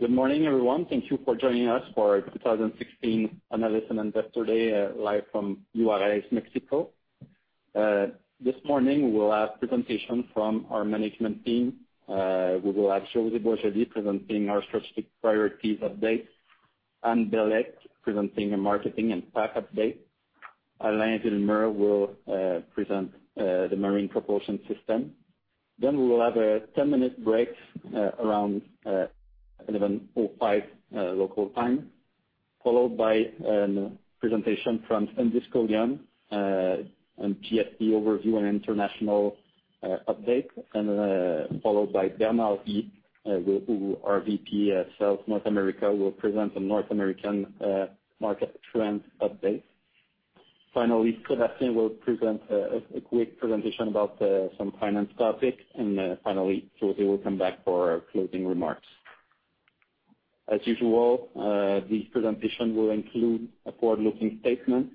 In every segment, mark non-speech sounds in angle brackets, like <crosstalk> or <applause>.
Good morning, everyone. Thank you for joining us for our 2016 Analyst and Investor Day live from Juárez, Mexico. This morning, we will have a presentation from our management team. We will have José Boisjoli presenting our strategic priorities update, Anne Bélec presenting a marketing and pack update. Alain Villemure will present the marine propulsion system. We will have a 10-minute break around 11:05 local time, followed by a presentation from Sandy Scullion on PSP overview and international update. Followed by Bernard Guy, who is our VP of North America, will present a North American market trend update. Finally, Sébastien will present a quick presentation about some finance topics. Finally, José will come back for our closing remarks. As usual, the presentation will include a forward-looking statement.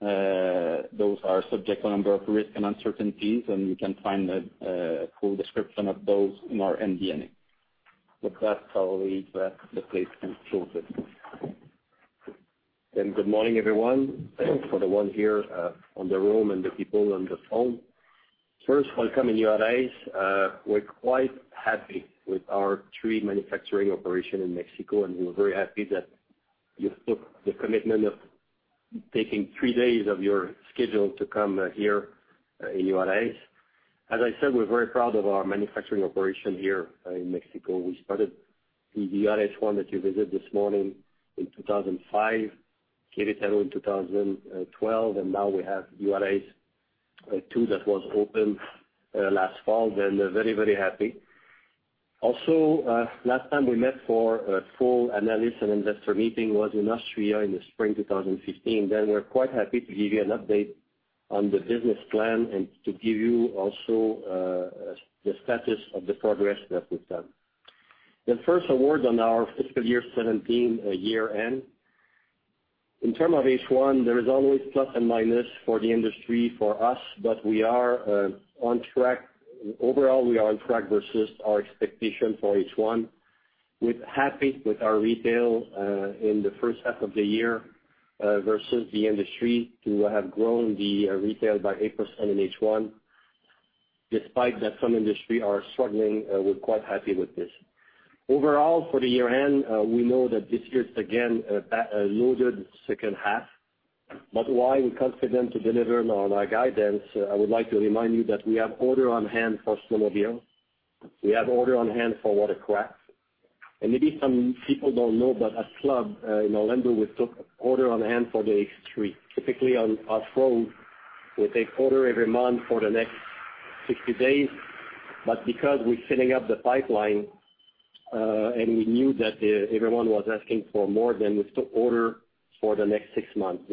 Those are subject to a number of risks and uncertainties. You can find a full description of those in our MD&A. With that, I will leave the stage to José. Good morning, everyone. Thank you for the ones here in the room and the people on the phone. First, welcome in Juárez. We're quite happy with our three manufacturing operations in Mexico. We're very happy that you took the commitment of taking three days of your schedule to come here in Juárez. As I said, we're very proud of our manufacturing operation here in Mexico. We started the Juárez 1 that you visit this morning in 2005, Querétaro in 2012, and now we have Juárez 2 that was opened last fall, and very happy. Also, last time we met for a full analyst and investor meeting was in Austria in the spring 2015. We're quite happy to give you an update on the business plan and to give you also the status of the progress that we've done. The first word on our fiscal year 2017 year-end. In terms of H1, there is always plus and minus for the industry, for us. We are on track. Overall, we are on track versus our expectation for H1. We're happy with our retail in the first half of the year versus the industry to have grown the retail by 8% in H1. Despite that some industry are struggling, we're quite happy with this. Overall, for the year-end, we know that this year is again a loaded second half. Why we're confident to deliver on our guidance, I would like to remind you that we have order on hand for snowmobile. We have order on hand for watercraft. Maybe some people don't know, but at club, in Orlando, we took order on hand for the X3. Typically, on our flow, we take order every month for the next 60 days, but because we're filling up the pipeline, and we knew that everyone was asking for more, we took order for the next 6 months.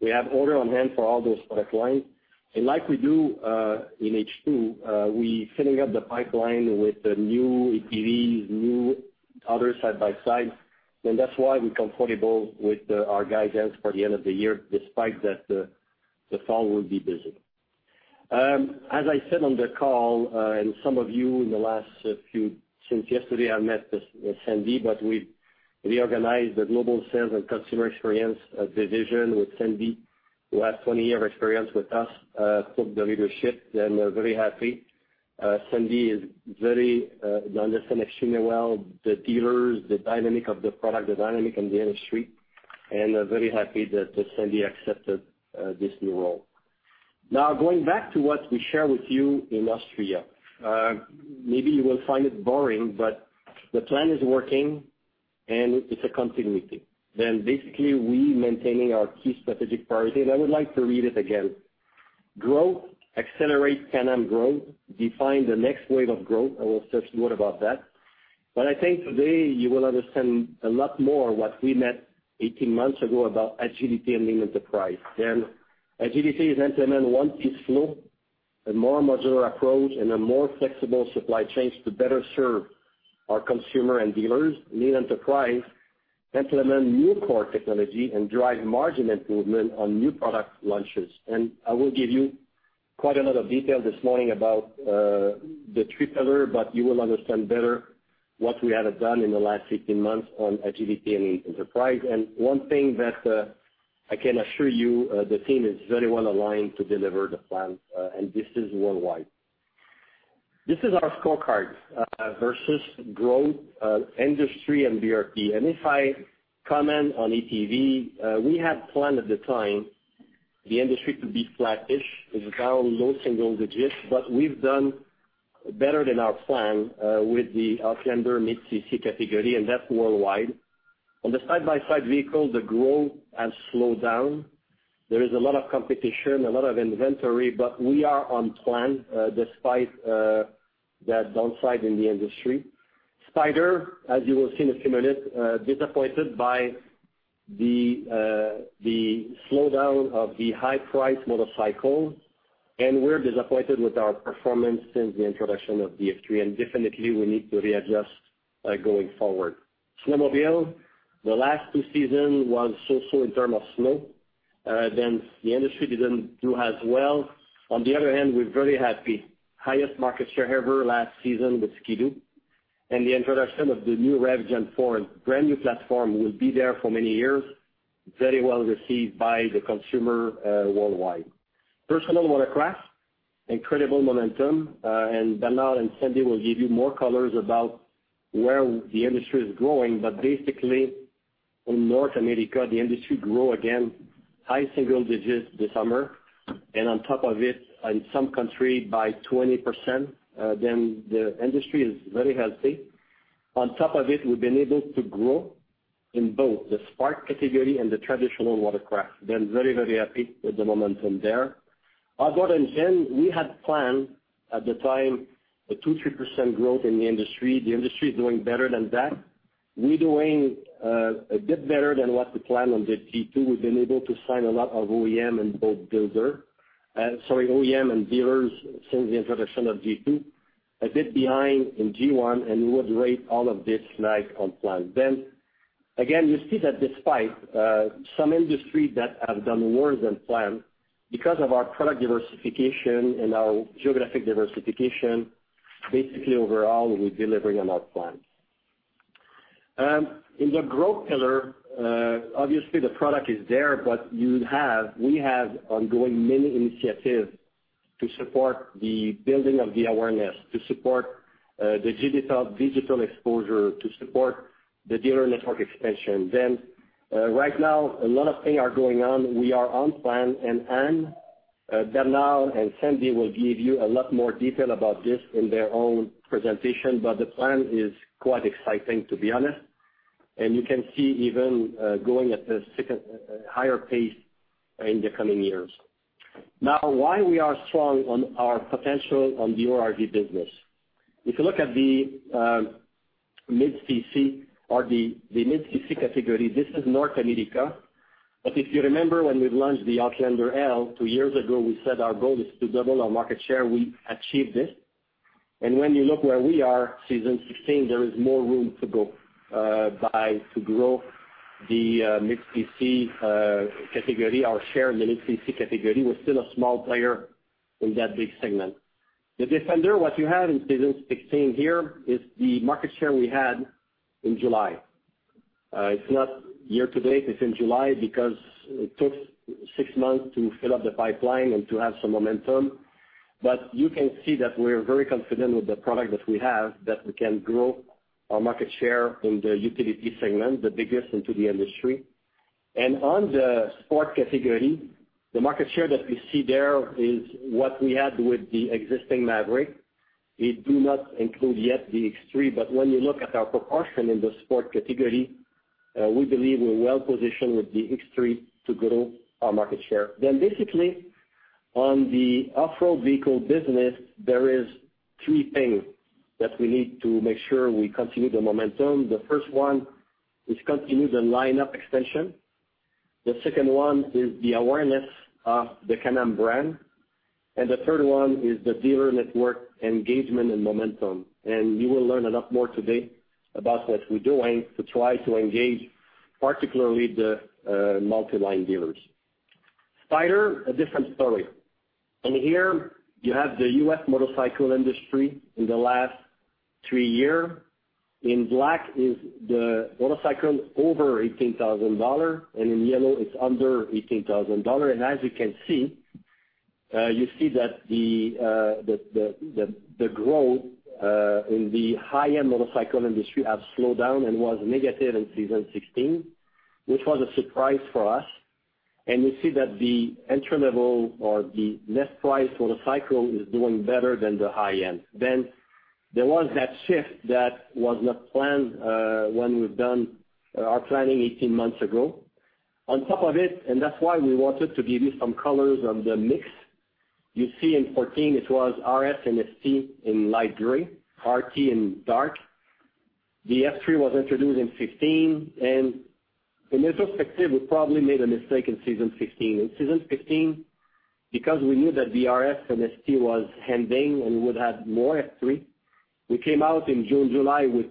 We have order on hand for all those product lines. Like we do, in H2, we filling up the pipeline with the new ATVs, new other side-by-sides. That's why we're comfortable with our guidance for the end of the year, despite that the fall will be busy. As I said on the call, and some of you since yesterday, I met Sandy, but we reorganized the Global Sales and Consumer Experience division with Sandy, who has 20 year experience with us, took the leadership, and we're very happy. Sandy understand extremely well the dealers, the dynamic of the product, the dynamic in the industry, and very happy that Sandy accepted this new role. Going back to what we share with you in Austria. Maybe you will find it boring, but the plan is working, and it's a continuity. Basically, we maintaining our key strategic priority, and I would like to read it again. Growth, accelerate Can-Am growth, define the next wave of growth. I will say a few word about that. But I think today you will understand a lot more what we meant 18 months ago about Agility and Lean Enterprise. Agility is implement one-piece flow, a more modular approach, and a more flexible supply chains to better serve our consumer and dealers. Lean Enterprise, implement new core technology and drive margin improvement on new product launches. I will give you quite a lot of detail this morning about the three pillar, but you will understand better what we have done in the last 15 months on Agility and Lean Enterprise. One thing that I can assure you, the team is very well aligned to deliver the plan, and this is worldwide. This is our scorecard versus growth, industry, and BRP. If I comment on ATV, we had planned at the time the industry to be flattish. It's around low single digits, but we've done better than our plan with the Outlander mid-cc category, and that's worldwide. On the side-by-side vehicle, the growth has slowed down. There is a lot of competition, a lot of inventory, but we are on plan despite that downside in the industry. Spyder, as you will see in a few minutes, disappointed by the slowdown of the high price motorcycle, and we're disappointed with our performance since the introduction of the F3, and definitely we need to readjust going forward. Snowmobile, the last two season was so-so in term of snow. The industry didn't do as well. On the other hand, we're very happy. Highest market share ever last season with Ski-Doo, and the introduction of the new REV Gen4, a brand-new platform will be there for many years. Very well received by the consumer worldwide. Personal watercraft, incredible momentum, and Bernard and Sandy will give you more colors about where the industry is growing. But basically, in North America, the industry grew again high single digits this summer, and on top of it, in some countries by 20%. The industry is very healthy. On top of it, we have been able to grow in both the sport category and the traditional watercraft. Very, very happy with the momentum there. Outboard engine, we had planned at the time a 2%-3% growth in the industry. The industry is doing better than that. We are doing a bit better than what we planned on the G2. We have been able to sign a lot of OEM and boat builder. OEM and dealers since the introduction of G2. A bit behind in G1, and we would rate all of this like on plan. Again, you see that despite some industries that have done worse than planned, because of our product diversification and our geographic diversification, basically overall, we are delivering on our plan. In the growth pillar, obviously the product is there, but we have ongoing many initiatives to support the building of the awareness, to support the digital exposure, to support the dealer network expansion. Right now, a lot of things are going on. We are on plan, and Anne, Bernard, and Sandy will give you a lot more detail about this in their own presentation. But the plan is quite exciting, to be honest. You can see even going at the higher pace in the coming years. Why we are strong on our potential on the ORV business? If you look at the mid-cc or the mid-cc category, this is North America. But if you remember when we launched the Outlander L two years ago, we said our goal is to double our market share. We achieved this. And when you look where we are, season 2016, there is more room to grow the mid-cc category. Our share in the mid-cc category, we are still a small player in that big segment. The Defender, what you have in season 2016 here is the market share we had in July. It is not year to date. It is in July because it took six months to fill up the pipeline and to have some momentum. But you can see that we are very confident with the product that we have, that we can grow our market share in the utility segment, the biggest into the industry. And on the sport category, the market share that we see there is what we had with the existing Maverick. We do not include yet the X3, but when you look at our proportion in the sport category, we believe we are well positioned with the X3 to grow our market share. Basically, on the off-road vehicle business, there is three things that we need to make sure we continue the momentum. The first one is continue the lineup extension. The second one is the awareness of the Can-Am brand. The third one is the dealer network engagement and momentum. You will learn a lot more today about what we are doing to try to engage, particularly the multi-line dealers. Spyder, a different story. In here, you have the U.S. motorcycle industry in the last three years. In black is the motorcycle over 18,000 dollar, and in yellow it is under 18,000 dollar. As you can see, you see that the growth in the high-end motorcycle industry has slowed down and was negative in season 2016, which was a surprise for us. We see that the entry level or the less price for the cycle is doing better than the high end. There was that shift that was not planned when we've done our planning 18 months ago. On top of it, that's why we wanted to give you some colors on the mix. You see in 2014, it was Spyder RS and Spyder ST in light gray, Spyder RT in dark. The Spyder F3 was introduced in 2015, and in retrospective, we probably made a mistake in season 2015. In season 2015, because we knew that the Spyder RS and Spyder ST was ending and we would have more Spyder F3, we came out in June, July with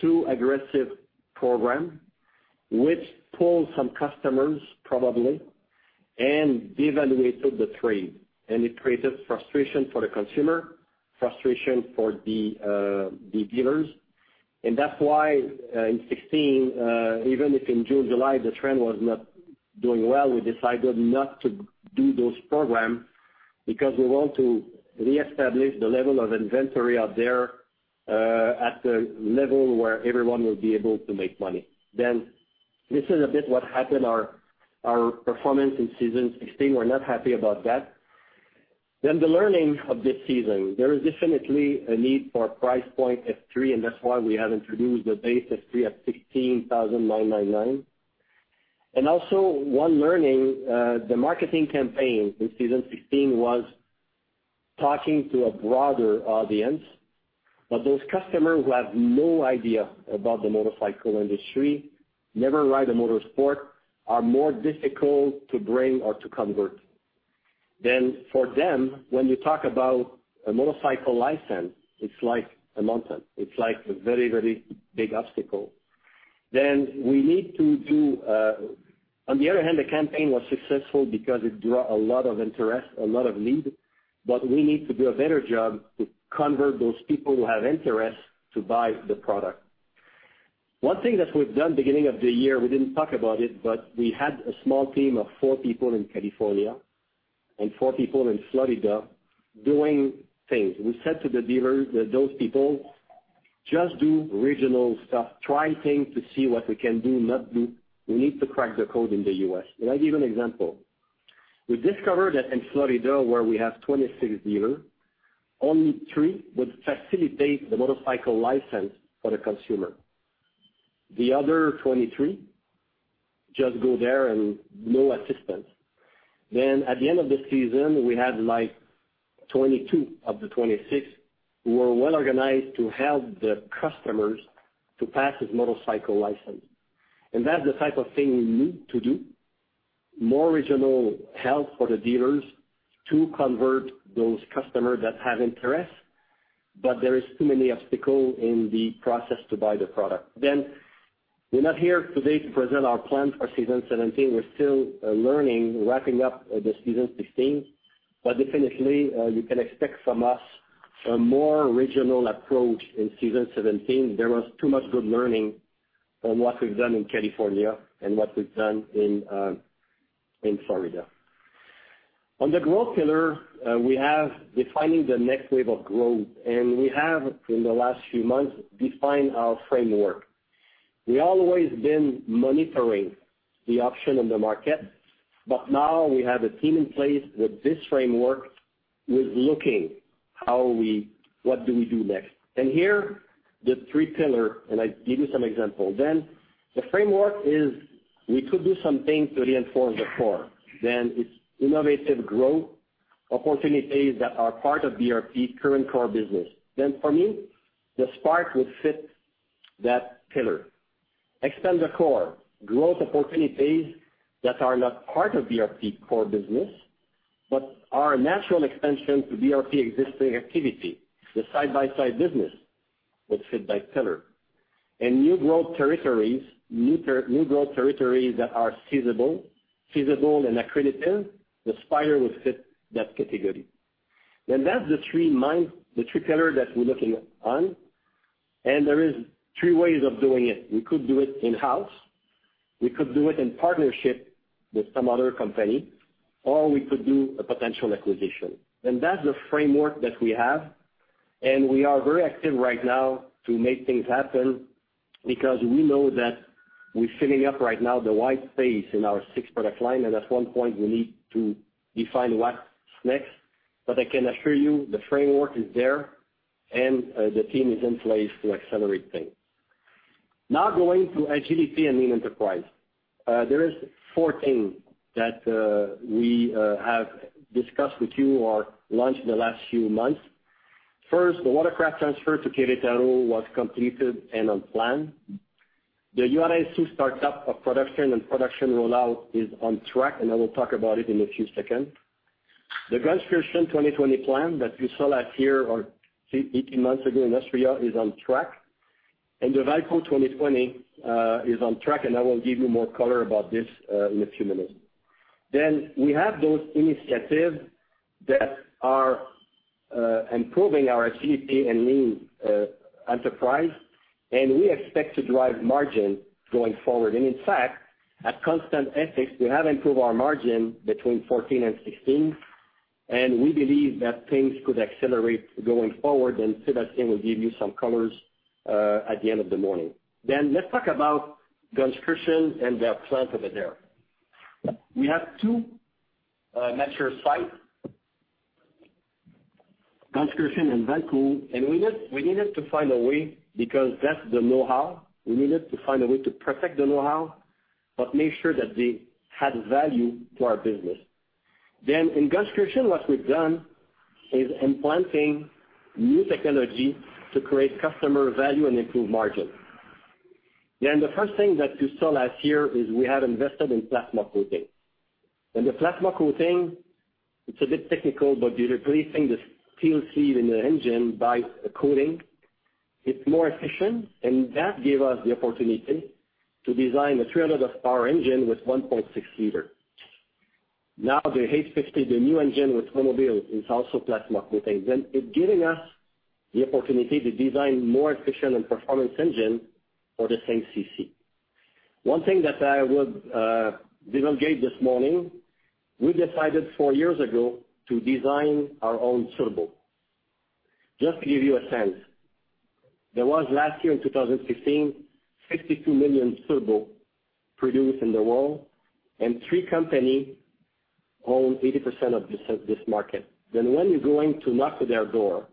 too aggressive program, which pulled some customers probably and devaluated the trade. It created frustration for the consumer, frustration for the dealers. That's why in 2016, even if in June, July the trend was not doing well, we decided not to do those programs because we want to reestablish the level of inventory out there at a level where everyone will be able to make money. This is a bit what happened, our performance in season 2016. We're not happy about that. The learning of this season, there is definitely a need for a price point Spyder F3, and that's why we have introduced the base Spyder F3 at $16,999. Also one learning, the marketing campaign in season 2016 was talking to a broader audience. Those customers who have no idea about the motorcycle industry, never ride a motorsport, are more difficult to bring or to convert. For them, when you talk about a motorcycle license, it's like a mountain. It's like a very, very big obstacle. On the other hand, the campaign was successful because it drew a lot of interest, a lot of leads, but we need to do a better job to convert those people who have interest to buy the product. One thing that we've done beginning of the year, we didn't talk about it, but we had a small team of four people in California and four people in Florida doing things. We said to the dealers that those people just do regional stuff, try things to see what we can do, not do. We need to crack the code in the U.S. I'll give you an example. We discovered that in Florida, where we have 26 dealers, only three would facilitate the motorcycle license for the consumer. The other 23 just go there and no assistance. At the end of the season, we had 22 of the 26 who were well-organized to help the customers to pass his motorcycle license. That's the type of thing we need to do, more regional help for the dealers to convert those customers that have interest. There is too many obstacle in the process to buy the product. We're not here today to present our plan for season 2017. We're still learning, wrapping up the season 2016. Definitely, you can expect from us a more regional approach in season 2017. There was too much good learning on what we've done in California and what we've done in Florida. On the growth pillar, we have defining the next wave of growth, and we have, in the last few months, defined our framework. We always been monitoring the option on the market, but now we have a team in place with this framework who is looking, what do we do next. Here, the three pillars, and I give you some example. The framework is we could do something to reinforce the core. It's innovative growth opportunities that are part of BRP current core business. For me, the Spark would fit that pillar. Expand the core. Growth opportunities that are not part of BRP core business, but are a natural extension to BRP existing activity. The side-by-side business would fit that pillar. New growth territories that are feasible and accretive, the Spyder would fit that category. That's the three pillars that we're looking on, and there is three ways of doing it. We could do it in-house, we could do it in partnership with some other company, or we could do a potential acquisition. That's the framework that we have, and we are very active right now to make things happen because we know that we're filling up right now the white space in our six product lines, and at one point we need to define what's next. I can assure you the framework is there and the team is in place to accelerate things. Now going to Agility & Lean Enterprise. There is four things that we have discussed with you or launched in the last few months. First, the Watercraft transfer to Querétaro was completed and on plan. The <inaudible> startup of production and production rollout is on track, and I will talk about it in a few seconds. The Gunskirchen 2020 plan that you saw last year or 18 months ago in Austria is on track. The Valcourt 2020 is on track, and I will give you more color about this in a few minutes. We have those initiatives that are improving our Agility & Lean Enterprise, and we expect to drive margin going forward. In fact, at constant CapEx, we have improved our margin between 2014 and 2016, and we believe that things could accelerate going forward. Sébastien will give you some colors at the end of the morning. Let's talk about Gunskirchen and their plant over there. We have two mature sites, Gunskirchen and Valcourt, and we needed to find a way because that's the knowhow. We needed to find a way to protect the knowhow but make sure that they had value to our business. In Gunskirchen, what we've done is implanting new technology to create customer value and improve margin. The first thing that you saw last year is we have invested in plasma coating. The plasma coating, it's a bit technical, but you're replacing the steel sleeve in the engine by a coating. It's more efficient, and that gave us the opportunity to design a 300-horsepower engine with 1.6 liter. Now, the 850, the new engine with mobile is also plasma coating. It giving us the opportunity to design more efficient and performance engine for the same cc. One thing that I would delegate this morning, we decided four years ago to design our own turbo. Just to give you a sense, there was last year in 2016, 62 million turbo produced in the world, and three company own 80% of this market. When you're going to knock on their door,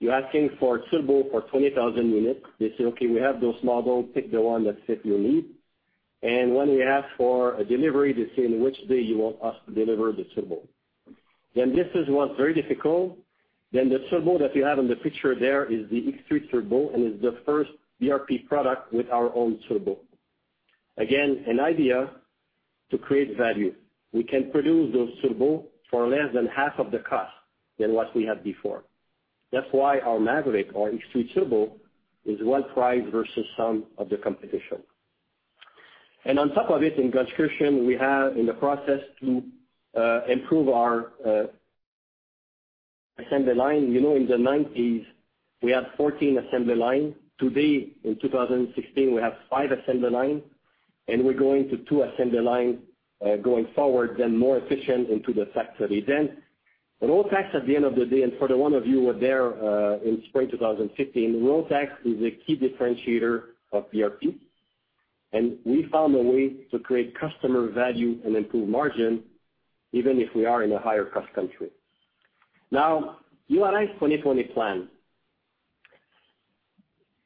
you're asking for a turbo for 20,000 units. They say, "Okay, we have those models. Pick the one that fit your need." When you ask for a delivery, they say, "Which day you want us to deliver the turbo?" This is what's very difficult. The turbo that you have in the picture there is the X3 Turbo, and it's the first BRP product with our own turbo. Again, an idea to create value. We can produce those Turbo for less than half of the cost than what we had before. That's why our Maverick or X3 Turbo is well priced versus some of the competition. On top of it, in construction, we are in the process to improve our assembly line. In the '90s, we had 14 assembly line. Today, in 2016, we have five assembly line, and we're going to two assembly line, going forward, then more efficient into the factory. All facts at the end of the day, and for the one of you who were there, in spring 2015, the Rotax is a key differentiator of BRP, and we found a way to create customer value and improve margin, even if we are in a higher cost country. ULF 2020 plan.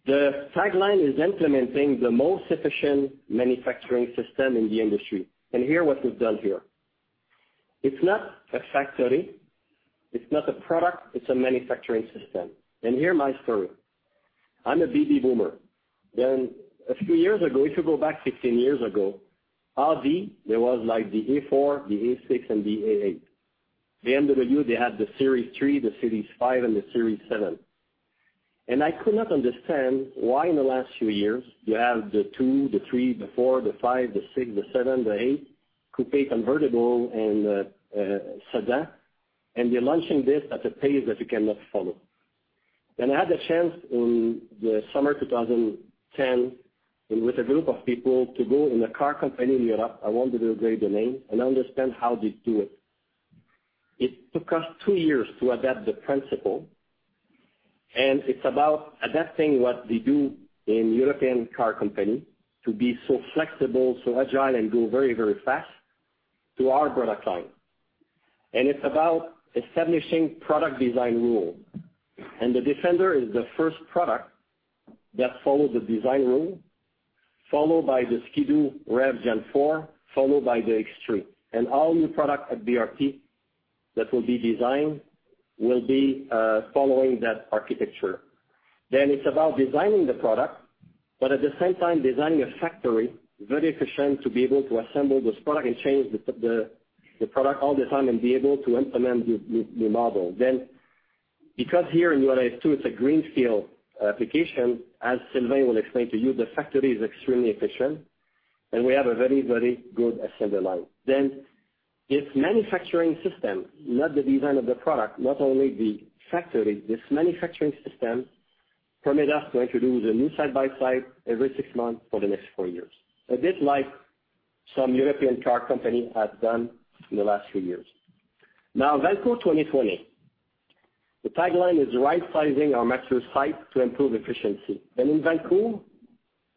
The tagline is implementing the most efficient manufacturing system in the industry. Here what we've done here. It's not a factory, it's not a product, it's a manufacturing system. Hear my story. I'm a baby boomer. A few years ago, if you go back 16 years ago, Audi, there was like the A4, the A6, and the A8. BMW, they had the Series 3, the Series 5, and the Series 7. I could not understand why in the last few years, you have the 2, the 3, the 4, the 5, the 6, the 7, the 8, coupe, convertible, and sedan, and you're launching this at a pace that you cannot follow. I had the chance in the summer 2010 with a group of people to go in a car company in Europe, I won't reveal the name, and understand how they do it. It took us two years to adapt the principle, it's about adapting what they do in European car company to be so flexible, so agile, and go very, very fast to our product line. It's about establishing product design rule. The Defender is the first product that follows the design rule, followed by the Ski-Doo REV Gen4, followed by the X3. All new product at BRP that will be designed will be following that architecture. It's about designing the product, but at the same time, designing a factory very efficient to be able to assemble this product and change the product all the time and be able to implement the model. Because here in ULF 2, it's a greenfield application, as Sylvain will explain to you, the factory is extremely efficient and we have a very, very good assembly line. Its manufacturing system, not the design of the product, not only the factory, this manufacturing system permit us to introduce a new side-by-side every six months for the next four years. A bit like some European car company has done in the last few years. Valcourt 2020. The tagline is right-sizing our maximum site to improve efficiency. In Valcourt,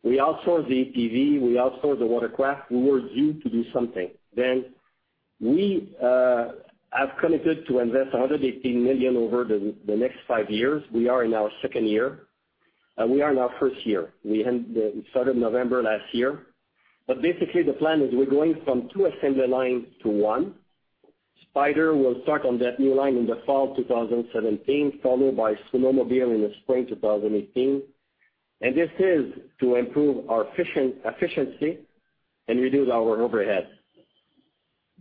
we outsource the ATV, we outsource the watercraft. We were due to do something. We have committed to invest 118 million over the next five years. We are in our second year. We are in our first year. We started November last year. Basically, the plan is we're going from two assembly lines to one. Spyder will start on that new line in the fall 2017, followed by snowmobile in the spring 2018. This is to improve our efficiency and reduce our overhead.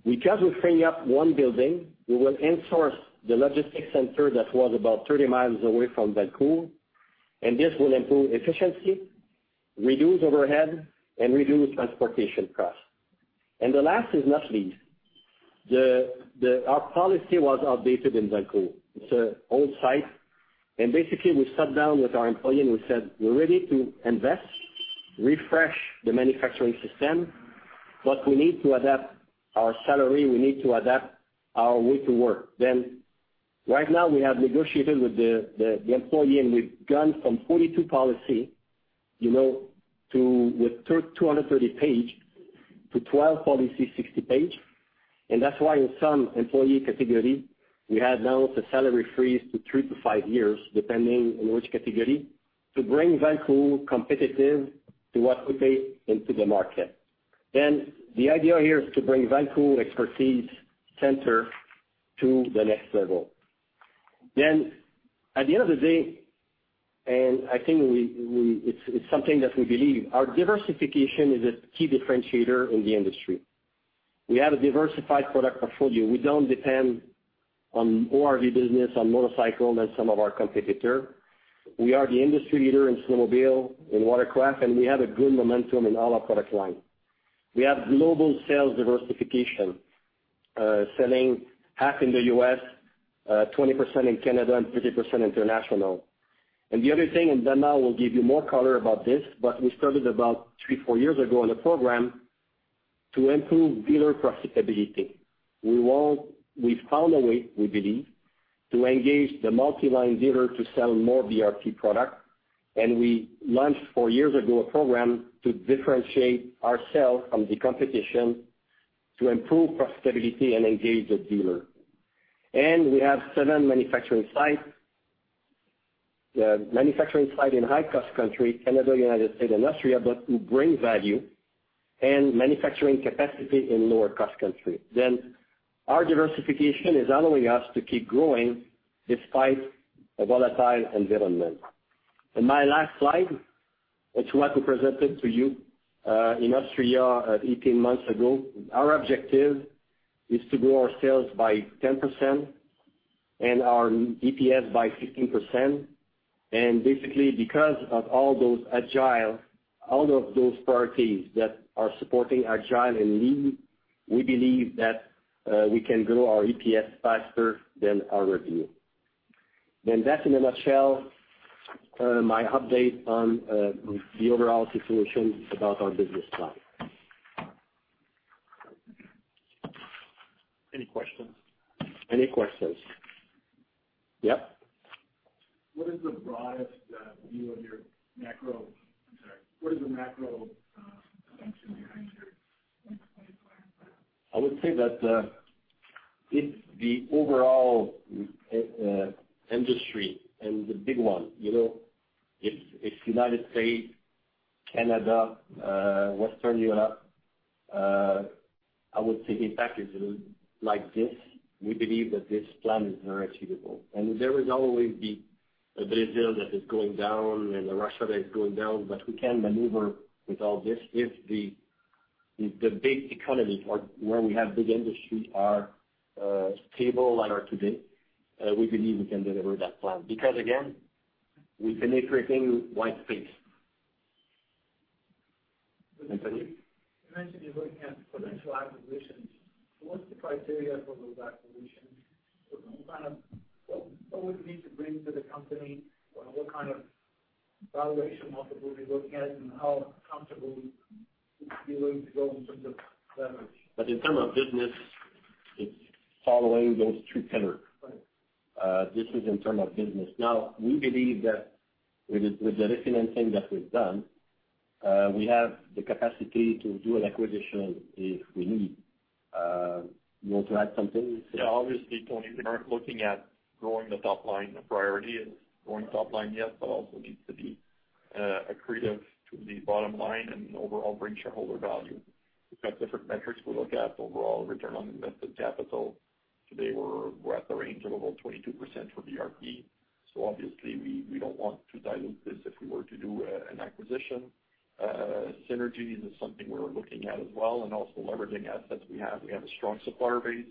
Because we're freeing up one building, we will in-source the logistics center that was about 30 miles away from Valcourt, this will improve efficiency, reduce overhead, and reduce transportation cost. The last is not least. Our policy was outdated in Valcourt. It's an old site. Basically, we sat down with our employee and we said, "We're ready to invest, refresh the manufacturing system, but we need to adapt our salary, we need to adapt our way to work." Right now we have negotiated with the employee, and we've gone from 42 policy with 230 page to 12 policy, 60 page. That's why in some employee category, we have now the salary freeze to three to five years, depending on which category, to bring Valcourt competitive to what we pay into the market. The idea here is to bring Valcourt expertise center to the next level. At the end of the day, and I think it's something that we believe, our diversification is a key differentiator in the industry. We have a diversified product portfolio. We don't depend on ORV business, on motorcycle as some of our competitor. We are the industry leader in snowmobile, in watercraft, and we have a good momentum in all our product line. We have global sales diversification, selling half in the U.S., 20% in Canada, and 30% international. The other thing, and then I will give you more color about this, but we started about three, four years ago on a program to improve dealer profitability. We've found a way, we believe, to engage the multi-line dealer to sell more BRP product. We launched four years ago a program to differentiate ourselves from the competition to improve profitability and engage the dealer. We have seven manufacturing site. The manufacturing site in high-cost country, Canada, U.S., and Austria, but we bring value and manufacturing capacity in lower cost country. Our diversification is allowing us to keep growing despite a volatile environment. My last slide, it's what we presented to you in Austria 18 months ago. Our objective is to grow our sales by 10% and our EPS by 15%. Basically, because of all those Agility, all of those priorities that are supporting Agility and Lean, we believe that we can grow our EPS faster than our revenue. That's in a nutshell, my update on the overall situation about our business plan. Any questions? Any questions? Yep. I'm sorry. What is the macro function behind your business plan? I would say that, it's the overall industry and the big one. If United States, Canada, Western Europe, I would say in packages like this, we believe that this plan is very achievable. There will always be a Brazil that is going down and a Russia that is going down. We can maneuver with all this if the big economies or where we have big industry are stable like they are today, we believe we can deliver that plan. Again, we penetrate in white space. Anthony? You mentioned you're looking at potential acquisitions. What's the criteria for those acquisitions? What would it need to bring to the company? What kind of valuation multiple are you looking at and how comfortable would you be willing to go in terms of leverage? In term of business, it's following those three pillars. Right. This is in term of business. We believe that with the refinancing that we've done, we have the capacity to do an acquisition if we need. You want to add something, Sébastien? Obviously, Tony, we aren't looking at growing the top line. The priority is growing top line, yes, but also needs to be accretive to the bottom line and overall bring shareholder value. We've got different metrics we look at. Overall return on invested capital. Today we're at the range of about 22% for BRP. Obviously we don't want to dilute this if we were to do an acquisition. Synergies is something we're looking at as well and also leveraging assets we have. We have a strong supplier base.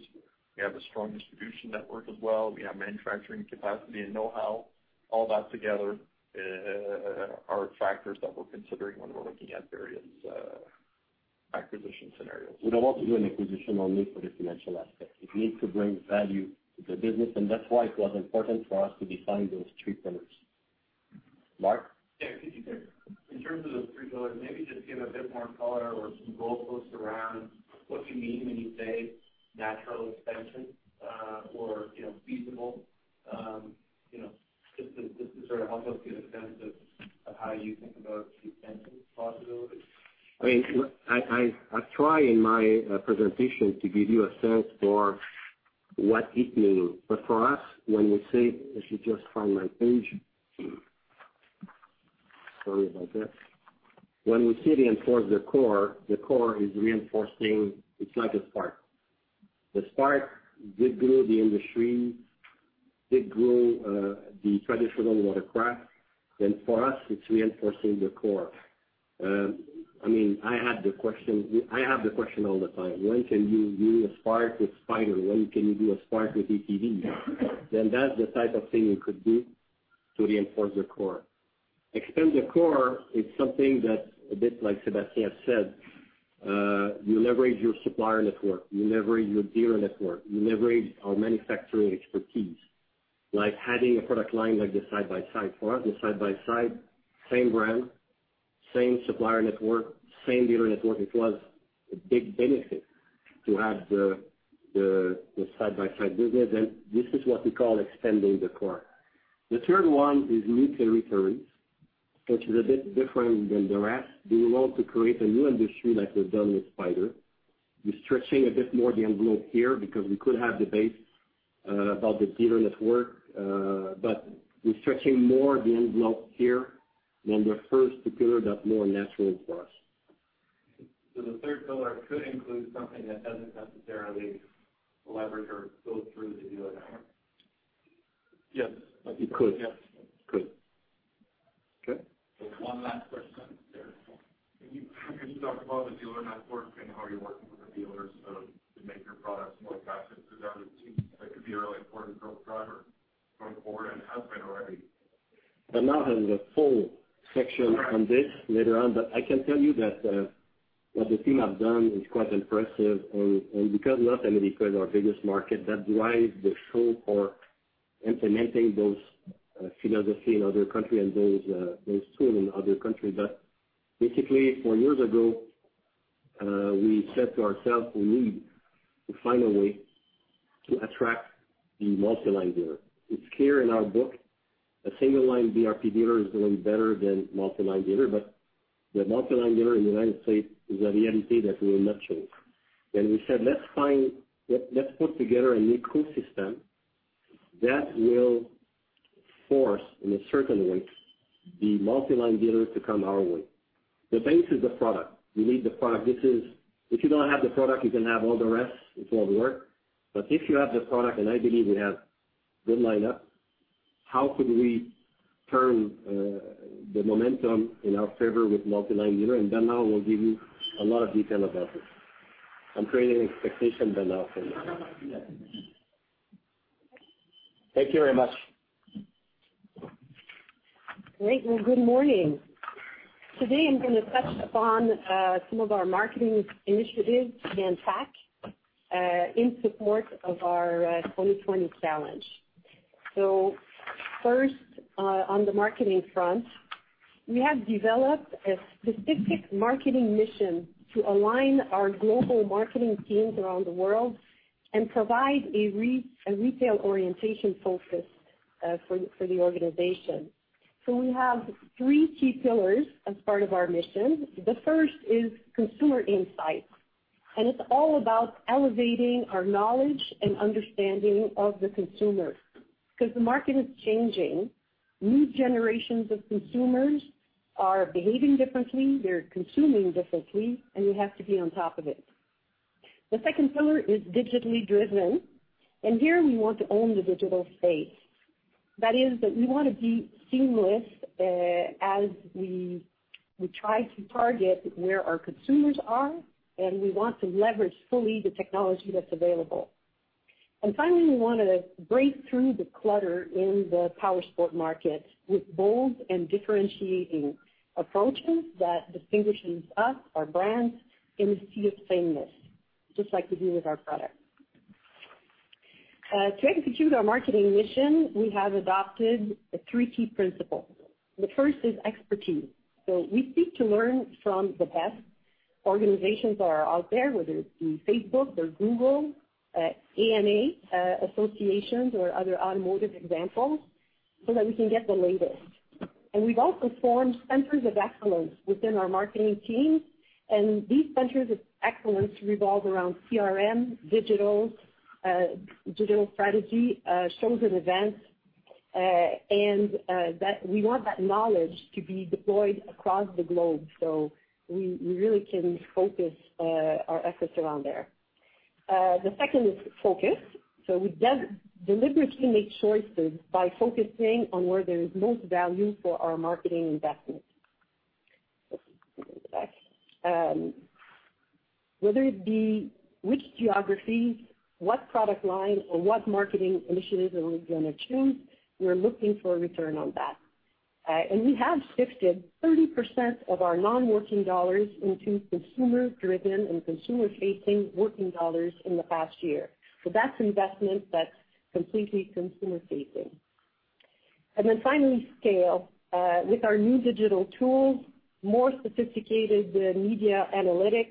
We have a strong distribution network as well. We have manufacturing capacity and know-how. All that together are factors that we're considering when we're looking at various acquisition scenarios. We don't want to do an acquisition only for the financial aspect. It needs to bring value to the business, that's why it was important for us to define those three pillars. Mark? Yeah. Could you, in terms of those three pillars, maybe just give a bit more color or some goalposts around what you mean when you say natural expansion, or feasible. Just to sort of help us get a sense of how you think about the expansion possibilities. I try in my presentation to give you a sense for what it means. For us, when we say I should just find my page. Sorry about that. When we say reinforce the core, the core is reinforcing. It's like a Spark. The Spark did grow the industry, did grow the traditional watercraft. For us, it's reinforcing the core. I have the question all the time. When can you do a Spark with Spyder? When can you do a Spark with ATV? That's the type of thing you could do to reinforce the core. Expand the core is something that, a bit like Sébastien said, you leverage your supplier network, you leverage your dealer network, you leverage our manufacturing expertise. Like adding a product line like the side-by-side. For us, the side-by-side, same brand, same supplier network, same dealer network. It was a big benefit to have the side-by-side business, this is what we call expanding the core. The third one is new territories, which is a bit different than the rest. We want to create a new industry like we've done with Spyder. We're stretching a bit more the envelope here because we could have debates about the dealer network. We're stretching more the envelope here than the first two pillars that are more natural for us. The third pillar could include something that doesn't necessarily leverage or go through the dealer network. Yes. It could. Yes. Could. Okay. One last question. There. Can you talk about the dealer network and how you're working with the dealers to make your products more captive? That could be a really important growth driver going forward and has been already. Bernard has a full section on this later on. I can tell you that what the team have done is quite impressive and because of that and because our biggest market, that drives the show for implementing those philosophy in other country and those tool in other country. Basically, 4 years ago, we said to ourselves, we need to find a way to attract the multiline dealer. It's clear in our book, a single line BRP dealer is doing better than multiline dealer, but the multiline dealer in the U.S. is a reality that we will not choke. We said, let's put together a new ecosystem that will force, in a certain way, the multiline dealer to come our way. The base is the product. You need the product. If you don't have the product, you can have all the rest, it won't work. If you have the product, and I believe we have good lineup, how could we turn the momentum in our favor with multiline dealer? Then I will give you a lot of detail about it. I'm creating expectation that now I'll say. Thank you very much. Great. Well, good morning. Today, I'm going to touch upon some of our marketing initiatives and PAC, in support of our 2020 challenge. First, on the marketing front, we have developed a specific marketing mission to align our global marketing teams around the world and provide a retail orientation focus for the organization. We have three key pillars as part of our mission. The first is consumer insights, and it's all about elevating our knowledge and understanding of the consumer. The market is changing. New generations of consumers are behaving differently, they're consuming differently, and we have to be on top of it. The second pillar is digitally driven, and here we want to own the digital space. That is, that we want to be seamless as we try to target where our consumers are, and we want to leverage fully the technology that's available. Finally, we want to break through the clutter in the powersport market with bold and differentiating approaches that distinguishes us, our brands, in the sea of sameness, just like we do with our product. To execute our marketing mission, we have adopted three key principles. The first is expertise. We seek to learn from the best organizations that are out there, whether it be Facebook or Google, AMA, associations, or other automotive examples, so that we can get the latest. We've also formed centers of excellence within our marketing teams, and these centers of excellence revolve around CRM, digital strategy, shows and events, and we want that knowledge to be deployed across the globe so we really can focus our efforts around there. The second is focus. We deliberately make choices by focusing on where there is most value for our marketing investment. Let me go back. Whether it be which geographies, what product line, or what marketing initiatives are we going to choose, we're looking for a return on that. We have shifted 30% of our non-working dollars into consumer-driven and consumer-facing working dollars in the past year. That's investment that's completely consumer-facing. Then finally, scale. With our new digital tools, more sophisticated media analytics,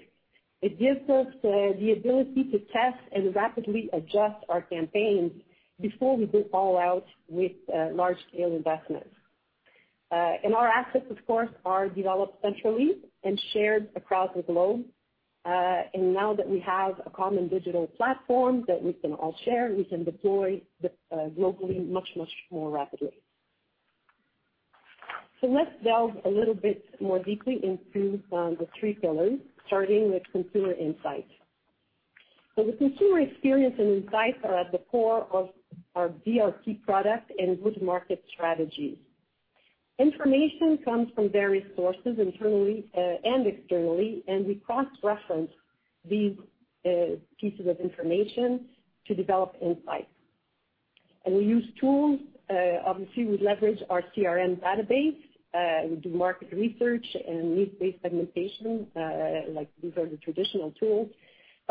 it gives us the ability to test and rapidly adjust our campaigns before we go all out with large-scale investments. Our assets, of course, are developed centrally and shared across the globe. Now that we have a common digital platform that we can all share, we can deploy globally much, much more rapidly. Let's delve a little bit more deeply into the three pillars, starting with consumer insights. The consumer experience and insights are at the core of our BRP product and go-to-market strategy. Information comes from various sources internally and externally. We cross-reference these pieces of information to develop insights. We use tools. Obviously, we leverage our CRM database. We do market research and needs-based segmentation. These are the traditional tools.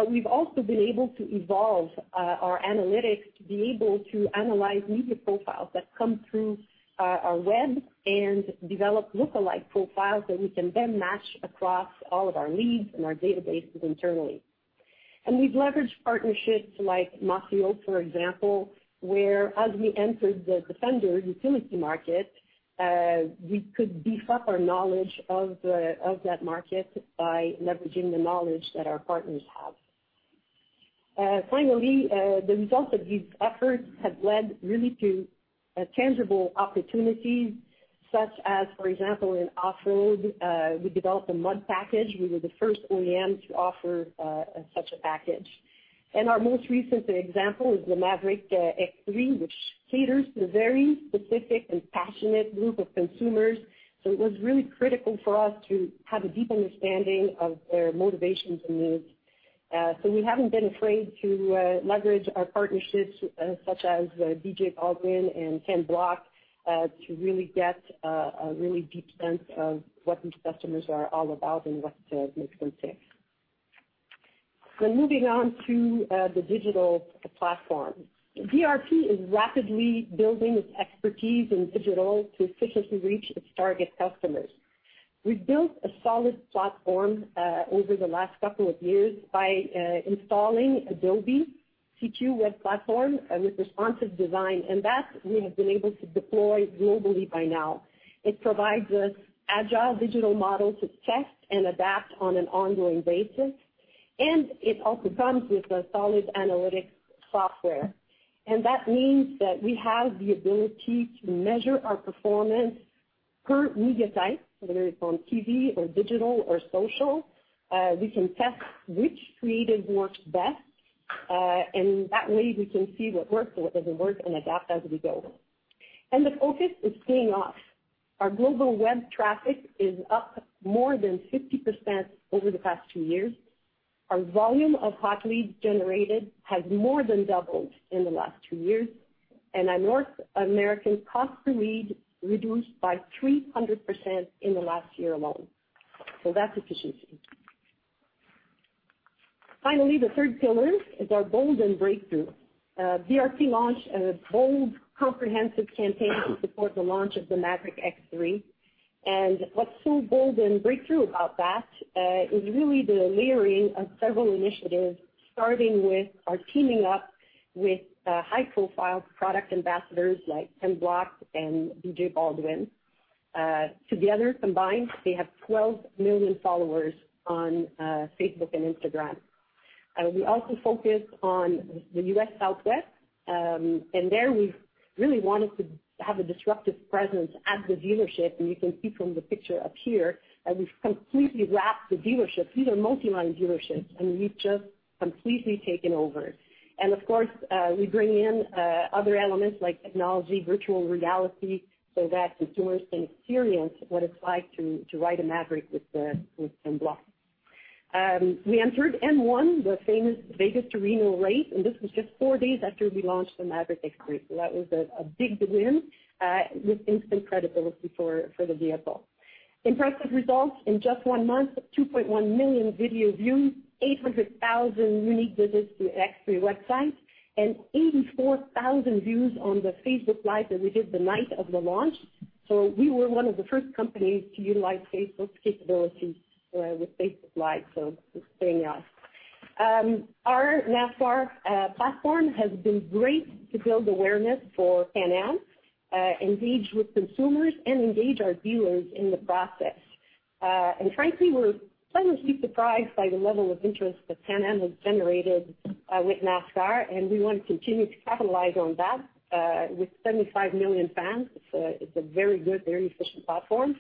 We've also been able to evolve our analytics to be able to analyze media profiles that come through our web and develop lookalike profiles that we can then match across all of our leads and our databases internally. We've leveraged partnerships like Maschio, for example, where as we entered the Defender utility market, we could beef up our knowledge of that market by leveraging the knowledge that our partners have. Finally, the results of these efforts have led really to tangible opportunities, such as, for example, in off-road, we developed a mud package. We were the first OEM to offer such a package. Our most recent example is the Maverick X3, which caters to a very specific and passionate group of consumers. It was really critical for us to have a deep understanding of their motivations and needs. We haven't been afraid to leverage our partnerships, such as BJ Baldwin and Ken Block, to really get a really deep sense of what these customers are all about and what makes them tick. Moving on to the digital platform. BRP is rapidly building its expertise in digital to efficiently reach its target customers. We've built a solid platform over the last couple of years by installing Adobe CQ5 web platform with responsive design, that we have been able to deploy globally by now. It provides us agile digital models to test and adapt on an ongoing basis. It also comes with a solid analytics software. That means that we have the ability to measure our performance per media type, whether it's on TV or digital or social. We can test which creative works best, and that way we can see what works, what doesn't work, and adapt as we go. The focus is paying off. Our global web traffic is up more than 50% over the past two years. Our volume of hot leads generated has more than doubled in the last two years, and our North American cost per lead reduced by 300% in the last year alone. That's efficiency. Finally, the third pillar is our bold and breakthrough. BRP launched a bold, comprehensive campaign to support the launch of the Maverick X3. What's so bold and breakthrough about that is really the layering of several initiatives, starting with our teaming up with high-profile product ambassadors like Ken Block and BJ Baldwin. Together, combined, they have 12 million followers on Facebook and Instagram. We also focused on the U.S. Southwest. There we really wanted to have a disruptive presence at the dealership, and you can see from the picture up here that we've completely wrapped the dealership. These are multi-line dealerships, and we've just completely taken over. Of course, we bring in other elements like technology, virtual reality, so that consumers can experience what it's like to ride a Maverick with Ken Block. We entered M1, the famous Vegas to Reno race, this was just four days after we launched the Maverick X3, that was a big win with instant credibility for the vehicle. Impressive results. In just one month, 2.1 million video views, 800,000 unique visits to the X3 website, and 84,000 views on the Facebook Live that we did the night of the launch. We were one of the first companies to utilize Facebook's capabilities with Facebook Live, it's paying off. Our NASCAR platform has been great to build awareness for Can-Am, engage with consumers, and engage our dealers in the process. Frankly, we're pleasantly surprised by the level of interest that Can-Am has generated with NASCAR, and we want to continue to capitalize on that. With 75 million fans, it's a very good, very efficient platform.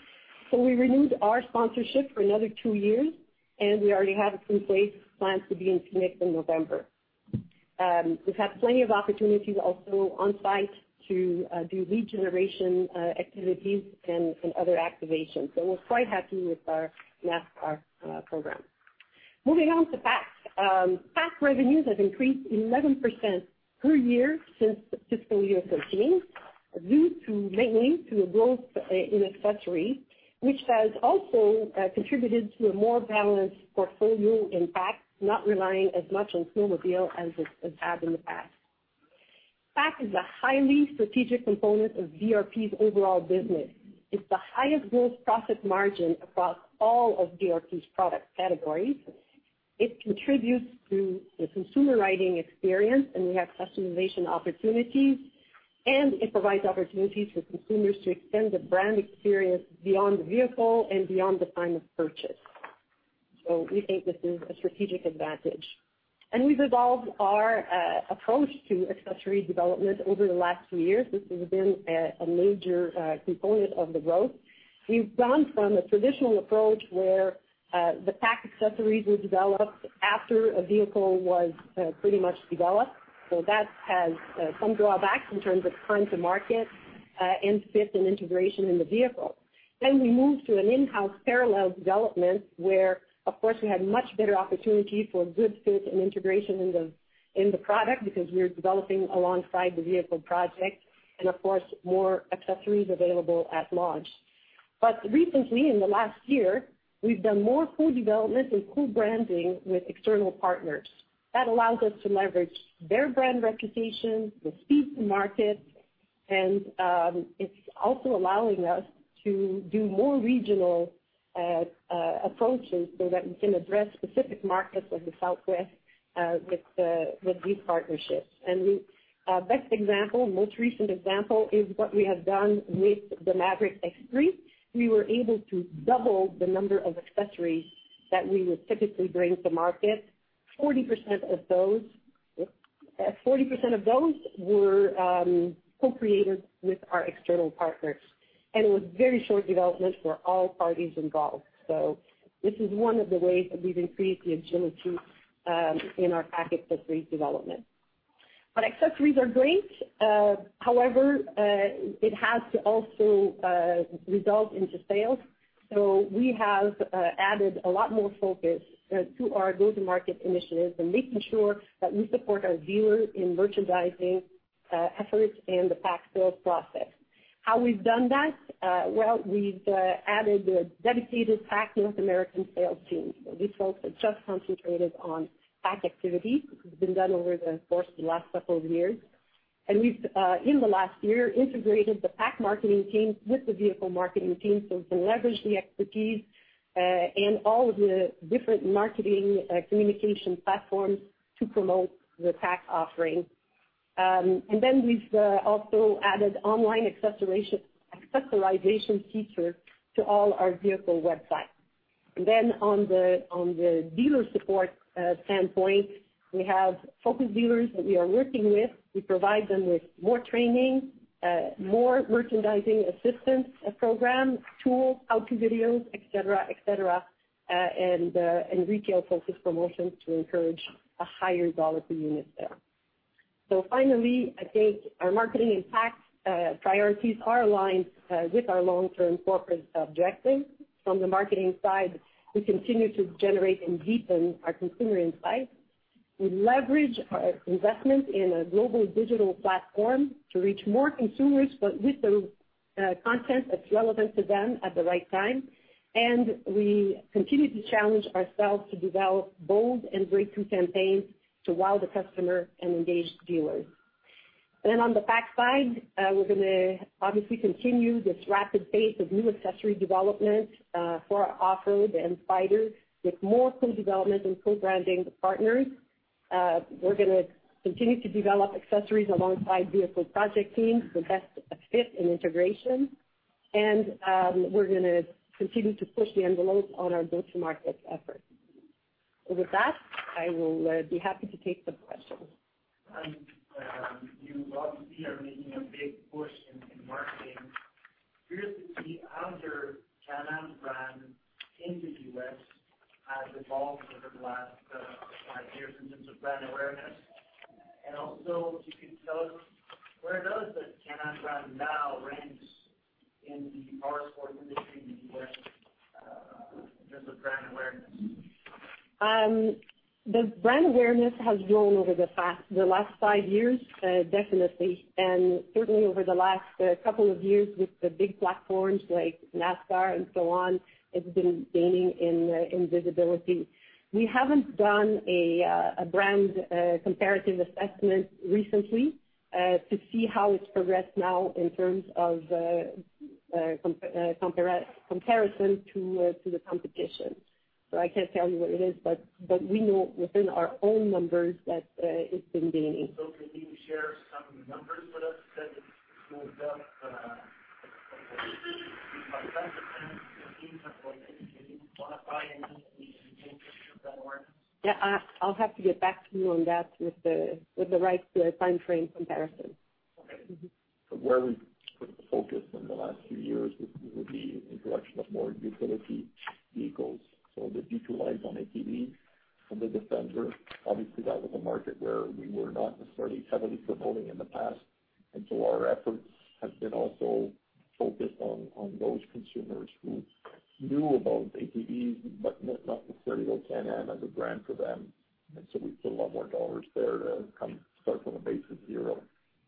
We renewed our sponsorship for another two years, and we already have it in place, planned to be in Phoenix in November. We've had plenty of opportunities also on-site to do lead generation activities and other activations. We're quite happy with our NASCAR program. Moving on to parts. Parts revenues have increased 11% per year since fiscal year 2015, due mainly to a growth in accessories, which has also contributed to a more balanced portfolio in parts, not relying as much on new snowmobile as it has in the past. Parts is a highly strategic component of BRP's overall business. It's the highest gross profit margin across all of BRP's product categories. It contributes to the consumer riding experience, and we have customization opportunities, and it provides opportunities for consumers to extend the brand experience beyond the vehicle and beyond the time of purchase. We think this is a strategic advantage. We've evolved our approach to accessories development over the last few years. This has been a major component of the growth. We've gone from a traditional approach where the parts accessories were developed after a vehicle was pretty much developed. That has some drawbacks in terms of time to market and fit and integration in the vehicle. We moved to an in-house parallel development where, of course, we had much better opportunity for good fit and integration in the product because we're developing alongside the vehicle project and of course, more accessories available at launch. Recently, in the last year, we've done more co-development and co-branding with external partners. That allows us to leverage their brand reputation with speed to market, and it's also allowing us to do more regional approaches so that we can address specific markets like the Southwest with these partnerships. Our best example, most recent example, is what we have done with the Maverick X3. We were able to double the number of accessories that we would typically bring to market. 40% of those were co-created with our external partners and it was very short development for all parties involved. This is one of the ways that we've increased the Agility in our parts accessories development. Accessories are great. However, it has to also result into sales. We have added a lot more focus to our go-to-market initiatives and making sure that we support our dealers in merchandising efforts and the parts sales process. How we've done that? We've added a dedicated parts North American sales team. These folks are just concentrated on parts activity, which has been done over the course of the last couple of years. We've, in the last year, integrated the parts marketing team with the vehicle marketing team so we can leverage the expertise and all of the different marketing communication platforms to promote the parts offering. We've also added online accessorization feature to all our vehicle websites. On the dealer support standpoint, we have focus dealers that we are working with. We provide them with more training, more merchandising assistance programs, tools, how-to videos, et cetera, and retail focused promotions to encourage a higher dollar per unit there. Finally, I think our marketing impact priorities are aligned with our long-term corporate objectives. From the marketing side, we continue to generate and deepen our consumer insights. We leverage our investment in a global digital platform to reach more consumers, with the content that's relevant to them at the right time. We continue to challenge ourselves to develop bold and breakthrough campaigns to wow the customer and engage dealers. On the pack side, we're going to obviously continue this rapid pace of new accessory development for our off-road and Spyder with more co-development and co-branding partners. We're going to continue to develop accessories alongside vehicle project teams for best fit and integration. We're going to continue to push the envelope on our go-to-market efforts. With that, I will be happy to take some questions. You obviously are making a big push in marketing. Curious to see how your Can-Am brand in the U.S. has evolved over the last five years in terms of brand awareness. Also, if you could tell us where does the Can-Am brand now rank in the powersport industry in the U.S. in terms of brand awareness? The brand awareness has grown over the last five years, definitely. Certainly over the last couple of years with the big platforms like NASCAR and so on, it's been gaining in visibility. We haven't done a brand comparative assessment recently to see how it's progressed now in terms of comparison to the competition. I can't tell you what it is, but we know within our own numbers that it's been gaining. Can you share some numbers with us that shows up by %, or can you quantify in any way the change in brand awareness? Yeah, I'll have to get back to you on that with the right time frame comparison. Okay. Where we put the focus in the last few years with the introduction of more utility vehicles. The G2 line on ATVs and the Defender, obviously that was a market where we were not necessarily heavily promoting in the past. Our efforts have been also focused on those consumers who knew about ATVs, but not necessarily know Can-Am as a brand for them. We put a lot more CAD there to kind of start from a base of zero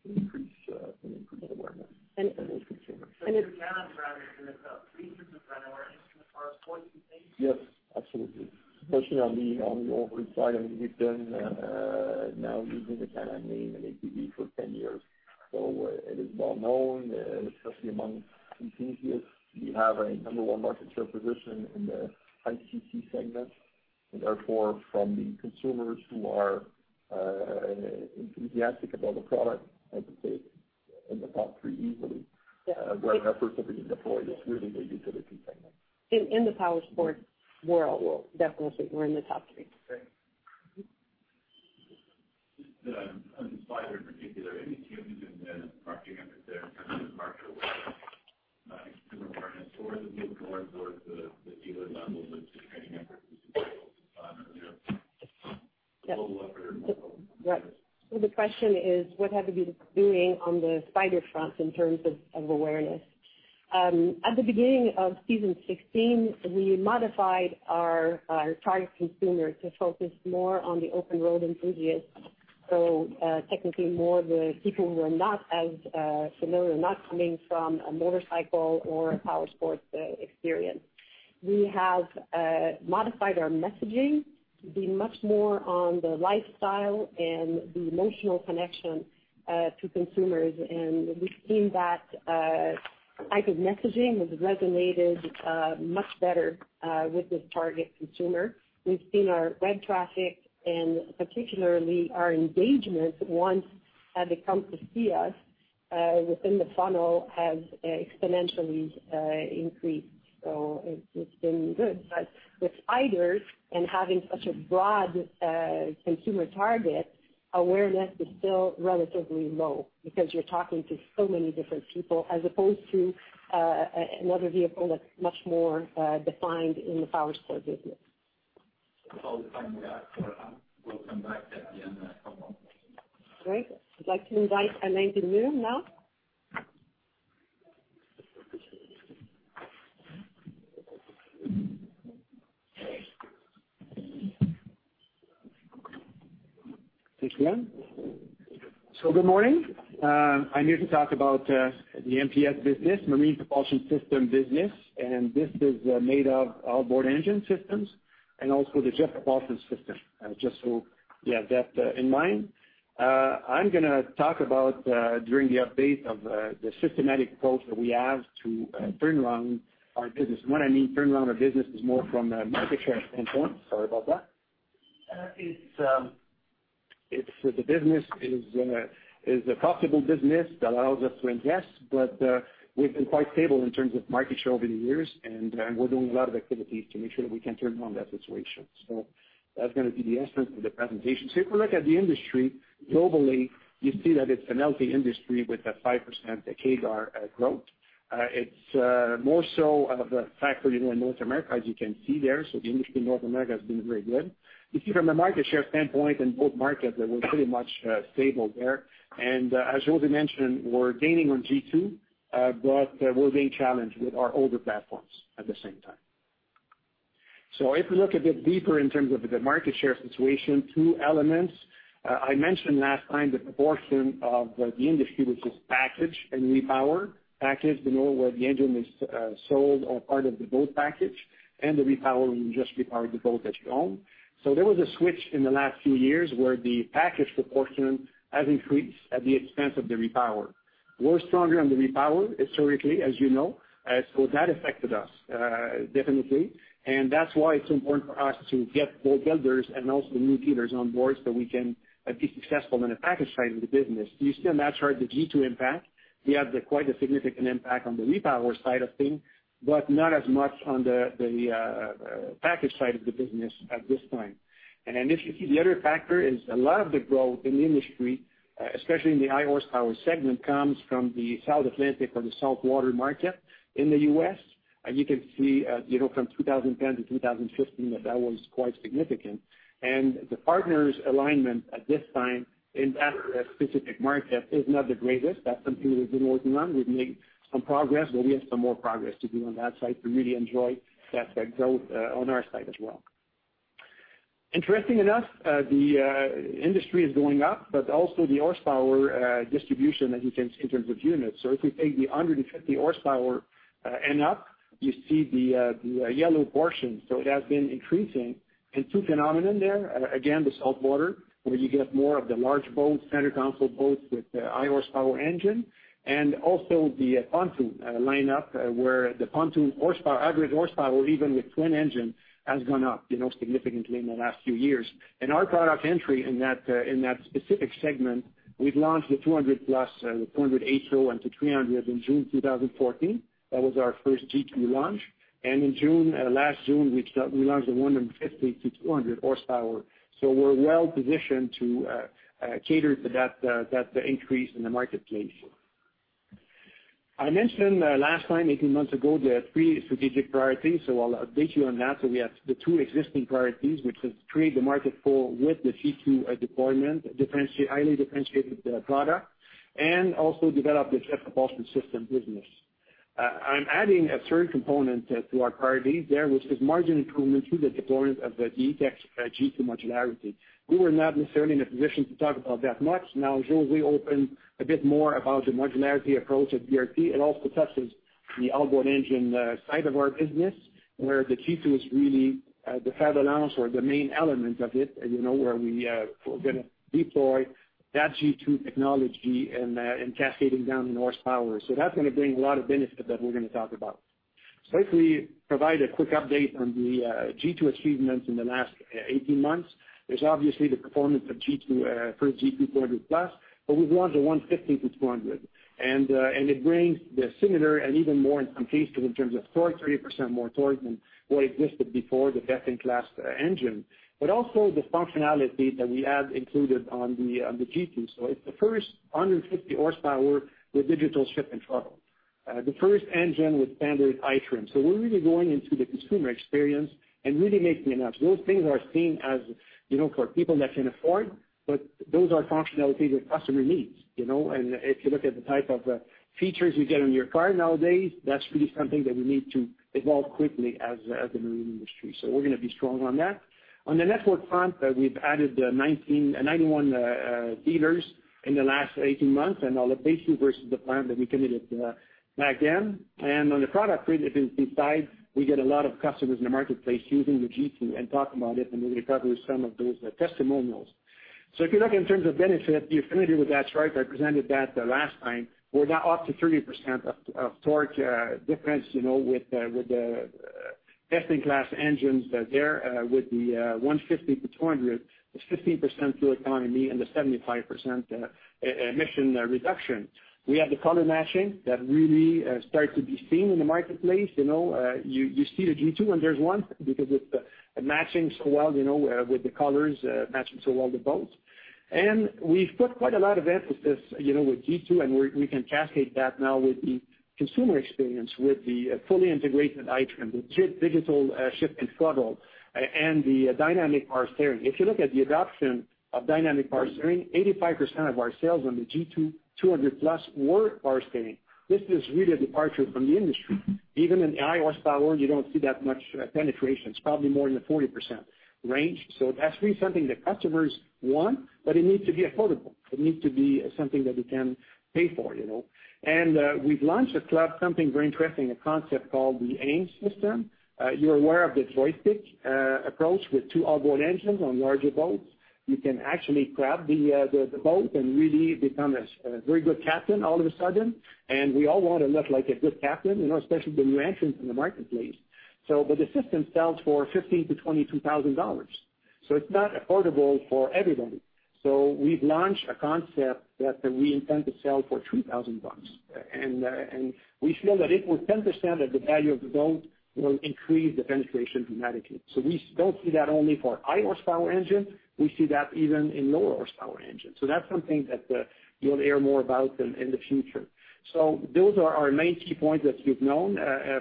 and increase awareness in those consumers. And it- The Can-Am brand is in a decent brand awareness in the powersports, you think? Yes, absolutely. Especially on the off-road side. I mean, we've been now using the Can-Am name in ATV for 10 years, so it is well known especially among enthusiasts. We have a number 1 market share position in the [high-CC] segment, from the consumers who are enthusiastic about the product, I would say it's in the top three easily. Yeah. Where efforts have been deployed is really the utility segment. In the powersport world, definitely we're in the top three. Great. Just on Spyder in particular, any changes in marketing effort there in terms of market awareness, consumer awareness, or is it more towards the dealer level with the training efforts you spoke on earlier? The question is, what have we been doing on the Spyder front in terms of awareness? At the beginning of season 16, we modified our target consumer to focus more on the open road enthusiast. Technically more the people who are not as familiar, not coming from a motorcycle or a powersports experience. We have modified our messaging to be much more on the lifestyle and the emotional connection to consumers. We've seen that type of messaging has resonated much better with this target consumer. We've seen our web traffic and particularly our engagements once they come to see us within the funnel has exponentially increased. It's been good. With Spyders and having such a broad consumer target, awareness is still relatively low because you're talking to so many different people as opposed to another vehicle that's much more defined in the powersport business. That's all the time we have for Anne. We'll come back at the end of the call. Great. I'd like to invite Alain Villemure now. Thanks again. Good morning. I'm here to talk about the MPS business, Marine Propulsion Systems business, and this is made of outboard engine systems and also the Jet Propulsion System. Just so we have that in mind. I'm going to talk about during the update of the systematic approach that we have to turn around our business. When I mean turn around our business is more from a market share standpoint. Sorry about that. That is It's for the business is a profitable business that allows us to invest, we've been quite stable in terms of market share over the years, we're doing a lot of activities to make sure that we can turn around that situation. That's going to be the essence of the presentation. If we look at the industry globally, you see that it's a healthy industry with a 5% CAGR growth. It's more so of a factor in North America, as you can see there. The industry in North America has been very good. You see from the market share standpoint in both markets that we're pretty much stable there. As José mentioned, we're gaining on G2, we're being challenged with our older platforms at the same time. If you look a bit deeper in terms of the market share situation, two elements. I mentioned last time the proportion of the industry, which is package and repower. Package, you know, where the engine is sold or part of the boat package, the repower, you just repower the boat that you own. There was a switch in the last few years where the package proportion has increased at the expense of the repower. We're stronger on the repower historically, as you know. That affected us, definitely. That's why it's important for us to get boat builders and also new dealers on board so we can be successful in the package side of the business. You still have that chart, the G2 impact. We have quite a significant impact on the repower side of things, not as much on the package side of the business at this time. If you see the other factor is a lot of the growth in the industry, especially in the high-horsepower segment, comes from the South Atlantic or the saltwater market in the U.S. You can see, from 2010 to 2015, that was quite significant. The partners alignment at this time in that specific market is not the greatest. That's something we've been working on. We've made some progress, we have some more progress to do on that side to really enjoy that growth on our side as well. Interesting enough, the industry is going up, also the horsepower distribution, as you can see in terms of units. If we take the 150 horsepower and up, you see the yellow portion. It has been increasing. Two phenomenon there. Again, the saltwater, where you get more of the large boats, center console boats with high-horsepower engine, also the pontoon lineup, where the pontoon average horsepower, even with twin-engine, has gone up significantly in the last few years. Our product entry in that specific segment, we've launched the 200 plus, the 280 to 300 in June 2014. That was our first G2 launch. In last June, we launched the 150 to 200 horsepower. We're well-positioned to cater to that increase in the marketplace. I mentioned last time, 18 months ago, the three strategic priorities, I'll update you on that. We have the two existing priorities, which is create the market pull with the G2 deployment, highly differentiated product, also develop the jet propulsion system business. I'm adding a third component to our priorities there, which is margin improvement through the deployment of the E-TEC G2 modularity. We were not necessarily in a position to talk about that much. José opened a bit more about the modularity approach of BRP. It also touches the outboard engine side of our business, where the G2 is really the head allowance or the main element of it, where we are going to deploy that G2 technology and cascading down in horsepower. That's going to bring a lot of benefit that we're going to talk about. If we provide a quick update on the G2 achievements in the last 18 months, there's obviously the performance of G2 for G2 200 plus, but we've launched the 150 to 200. It brings the similar and even more in some cases in terms of torque, 30% more torque than what existed before the best-in-class engine. Also the functionality that we have included on the G2. It's the first 150 horsepower with digital shift and throttle. The first engine with standard i-Trim. We're really going into the consumer experience and really making an impact. Those things are seen as for people that can afford, but those are functionality the customer needs. If you look at the type of features you get on your car nowadays, that's really something that we need to evolve quickly as a marine industry. We're going to be strong on that. On the network front, we've added 91 dealers in the last 18 months and all the bases versus the plan that we committed back then. On the product side, we get a lot of customers in the marketplace using the G2 and talking about it, and we'll cover some of those testimonials. If you look in terms of benefit, the affinity with that's right, I presented that last time. We're now up to 30% of torque difference with the best-in-class engines there with the 150 to 200, the 15% fuel economy, and the 75% emission reduction. We have the color matching that really starts to be seen in the marketplace. You see the G2 and there's one because it's matching so well with the colors, matching so well the boats. We've put quite a lot of emphasis with G2, and we can cascade that now with the consumer experience, with the fully integrated i-Trim, the digital shift and throttle, and the Dynamic Power Steering. If you look at the adoption of Dynamic Power Steering, 85% of our sales on the G2 200 plus were power steering. This is really a departure from the industry. Even in the high horsepower, you don't see that much penetration. It's probably more in the 40% range. That's really something that customers want, but it needs to be affordable. It needs to be something that we can pay for. We've launched something very interesting, a concept called the Aim system. You're aware of the joystick approach with two outboard engines on larger boats. You can actually grab the boat and really become a very good captain all of a sudden. We all want to look like a good captain, especially the new entrants in the marketplace. The system sells for 15,000-22,000 dollars. It's not affordable for everybody. We've launched a concept that we intend to sell for 3,000 bucks. We feel that it will understand that the value of the boat will increase the penetration dramatically. We don't see that only for high horsepower engine, we see that even in lower horsepower engine. That's something that you'll hear more about in the future. Those are our main key points that you've known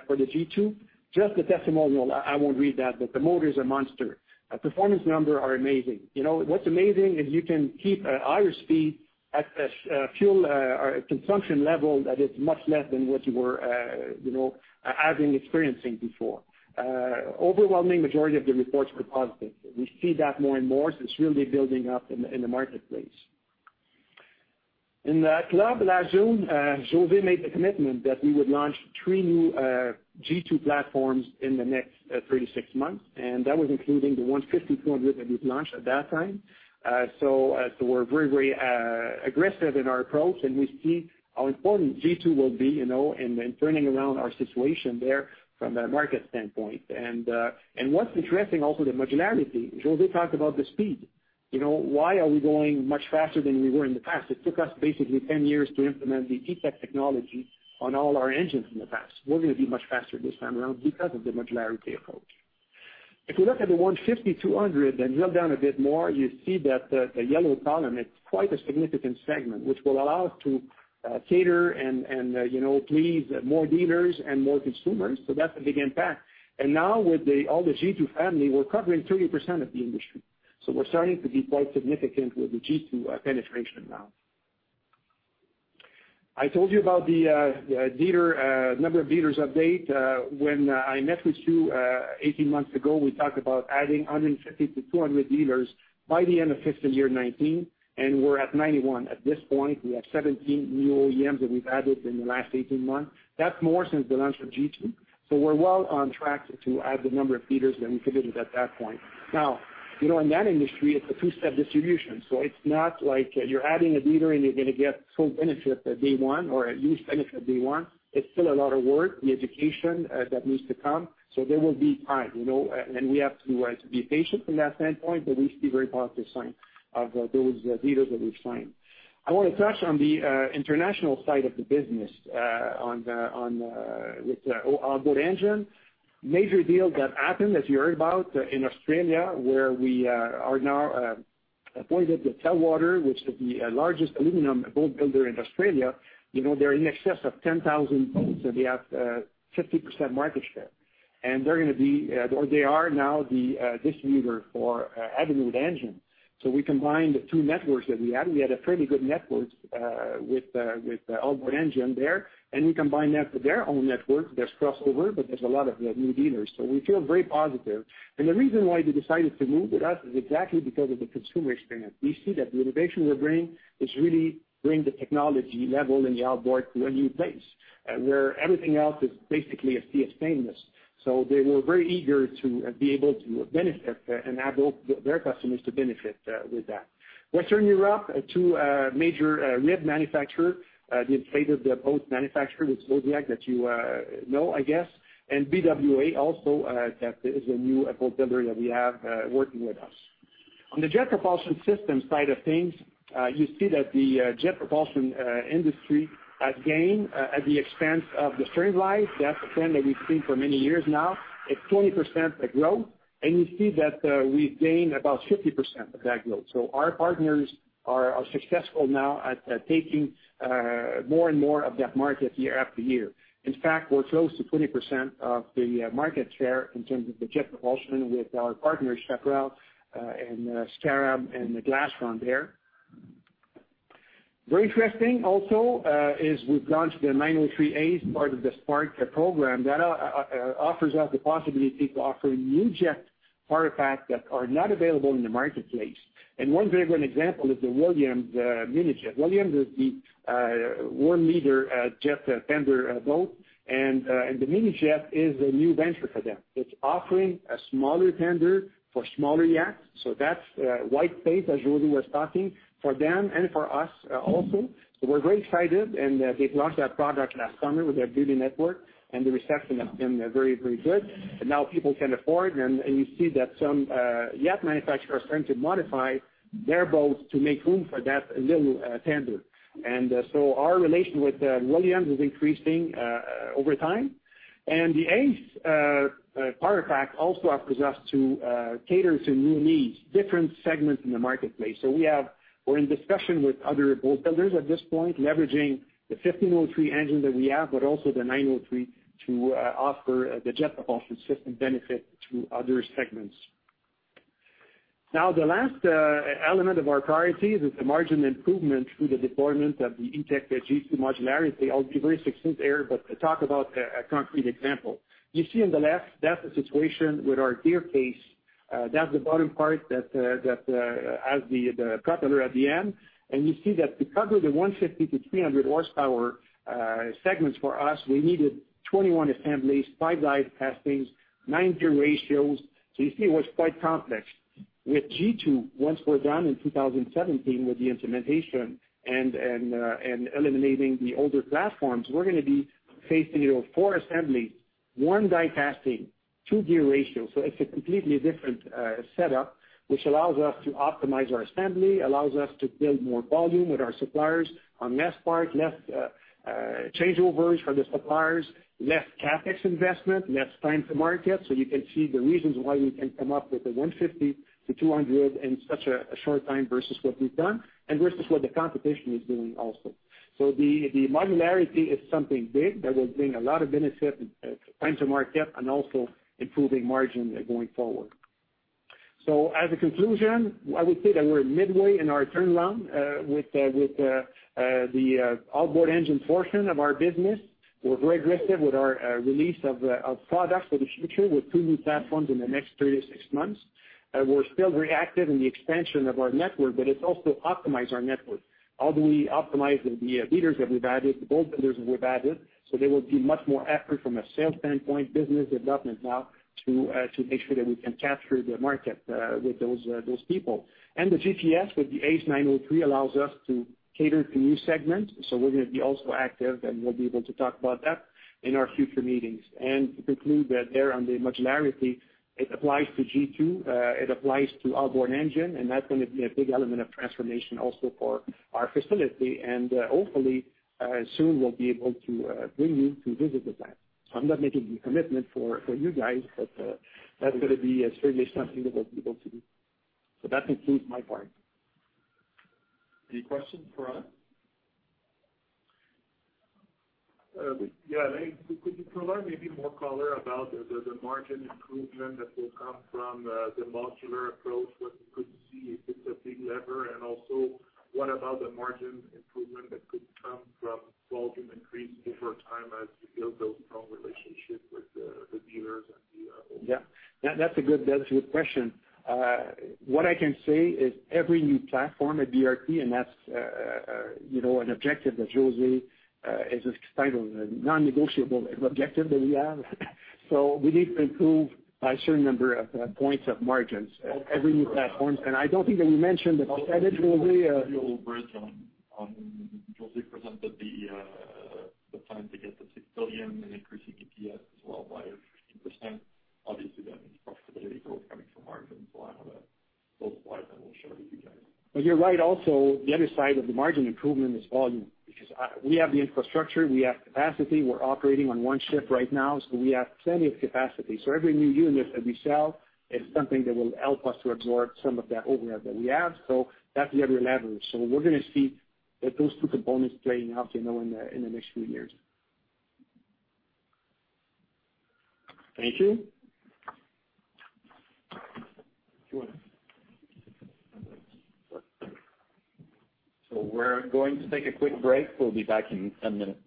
for the G2. Just a testimonial, I won't read that, but the motor is a monster. Performance number are amazing. What's amazing is you can keep a higher speed at a fuel consumption level that is much less than what you have been experiencing before. Overwhelming majority of the reports were positive. We see that more and more, so it's really building up in the marketplace. In that club last June, José made the commitment that we would launch three new G2 platforms in the next 36 months, and that was including the 150, 200 that we've launched at that time. What's interesting also, the modularity, José talked about the speed. Why are we going much faster than we were in the past? It took us basically ten years to implement the E-TEC technology on all our engines in the past. We're going to be much faster this time around because of the modularity approach. If you look at the 150, 200 and drill down a bit more, you see that the yellow column, it's quite a significant segment, which will allow us to cater and please more dealers and more consumers. That's a big impact. Now with all the G2 family, we're covering 30% of the industry. We're starting to be quite significant with the G2 penetration now. I told you about the number of dealers update. When I met with you 18 months ago, we talked about adding 150 to 200 dealers by the end of fiscal year 2019, and we're at 91. At this point, we have 17 new OEMs that we've added in the last 18 months. That's more since the launch of G2. We're well on track to add the number of dealers that we committed at that point. Now, in that industry, it's a two-step distribution. It's not like you're adding a dealer and you're going to get full benefit at day one or at least benefit at day one. It's still a lot of work, the education that needs to come. There will be time, and we have to be patient from that standpoint, but we see very positive sign of those dealers that we've signed. I want to touch on the international side of the business with outboard engine. Major deal that happened, as you heard about in Australia, where we are now appointed with Telwater, which is the largest aluminum boat builder in Australia. They're in excess of 10,000 boats, and they have 50% market share. They are now the distributor for Evinrude engine. We combined the two networks that we had. We had a pretty good network with outboard engine there. We combined that with their own network. There's crossover, there's a lot of new dealers. We feel very positive. The reason why they decided to move with us is exactly because of the consumer experience. We see that the innovation we're bringing is really bringing the technology level in the outboard to a new place where everything else is basically a sea of sameness. They were very eager to be able to benefit and have their customers to benefit with that. Western Europe, two major RIB manufacturer, the inflatable boat manufacturer, which Zodiac that you know, I guess, and BWA also that is a new boat builder that we have working with us. On the jet propulsion system side of things, you see that the jet propulsion industry has gained at the expense of the sterndrive. That's a trend that we've seen for many years now. It's 20% growth. You see that we've gained about 50% of that growth. Our partners are successful now at taking more and more of that market year after year. In fact, we're close to 20% of the market share in terms of the jet propulsion with our partners, Chaparral and Scarab and Glastron there. Very interesting also is we've launched the 903 ACE as part of the Spark program. That offers us the possibility to offer new jet artifacts that are not available in the marketplace. One very good example is the Williams MiniJet. Williams is the world leader jet tender boat, and the MiniJet is a new venture for them. It's offering a smaller tender for smaller yachts. That's white space, as José was talking, for them and for us also. We're very excited. They've launched that product last summer with their building network, and the reception has been very good. People can afford. You see that some yacht manufacturers are starting to modify their boats to make room for that little tender. Our relation with Williams is increasing over time. The ACE power pack also offers us to cater to new needs, different segments in the marketplace. We're in discussion with other boat builders at this point, leveraging the 1503 engine that we have, but also the 903 to offer the jet propulsion system benefit to other segments. The last element of our priorities is the margin improvement through the deployment of the E-TEC G2 modularity. I'll be very succinct here. Talk about a concrete example. You see in the left, that's the situation with our gear case. That's the bottom part that has the propeller at the end. You see that to cover the 150 to 300 horsepower segments for us, we needed 21 assemblies, five drive casings, nine gear ratios. With G2, once we're done in 2017 with the implementation and eliminating the older platforms, we're going to be facing four assemblies one die casting, two gear ratios. It's a completely different setup, which allows us to optimize our assembly, allows us to build more volume with our suppliers on less changeovers for the suppliers, less CapEx investment, less time to market. You can see the reasons why we can come up with a 150-200 in such a short time versus what we've done, and versus what the competition is doing also. The modularity is something big that will bring a lot of benefit in time to market and also improving margin going forward. As a conclusion, I would say that we're midway in our turnaround with the outboard engine portion of our business. We're very aggressive with our release of product for the future with two new platforms in the next 36 months. We're still very active in the expansion of our network, but it's also optimize our network. Although we optimized with the dealers that we've added, the boat builders that we've added, there will be much more effort from a sales standpoint, business development now, to make sure that we can capture the market with those people. The JPS with the ACE 903 allows us to cater to new segments. We're going to be also active, and we'll be able to talk about that in our future meetings. To conclude that there on the modularity, it applies to G2, it applies to outboard engine, and that's going to be a big element of transformation also for our facility. Hopefully, soon we'll be able to bring you to visit the plant. I'm not making the commitment for you guys, but that's going to be certainly something that we'll be able to do. That concludes my part. Any questions for Alain? Yeah. Could you provide maybe more color about the margin improvement that will come from the modular approach, what we could see if it's a big lever? Also, what about the margin improvement that could come from volume increase over time as you build those strong relationships with the dealers and the OEMs? Yeah. That's a good question. What I can say is every new platform at BRP, that's an objective that José has titled a non-negotiable objective that we have. We need to improve by a certain number of points of margins every new platform. I don't think that we mentioned, but that is really. José presented the plan to get to 6 billion and increasing EPS as well by 15%. Obviously, that means profitability growth coming from margins. I have those slides I will share with you guys. You're right, also, the other side of the margin improvement is volume, because we have the infrastructure, we have capacity. We're operating on one shift right now, we have plenty of capacity. Every new unit that we sell is something that will help us to absorb some of that overhead that we have. That's the other leverage. We're going to see those two components playing out in the next few years. Thank you. We're going to take a quick break. We'll be back in 10 minutes.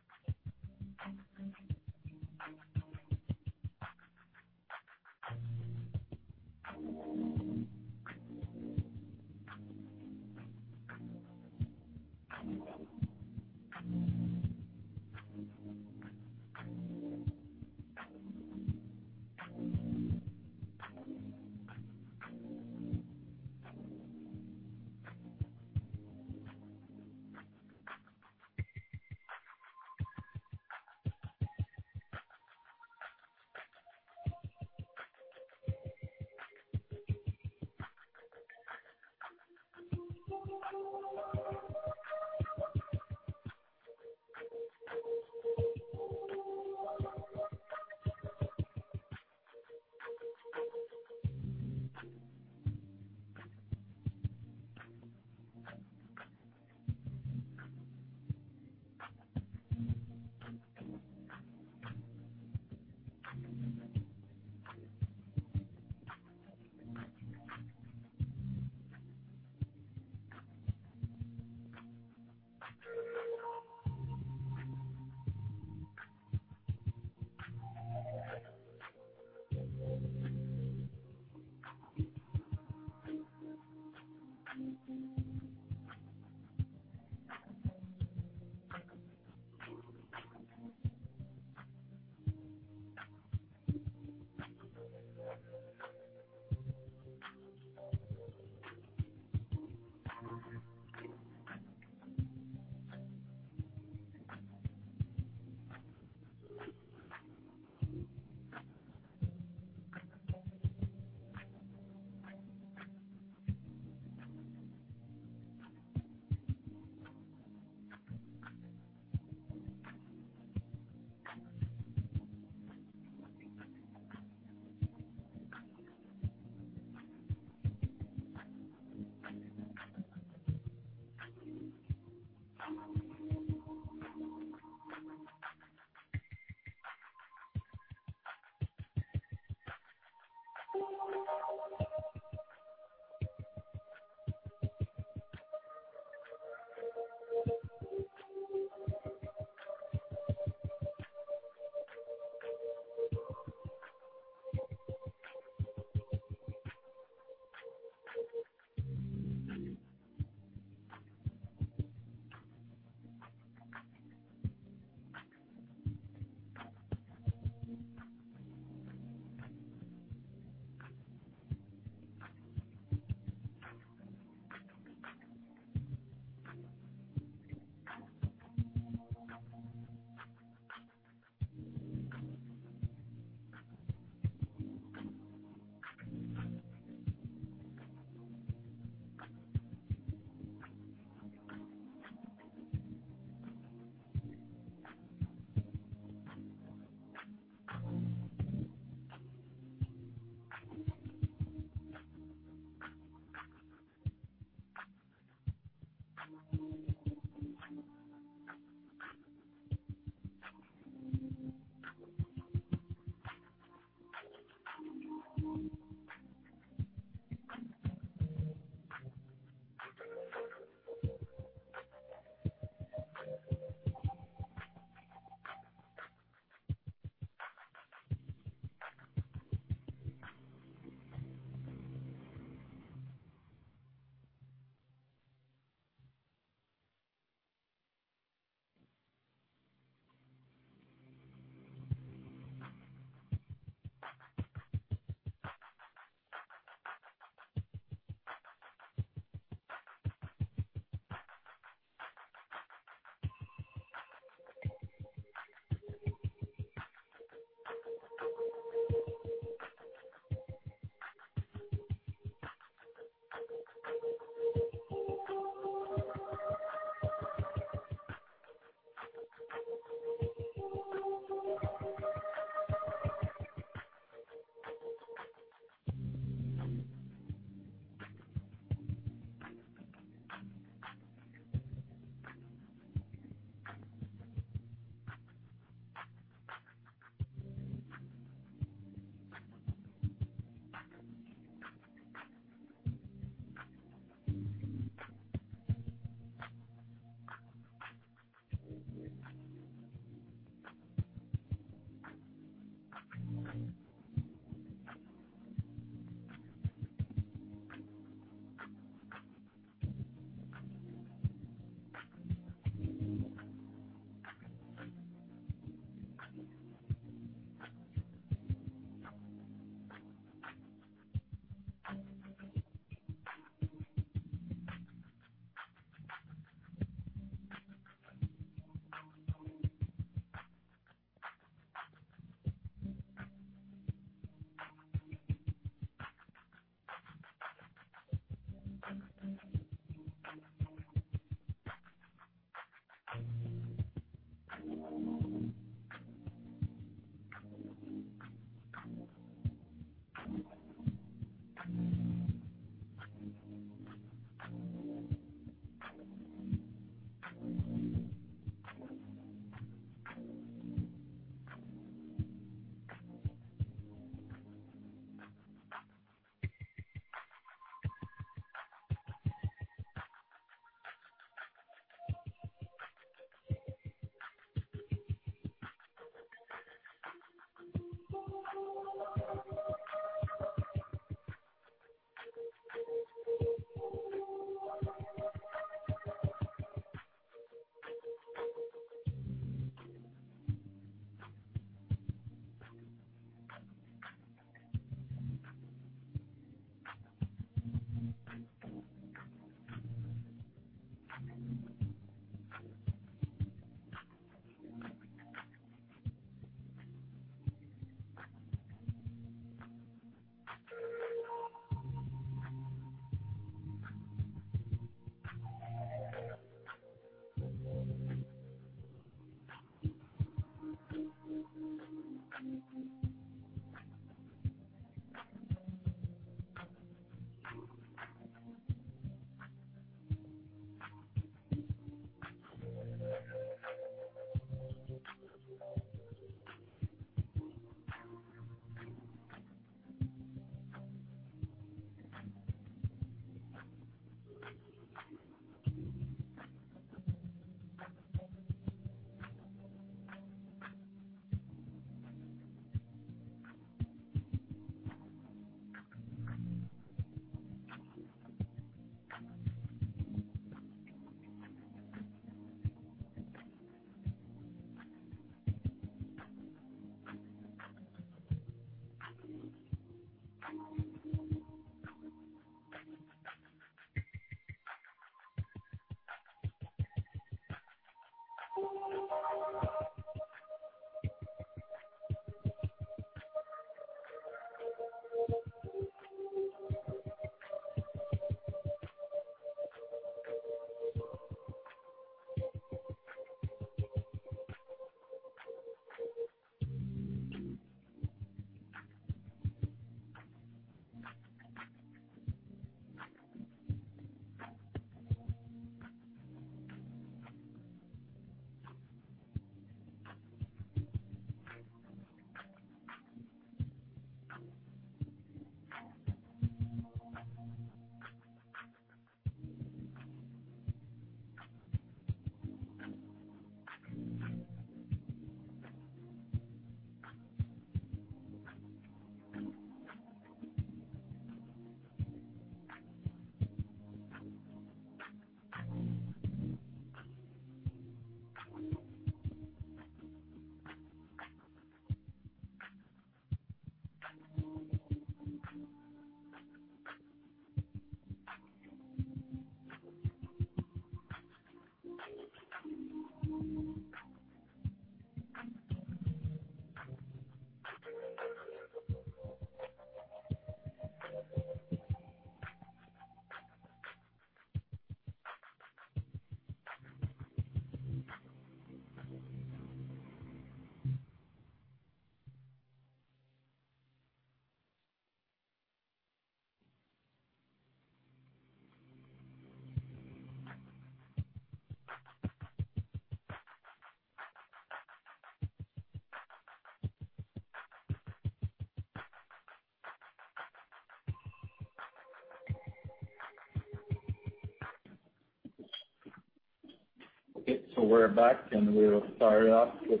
Okay, we're back, we'll start off with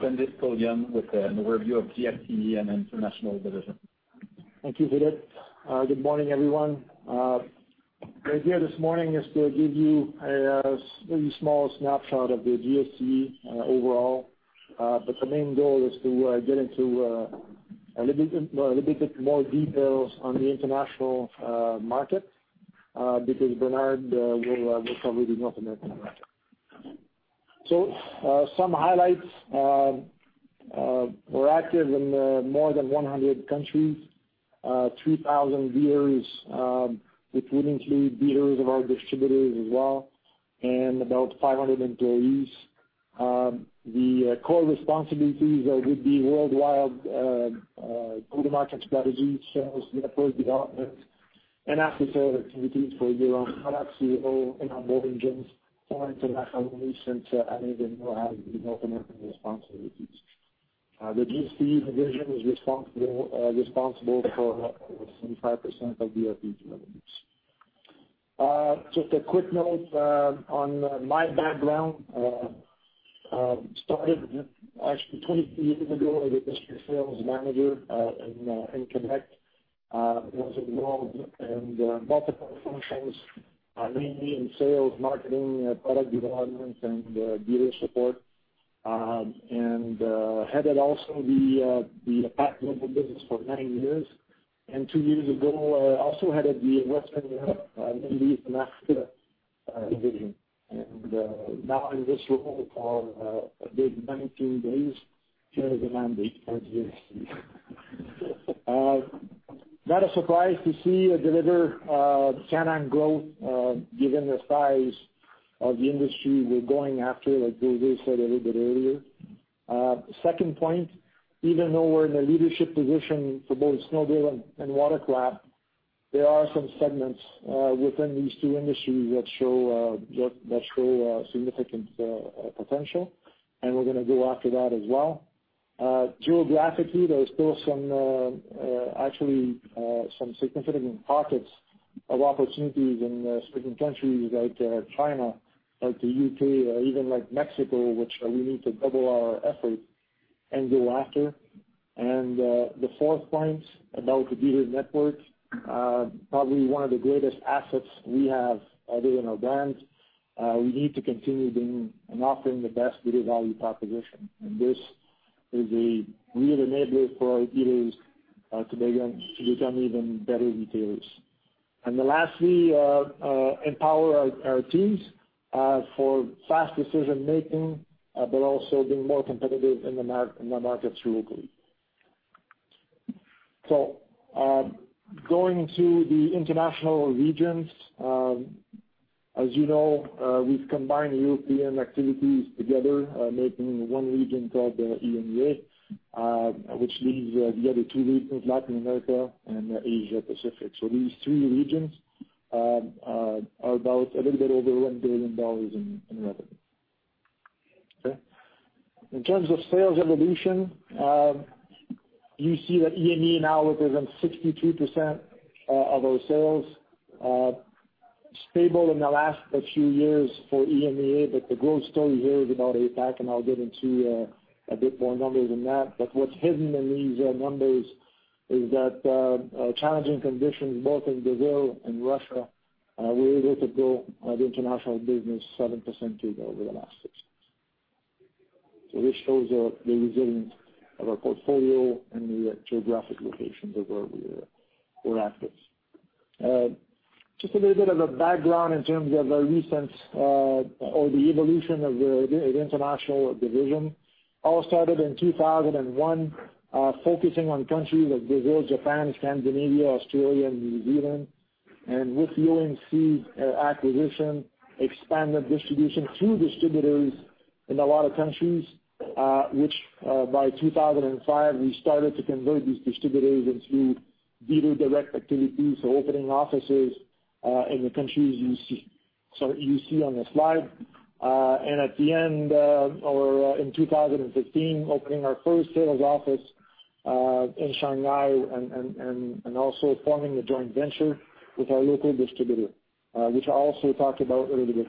Sandy to the podium with an overview of GSCE and International Division. Thank you, Philippe. Good morning, everyone. The idea this morning is to give you a very small snapshot of the GSCE overall, but the main goal is to get into a little bit more details on the International market, because Bernard will cover the North American market. Some highlights. We're active in more than 100 countries. 3,000 dealers, which wouldn't include dealers of our distributors as well, and about 500 employees. The core responsibilities would be worldwide go-to-market strategy, sales, dealer development, and after-sales activities for BRP products in our boating units for <inaudible> and even now the North American responsibilities. The GSCE division is responsible for over 75% of BRP's revenues. Just a quick note on my background. Started actually 20 years ago as a district sales manager in Connecticut. Was involved in multiple functions, mainly in sales, marketing, product development, and dealer support, headed also the global business for nine years. Two years ago, also headed the Western Europe, Middle East and Africa Division. Now in this role for a big 19 days, <inaudible> at GSCE. Not a surprise to see a deliver stand-out growth given the size of the industry we're going after, like José said a little bit earlier. Second point, even though we're in a leadership position for both snowmobile and watercraft, there are some segments within these two industries that show significant potential, and we're going to go after that as well. Geographically, there are still actually some significant pockets of opportunities in certain countries like China, like the U.K., or even like Mexico, which we need to double our effort and go after. The fourth point about the dealer network, probably one of the greatest assets we have other than our brand. We need to continue bringing and offering the best dealer value proposition. This is a real enabler for our dealers to become even better retailers. Lastly, empower our teams for fast decision-making, but also being more competitive in the markets locally. Going to the International regions, as you know, we've combined the European activities together, making one region called EMEA which leaves the other two regions, Latin America and Asia Pacific. These three regions are about a little bit over 1 billion dollars in revenue. Okay. In terms of sales evolution, you see that EMEA now represents 62% of our sales. Stable in the last few years for EMEA. The growth story here is about APAC, I'll get into a bit more numbers on that. What's hidden in these numbers is that challenging conditions both in Brazil and Russia, we're able to grow the international business 7% over the last six months. This shows the resilience of our portfolio and the geographic locations of where we're active. Just a little bit of a background in terms of our recent or the evolution of the international division. All started in 2001, focusing on countries like Brazil, Japan, Scandinavia, Australia and New Zealand. And with OMC acquisition, expanded distribution through distributors in a lot of countries. Which by 2005, we started to convert these distributors into dealer direct activities. Opening offices in the countries you see on the slide. At the end, or in 2015, opening our first sales office in Shanghai and also forming a joint venture with our local distributor, which I also talked about a little bit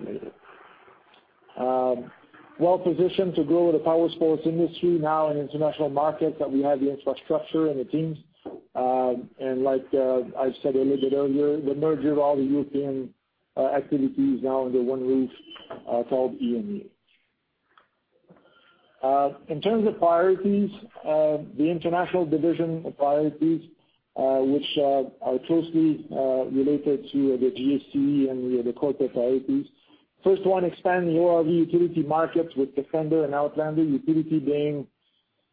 earlier. Well-positioned to grow the powersports industry now in international markets that we have the infrastructure and the teams. Like I said a little bit earlier, the merger of all the European activities now under one roof, called EMEA. In terms of priorities, the international division priorities, which are closely related to the GSCE and the core priorities. First one, expand the ORV utility market with Defender and Outlander. Utility being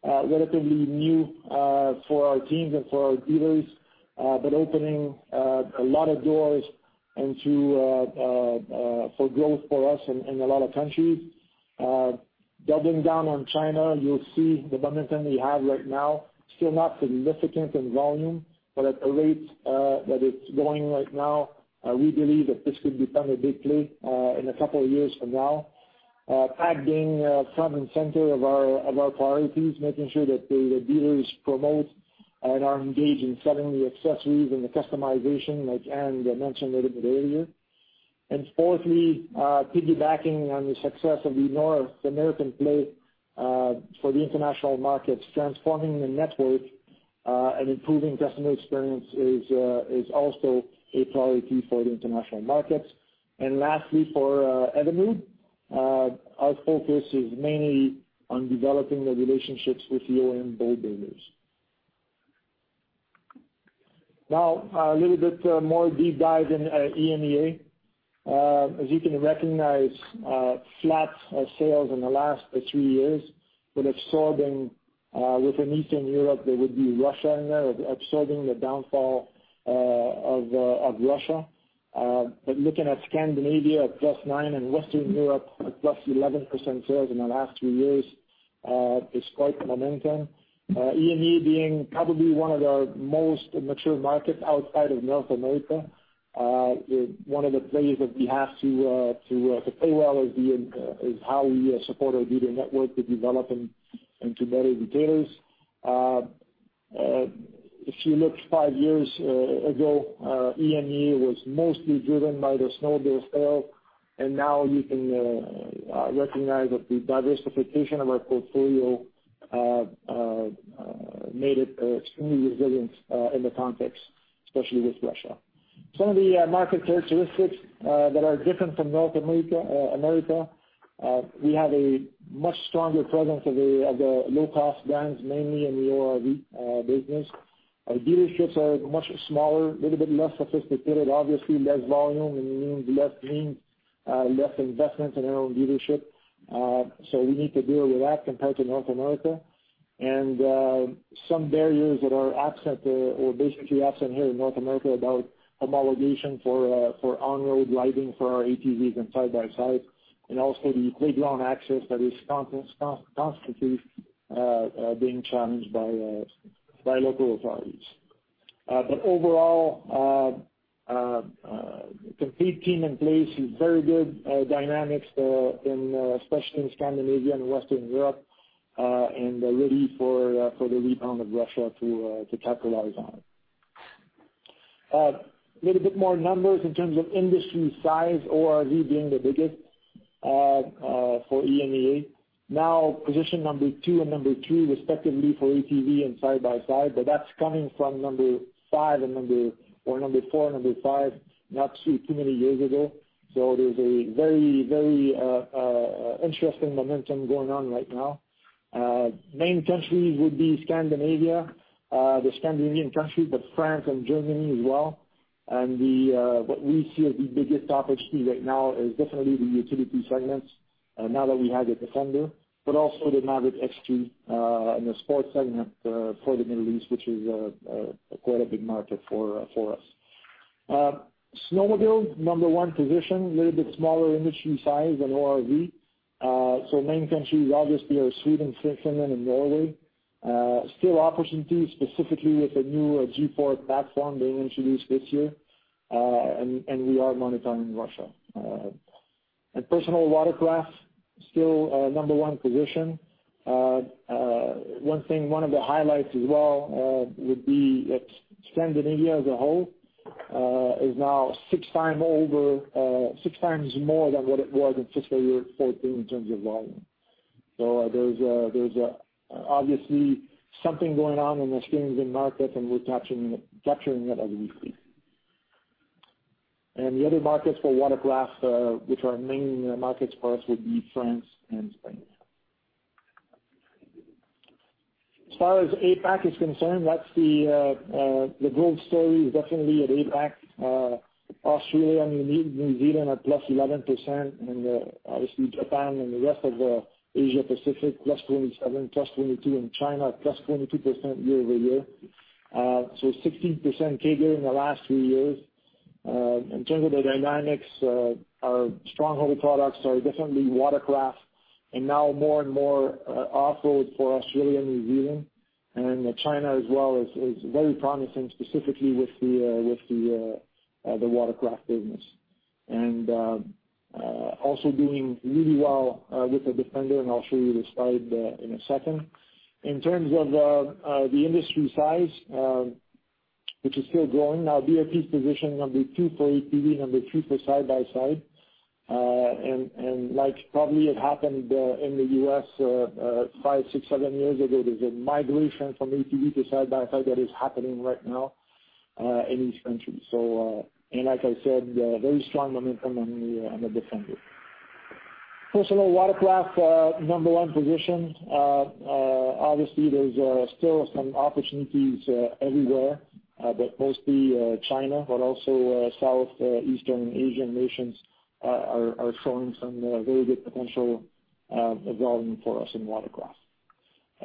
relatively new for our teams and for our dealers but opening a lot of doors for growth for us in a lot of countries. Doubling down on China, you'll see the momentum we have right now, still not significant in volume, but at the rate that it's going right now, we believe that this could become a big play in a couple of years from now. PAC being front and center of our priorities, making sure that the dealers promote and are engaged in selling the accessories and the customization like Anne mentioned a little bit earlier. Fourthly, piggybacking on the success of the North American play for the international markets, transforming the network and improving customer experience is also a priority for the international markets. Lastly, for Evinrude, our focus is mainly on developing the relationships with OEM boat builders. A little bit more deep dive in EMEA. As you can recognize, flat sales in the last three years. Within Eastern Europe, there would be Russia in there, absorbing the downfall of Russia. Looking at Scandinavia at +9% and Western Europe at +11% sales in the last three years is quite the momentum. EMEA being probably one of our most mature markets outside of North America. One of the plays that we have to play well is how we support our dealer network to develop into better retailers. If you look five years ago, EMEA was mostly driven by the snowmobile sale, now you can recognize that the diversification of our portfolio made it extremely resilient in the context, especially with Russia. Some of the market characteristics that are different from North America. We have a much stronger presence of the low-cost brands, mainly in the ORV business. Our dealerships are much smaller, little bit less sophisticated, obviously less volume, it means less investments in our own dealership. We need to deal with that compared to North America. Some barriers that are basically absent here in North America about homologation for on-road lighting for our ATVs and side-by-sides. Also the playground access that is constantly being challenged by local authorities. Overall, complete team in place with very good dynamics, especially in Scandinavia and Western Europe, ready for the rebound of Russia to capitalize on. A little bit more numbers in terms of industry size, ORV being the biggest for EMEA. Now position number two and number three respectively for ATV and side-by-side, but that's coming from number four and number five not too many years ago. There's a very interesting momentum going on right now. Main countries would be Scandinavia, the Scandinavian countries, France and Germany as well. What we see as the biggest opportunity right now is definitely the utility segments now that we have the Defender, also the Maverick X3 in the sports segment for the Middle East, which is quite a big market for us. Snowmobile, number one position, little bit smaller industry size than ORV. Main countries obviously are Sweden, Finland and Norway. Still opportunities specifically with the new G4 platform being introduced this year, and we are monitoring Russia. In personal watercraft, still number one position. One of the highlights as well would be that Scandinavia as a whole is now six times more than what it was in fiscal year 2014 in terms of volume. There's obviously something going on in the Scandinavian market, and we're capturing it as we speak. The other markets for watercraft, which are main markets for us, would be France and Spain. As far as APAC is concerned, the growth story is definitely at APAC. Australia and New Zealand are +11%, Obviously Japan and the rest of the Asia Pacific, +27, +22 in China, +22% year-over-year. 16% CAGR in the last three years. In terms of the dynamics, our strong holding products are definitely watercraft and now more and more off-road for Australia and New Zealand. China as well is very promising, specifically with the watercraft business. Also doing really well with the Defender, and I'll show you the slide in a second. In terms of the industry size which is still growing, now BRP's position, number two for ATV, number two for side-by-side. Like probably it happened in the U.S. five, six, seven years ago, there's a migration from ATV to side-by-side that is happening right now in these countries. Like I said, very strong momentum on the Defender. Personal watercraft, number one position. There's still some opportunities everywhere, mostly China, also Southeastern Asian nations are showing some very good potential volume for us in watercraft.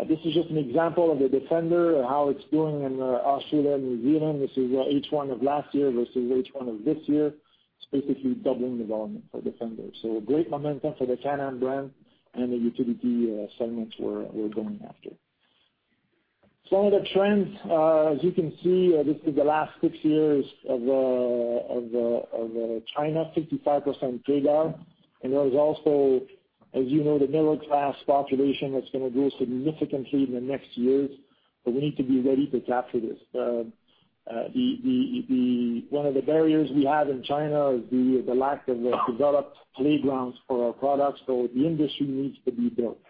This is just an example of the Defender, how it's doing in Australia and New Zealand. This is H1 of last year versus H1 of this year. It's basically doubling the volume for Defender. Great momentum for the Can-Am brand and the utility segments we're going after. Some of the trends, as you can see, this is the last six years of China, 55% CAGR. There is also, as you know, the middle class population that's going to grow significantly in the next years, we need to be ready to capture this. One of the barriers we have in China is the lack of developed playgrounds for our products, the industry needs to be built.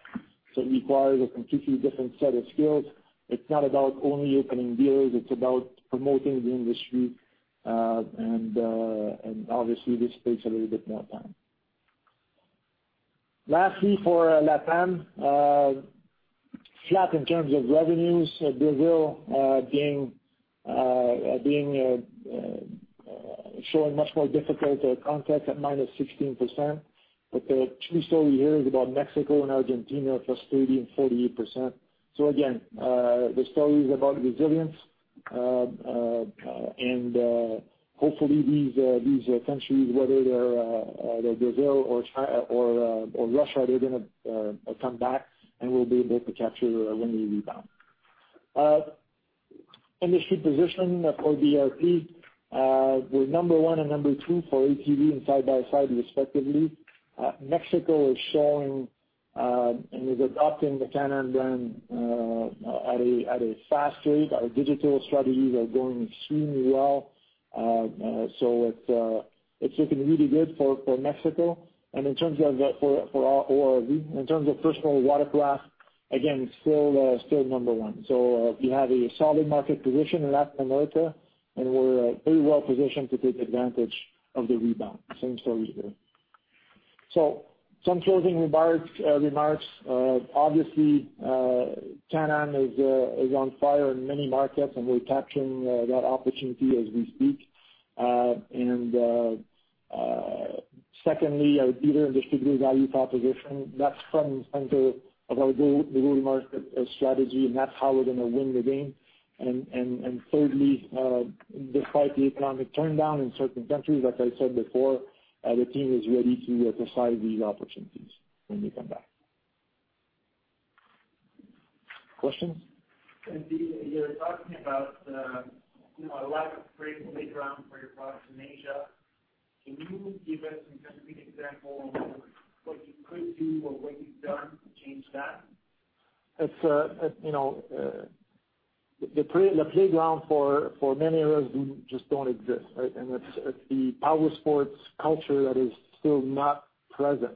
It requires a completely different set of skills. It's not about only opening dealers, it's about promoting the industry. Obviously, this takes a little bit more time. Lastly, for LATAM, flat in terms of revenues. Brazil showing much more difficult context at -16%. The true story here is about Mexico and Argentina, +30% and +48%. Again, the story is about resilience. Hopefully these countries, whether they're Brazil or Russia, they're going to come back, and we'll be able to capture when we rebound. Industry position for BRP. We're number one and number two for ATV and side-by-side respectively. Mexico is showing and is adopting the Can-Am brand at a fast rate. Our digital strategies are going extremely well. It's looking really good for Mexico. In terms of ORV, in terms of personal watercraft, again, still number one. We have a solid market position in Latin America, and we're pretty well positioned to take advantage of the rebound. Same story here. Some closing remarks. Obviously, Can-Am is on fire in many markets, we're capturing that opportunity as we speak. Secondly, our dealer and distributor value proposition, that's front and center of our global market strategy, and that's how we're going to win the game. Thirdly, despite the economic turndown in certain countries, like I said before, the team is ready to seize these opportunities when we come back. Questions? You're talking about a lack of great playground for your products in Asia. Can you give us some concrete example on what you could do or what you've done to change that? The playground for many of us just don't exist, right? It's the power sports culture that is still not present.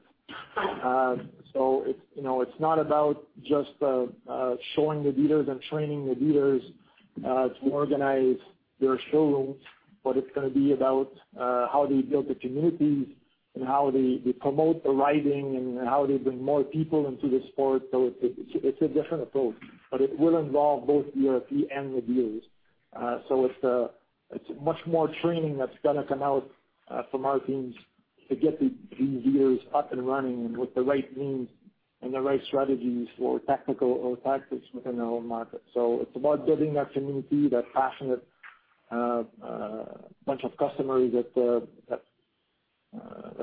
It's not about just showing the dealers and training the dealers to organize their showrooms, but it's going to be about how they build the communities and how they promote the riding and how they bring more people into the sport. It's a different approach, but it will involve both BRP and the dealers. It's much more training that's going to come out from our teams to get these dealers up and running and with the right means and the right strategies for tactical or tactics within their own market. It's about building that community, that passionate bunch of customers that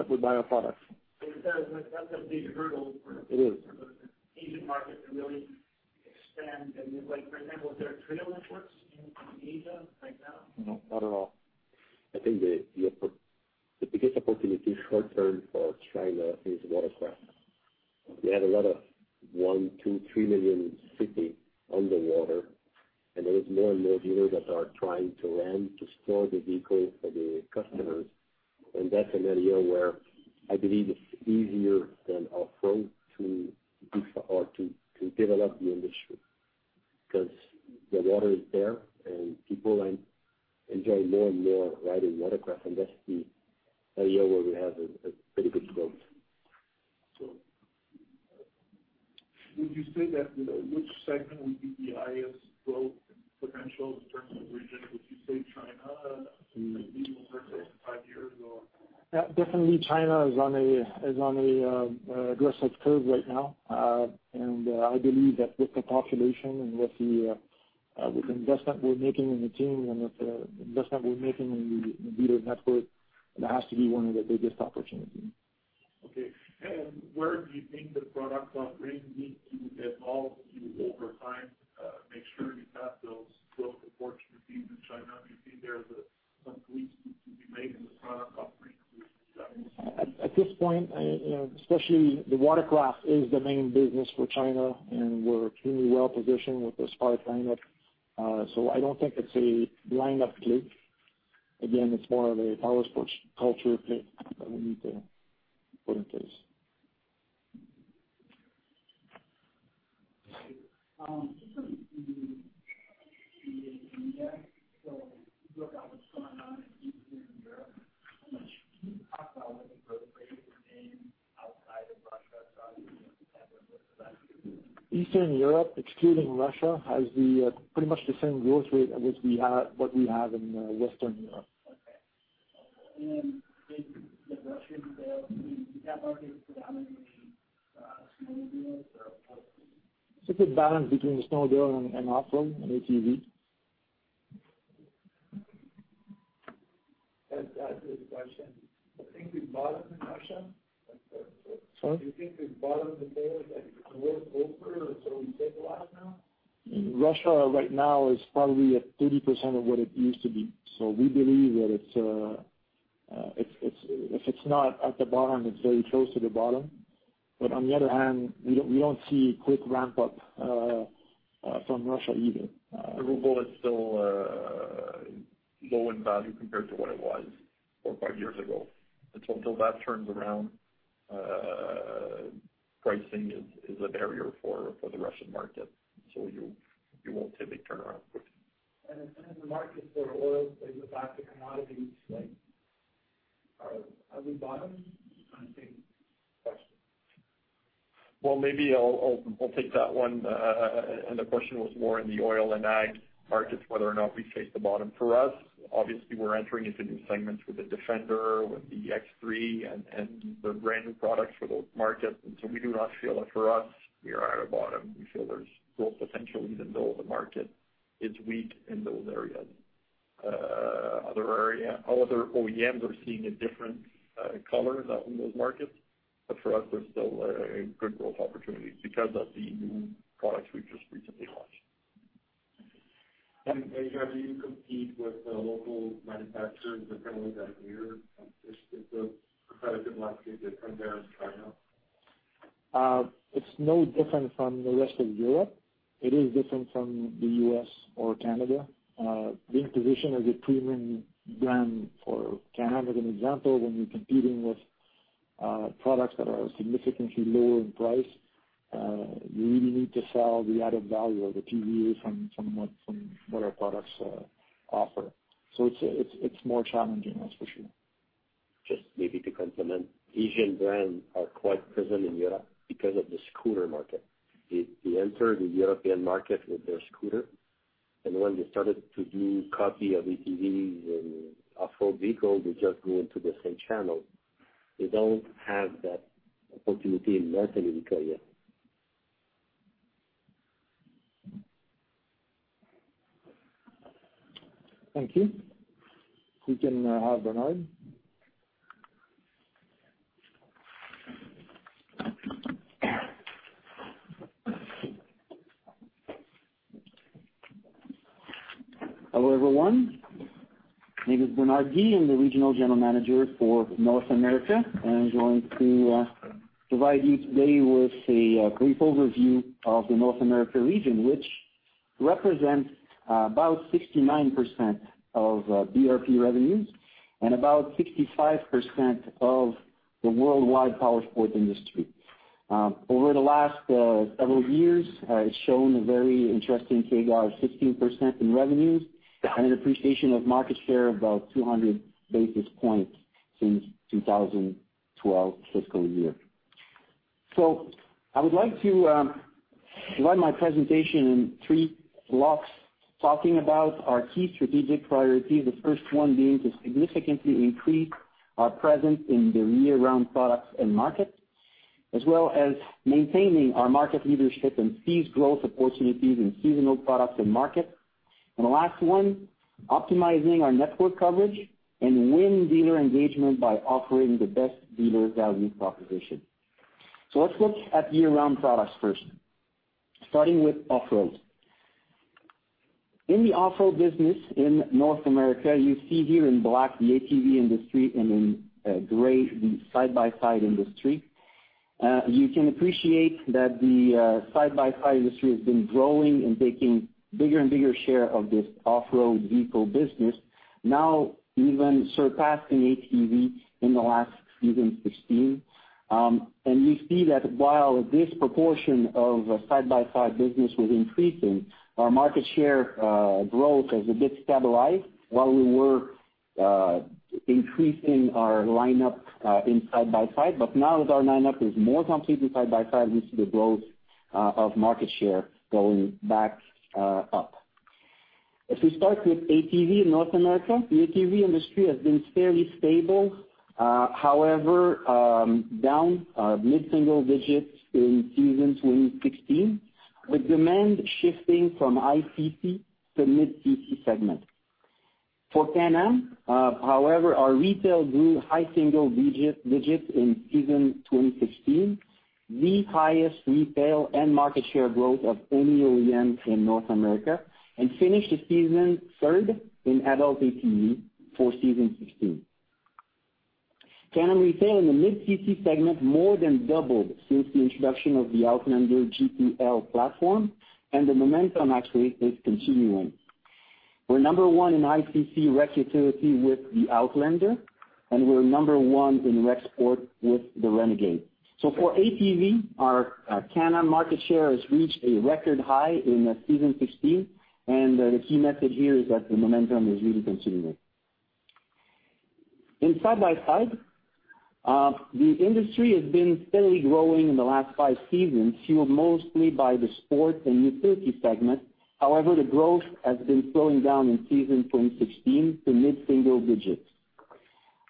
would buy our product. It does, but that's a big hurdle. It is the Asian market to really expand and, for example, is there trail networks in Asia right now? No, not at all. I think the biggest opportunity short-term for China is watercraft. They have a lot of one, two, three million city on the water, and there is more and more dealers that are trying to rent, to store the vehicle for the customers. That's an area where I believe it's easier than off-road to develop the industry, because the water is there, and people enjoy more and more riding watercraft. That's the area where we have a pretty good growth. Cool. Would you say that, which segment would be the highest growth potential in terms of region? Would you say China, maybe over the next five years or? Yeah. Definitely, China is on a aggressive curve right now. I believe that with the population and with the investment we're making in the team and with the investment we're making in the dealer network, it has to be one of the biggest opportunities. Okay. Where do you think the product offering needs to evolve to over time, make sure you have those growth opportunities in China? Do you think there's a complete need to be made in the product offering to At this point, especially the watercraft is the main business for China, and we're pretty well-positioned with the Spark lineup. I don't think it's a lineup glitch. Again, it's more of a powersports culture fit that we need to put in place. Just on the EMEA. You look at what's going on in Eastern Europe. Can you talk about what the growth rate has been outside of Russia, have a look at that too. Eastern Europe, excluding Russia, has pretty much the same growth rate as what we have in Western Europe. Okay. In the Russian sales, I mean, is that market predominantly snowmobiles or what? It's a good balance between the snowmobile and off-road and ATV. As a question, do you think we've bottomed in Russia? Sorry? Do you think we've bottomed the sales and it's more over, and it's really stabilized now? In Russia right now is probably at 30% of what it used to be. We believe that if it's not at the bottom, it's very close to the bottom. On the other hand, we don't see quick ramp-up from Russia either. The ruble is still low in value compared to what it was four or five years ago. Until that turns around, pricing is a barrier for the Russian market. You won't see a big turnaround quickly. In the markets for oil and the basic commodities, have we bottomed, kind of thing? Question. Well, maybe I'll take that one and the question was more in the oil and ag markets, whether or not we've faced the bottom for us. Obviously, we're entering into new segments with the Defender, with the X3 and the brand-new products for those markets. We do not feel that for us, we are at a bottom. We feel there's growth potential even though the market is weak in those areas. Other OEMs are seeing a different color in those markets. For us, we're still a good growth opportunity because of the new products we've just recently launched. As you compete with the local manufacturers, the families that are here, is the competitive landscape different there in China? It's no different from the rest of Europe. It is different from the U.S. or Canada. Being positioned as a premium brand for Can-Am as an example, when you're competing with products that are significantly lower in price you really need to sell the added value or the [TVA] from what our products offer. It's more challenging, that's for sure. Just maybe to complement. Asian brands are quite present in Europe because of the scooter market. They enter the European market with their scooter, and when they started to do copy of ATVs and off-road vehicle, they just go into the same channel. They don't have that opportunity in North America yet. Thank you. We can have Bernard. Hello, everyone. My name is Bernard Guy. I'm the Regional General Manager for North America. I'm going to provide you today with a brief overview of the North America region, which represents about 69% of BRP revenues and about 65% of the worldwide powersport industry. Over the last several years, it's shown a very interesting CAGR of 16% in revenues and an appreciation of market share of about 200 basis points since 2012 fiscal year. I would like to run my presentation in three blocks, talking about our key strategic priorities. The first one being to significantly increase our presence in the year-round products and markets. As well as maintaining our market leadership and seize growth opportunities in seasonal products and markets. The last one, optimizing our network coverage and win dealer engagement by offering the best dealer value proposition. Let's look at year-round products first, starting with off-road. In the off-road business in North America, you see here in black the ATV industry and in gray the side-by-side industry. You can appreciate that the side-by-side industry has been growing and taking bigger and bigger share of this off-road vehicle business, now even surpassing ATV in the last season 2016. We see that while this proportion of side-by-side business was increasing, our market share growth has a bit stabilized while we were increasing our lineup in side-by-side. Now that our lineup is more complete in side-by-side, we see the growth of market share going back up. If we start with ATV in North America, the ATV industry has been fairly stable. However, down mid-single digits in season 2016, with demand shifting from high-CC to mid-CC segment. For Can-Am, however, our retail grew high single digits in season 2016, the highest retail and market share growth of any OEM in North America, and finished the season third in adult ATV for season 2016. Can-Am retail in the mid-cc segment more than doubled since the introduction of the Outlander G2L platform, and the momentum actually is continuing. We're number one in ICC rec utility with the Outlander, and we're number one in rec sport with the Renegade. For ATV, our Can-Am market share has reached a record high in season 2016. The key message here is that the momentum is really continuing. In side-by-side, the industry has been steadily growing in the last five seasons, fueled mostly by the sport and utility segment. However, the growth has been slowing down in season 2016 to mid-single digits.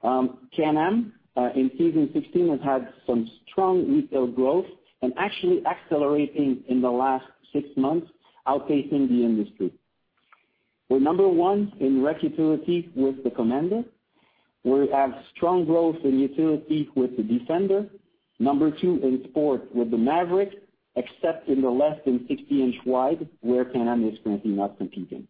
Can-Am, in season 2016, has had some strong retail growth and actually accelerating in the last six months, outpacing the industry. We're number one in rec utility with the Commander. We have strong growth in utility with the Defender. Number two in sport with the Maverick, except in the less than 60-inch wide, where Can-Am is frankly not competing.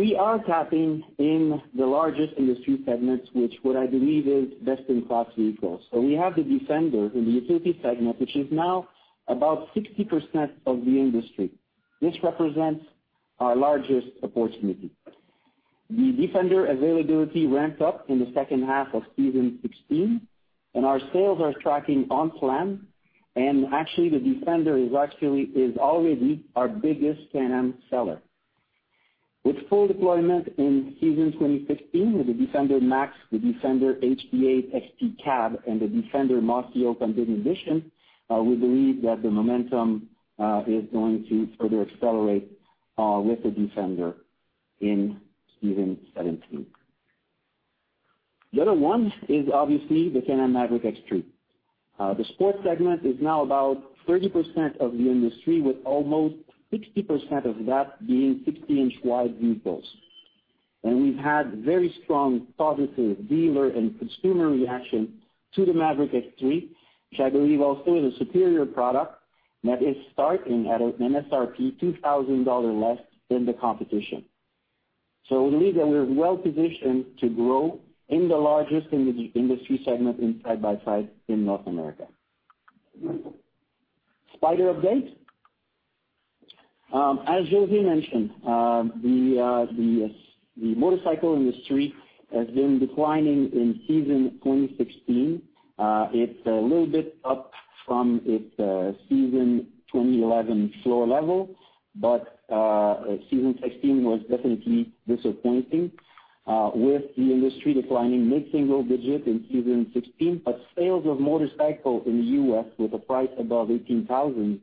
We are tapping in the largest industry segments, which what I believe is best-in-class vehicles. We have the Defender in the utility segment, which is now about 60% of the industry. This represents our largest opportunity. The Defender availability ramped up in the second half of season 2016, and our sales are tracking on plan. Actually, the Defender is already our biggest Can-Am seller. With full deployment in season 2017 with the Defender MAX, the Defender HD X Cab, and the Defender Mossy Oak unlimited edition, we believe that the momentum is going to further accelerate with the Defender in season 2017. The other one is obviously the Can-Am Maverick X3. The sport segment is now about 30% of the industry, with almost 60% of that being 60-inch wide vehicles. We've had very strong positive dealer and consumer reaction to the Maverick X3, which I believe also is a superior product that is starting at an MSRP 2,000 dollars less than the competition. We believe that we're well-positioned to grow in the largest industry segment in side-by-side in North America. Spyder update. As José mentioned, the motorcycle industry has been declining in season 2016. It's a little bit up from its season 2011 floor level, season 2016 was definitely disappointing, with the industry declining mid-single digit in season 2016. Sales of motorcycles in the U.S. with a price above 18,000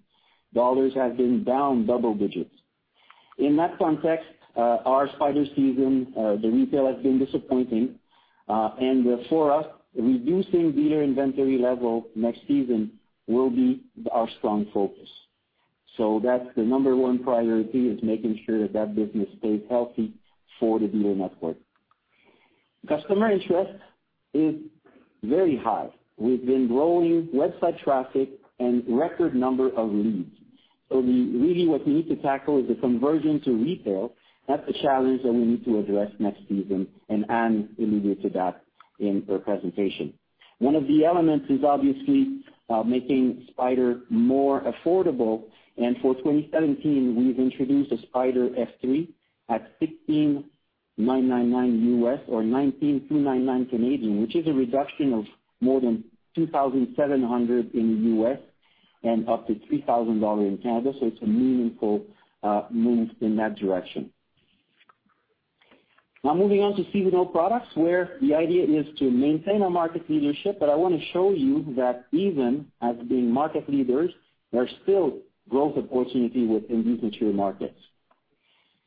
dollars have been down double digits. In that context, our Spyder season, the retail has been disappointing. For us, reducing dealer inventory level next season will be our strong focus. That's the number one priority is making sure that business stays healthy for the dealer network. Customer interest is very high. We've been growing website traffic and record number of leads. Really what we need to tackle is the conversion to retail. That's a challenge that we need to address next season, and Anne alluded to that in her presentation. One of the elements is obviously making Spyder more affordable. For 2017, we've introduced a Spyder F3 at $16,999 U.S. or 19,299, which is a reduction of more than $2,700 in the U.S. and up to 3,000 dollars in Canada. It's a meaningful move in that direction. Moving on to seasonal products, where the idea is to maintain our market leadership, I want to show you that even as being market leaders, there's still growth opportunity within these mature markets.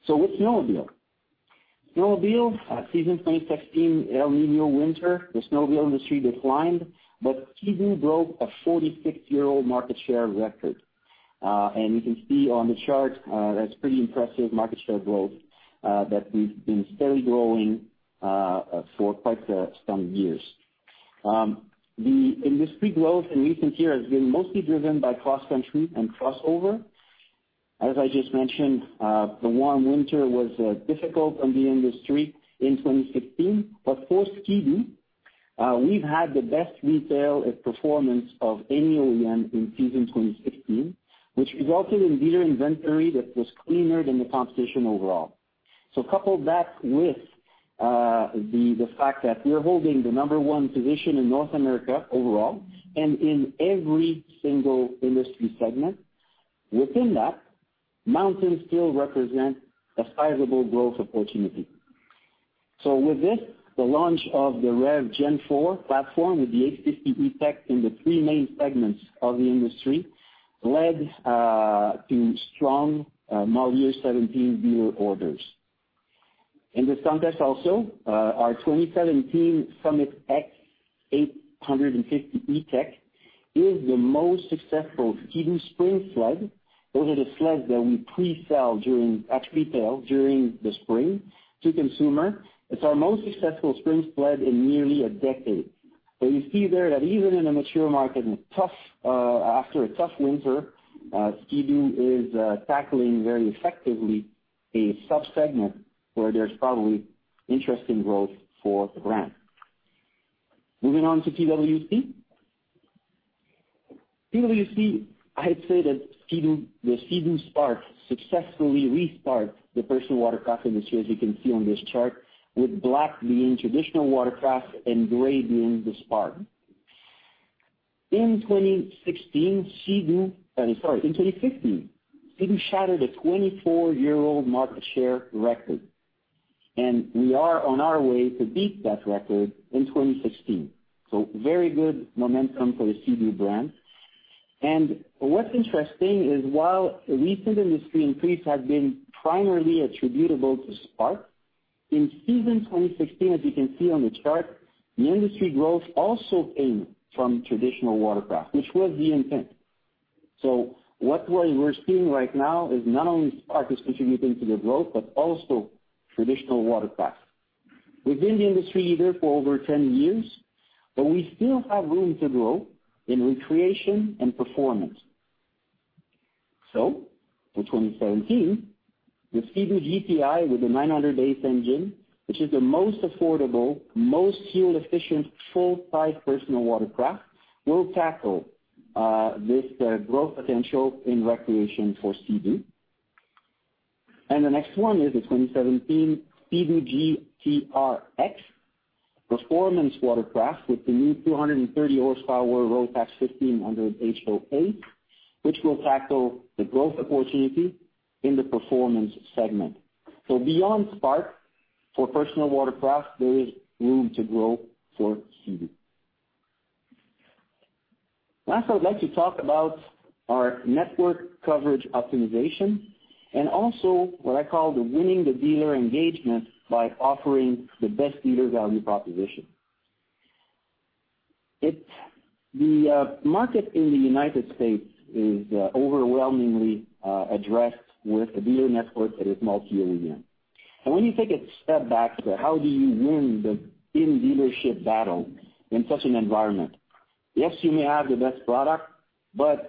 With snowmobile. Season 2016, El Niño winter, the snowmobile industry declined, Ski-Doo broke a 46-year-old market share record. You can see on the chart, that's pretty impressive market share growth that we've been steadily growing for quite some years. The industry growth in recent years has been mostly driven by cross-country and crossover. As I just mentioned, the warm winter was difficult on the industry in 2016. For Sea-Doo, we've had the best retail performance of any OEM in season 2016, which resulted in dealer inventory that was cleaner than the competition overall. Couple that with the fact that we're holding the number one position in North America overall and in every single industry segment. Within that, mountains still represent a sizable growth opportunity. With this, the launch of the REV Gen4 platform with the 850 E-TEC in the three main segments of the industry led to strong model year 2017 dealer orders. In this context also, our 2017 Summit X 850 E-TEC is the most successful Sea-Doo spring sled. Those are the sleds that we pre-sell at retail during the spring to consumer. It's our most successful spring sled in nearly a decade. You see there that even in a mature market after a tough winter, Sea-Doo is tackling very effectively a sub-segment where there's probably interesting growth for the brand. Moving on to PWC. I'd say that the Sea-Doo Spark successfully restart the personal watercraft industry, as you can see on this chart, with black being traditional watercraft and gray being the Spark. In 2015, Sea-Doo shattered a 24-year-old market share record, we are on our way to beat that record in 2016. Very good momentum for the Sea-Doo brand. What's interesting is while recent industry increase has been primarily attributable to Spark, in season 2016, as you can see on the chart, the industry growth also came from traditional watercraft, which was the intent. What we're seeing right now is not only Spark is contributing to the growth, also traditional watercraft. We've been the industry leader for over 10 years, we still have room to grow in recreation and performance. For 2017, the Sea-Doo GTI with the 900 ACE engine, which is the most affordable, most fuel-efficient, full-size personal watercraft, will tackle this growth potential in recreation for Sea-Doo. The next one is the 2017 Sea-Doo GTR-X performance watercraft with the new 230 horsepower Rotax 1500 HO ACE, which will tackle the growth opportunity in the performance segment. Beyond Spark, for personal watercraft, there is room to grow for Sea-Doo. Last, I would like to talk about our network coverage optimization and also what I call the winning the dealer engagement by offering the best dealer value proposition. The market in the U.S. is overwhelmingly addressed with a dealer network that is multi-OEM. When you take a step back to how do you win the in-dealership battle in such an environment? Yes, you may have the best product, a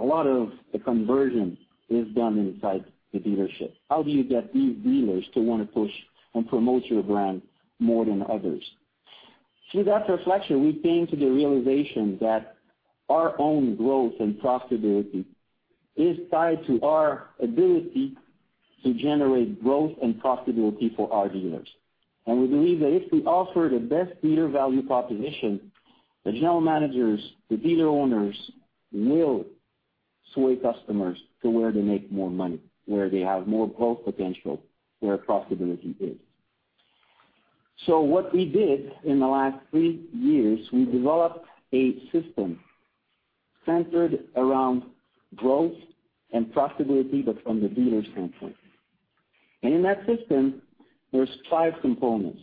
lot of the conversion is done inside the dealership. How do you get these dealers to want to push and promote your brand more than others? Through that reflection, we came to the realization that our own growth and profitability is tied to our ability to generate growth and profitability for our dealers. We believe that if we offer the best dealer value proposition, the general managers, the dealer owners will sway customers to where they make more money, where they have more growth potential, where profitability is. What we did in the last three years, we developed a system centered around growth and profitability, from the dealer standpoint. In that system, there's five components.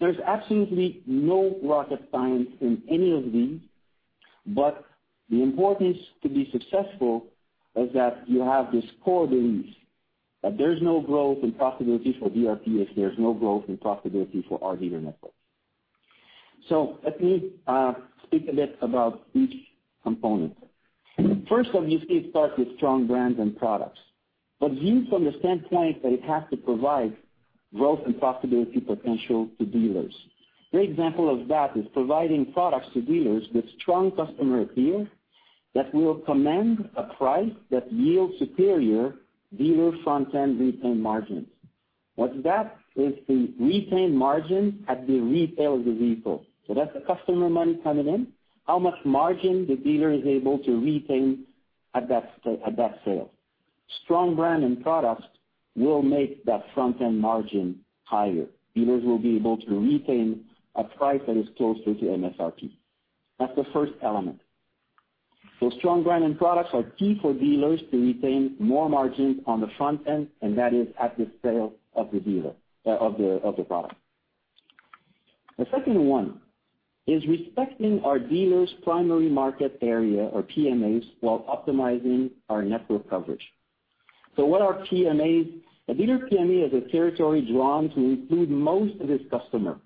There's absolutely no rocket science in any of these, the importance to be successful is that you have this core belief that there's no growth and profitability for BRP if there's no growth and profitability for our dealer network. Let me speak a bit about each component. First obviously, it starts with strong brands and products, viewed from the standpoint that it has to provide growth and profitability potential to dealers. Great example of that is providing products to dealers with strong customer appeal that will command a price that yields superior dealer front-end retain margins. What that is, the retain margin at the retail of the vehicle. That's the customer money coming in, how much margin the dealer is able to retain at that sale. Strong brand and products will make that front-end margin higher. Dealers will be able to retain a price that is closer to MSRP. That's the first element. Strong brand and products are key for dealers to retain more margins on the front end, and that is at the sale of the product. The second one is respecting our dealers' primary market area or PMAs while optimizing our network coverage. What are PMAs? A dealer PMA is a territory drawn to include most of its customer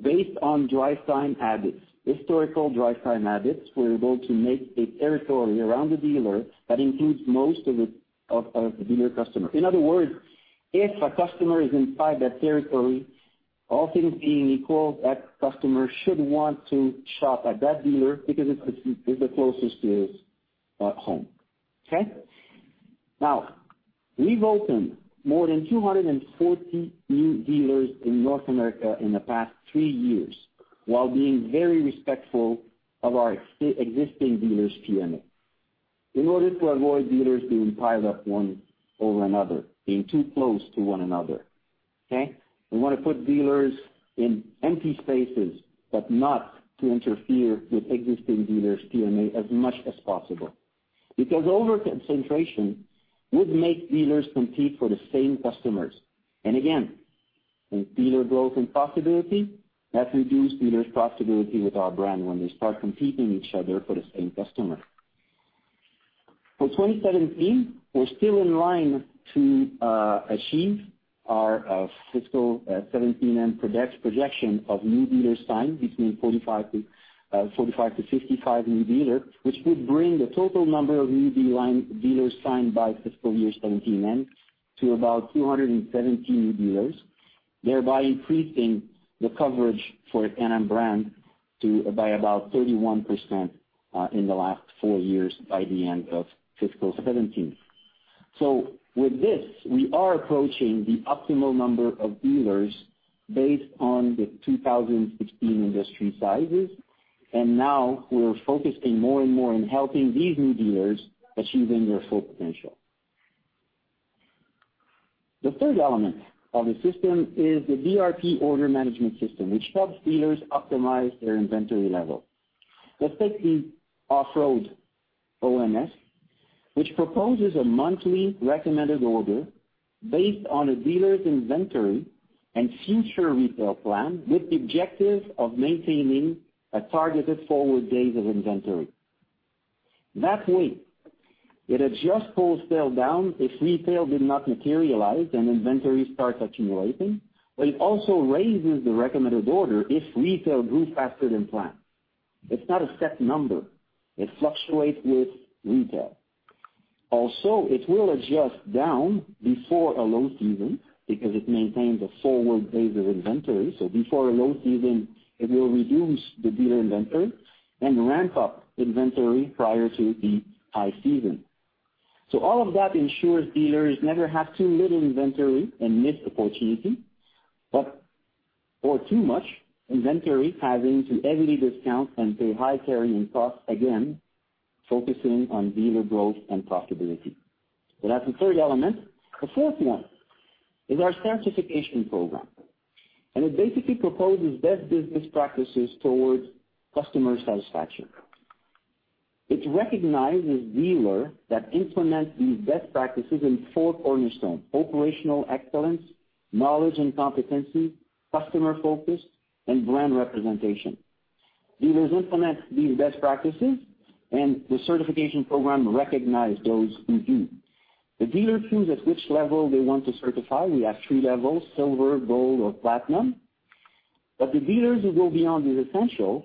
based on historical drive time habits. We're able to make a territory around the dealer that includes most of the dealer customer. In other words, if a customer is inside that territory, all things being equal, that customer should want to shop at that dealer because it's the closest to his home. Okay? Now, we've opened more than 240 new dealers in North America in the past three years while being very respectful of our existing dealers' PMA. In order to avoid dealers being piled up one over another, being too close to one another. Okay? We want to put dealers in empty spaces, not to interfere with existing dealers' PMA as much as possible. Because over-concentration would make dealers compete for the same customers. Again, in dealer growth and profitability, that reduce dealers' profitability with our brand when they start competing each other for the same customer. For 2017, we're still in line to achieve our fiscal 2017 end projection of new dealers signed between 45 to 55 new dealers, which would bring the total number of new dealers signed by fiscal year 2017 end to about 270 new dealers, thereby increasing the coverage for Can-Am brand by about 31% in the last four years by the end of fiscal 2017. With this, we are approaching the optimal number of dealers based on the 2016 industry sizes, and now we're focusing more and more in helping these new dealers achieving their full potential. The third element of the system is the BRP order management system, which helps dealers optimize their inventory level. Let's take the off-road OMS, which proposes a monthly recommended order based on a dealer's inventory and future retail plan, with the objective of maintaining a targeted forward days of inventory. That way, it adjusts wholesale down if retail did not materialize and inventory starts accumulating, it also raises the recommended order if retail grew faster than planned. It's not a set number. It fluctuates with retail. Also, it will adjust down before a low season because it maintains a forward days of inventory. Before a low season, it will reduce the dealer inventory and ramp up inventory prior to the high season. All of that ensures dealers never have too little inventory and miss opportunity, or too much inventory, having to heavily discount and pay high carrying costs, again, focusing on dealer growth and profitability. That's the third element. The fourth one is our certification program, it basically proposes best business practices towards customer satisfaction. It recognizes dealers that implement these best practices in four cornerstones, operational excellence, knowledge and competency, customer focus, and brand representation. Dealers implement these best practices and the certification program recognizes those who do. Dealers choose at which level they want to certify. We have three levels, silver, gold, or platinum. The dealers who go beyond the essential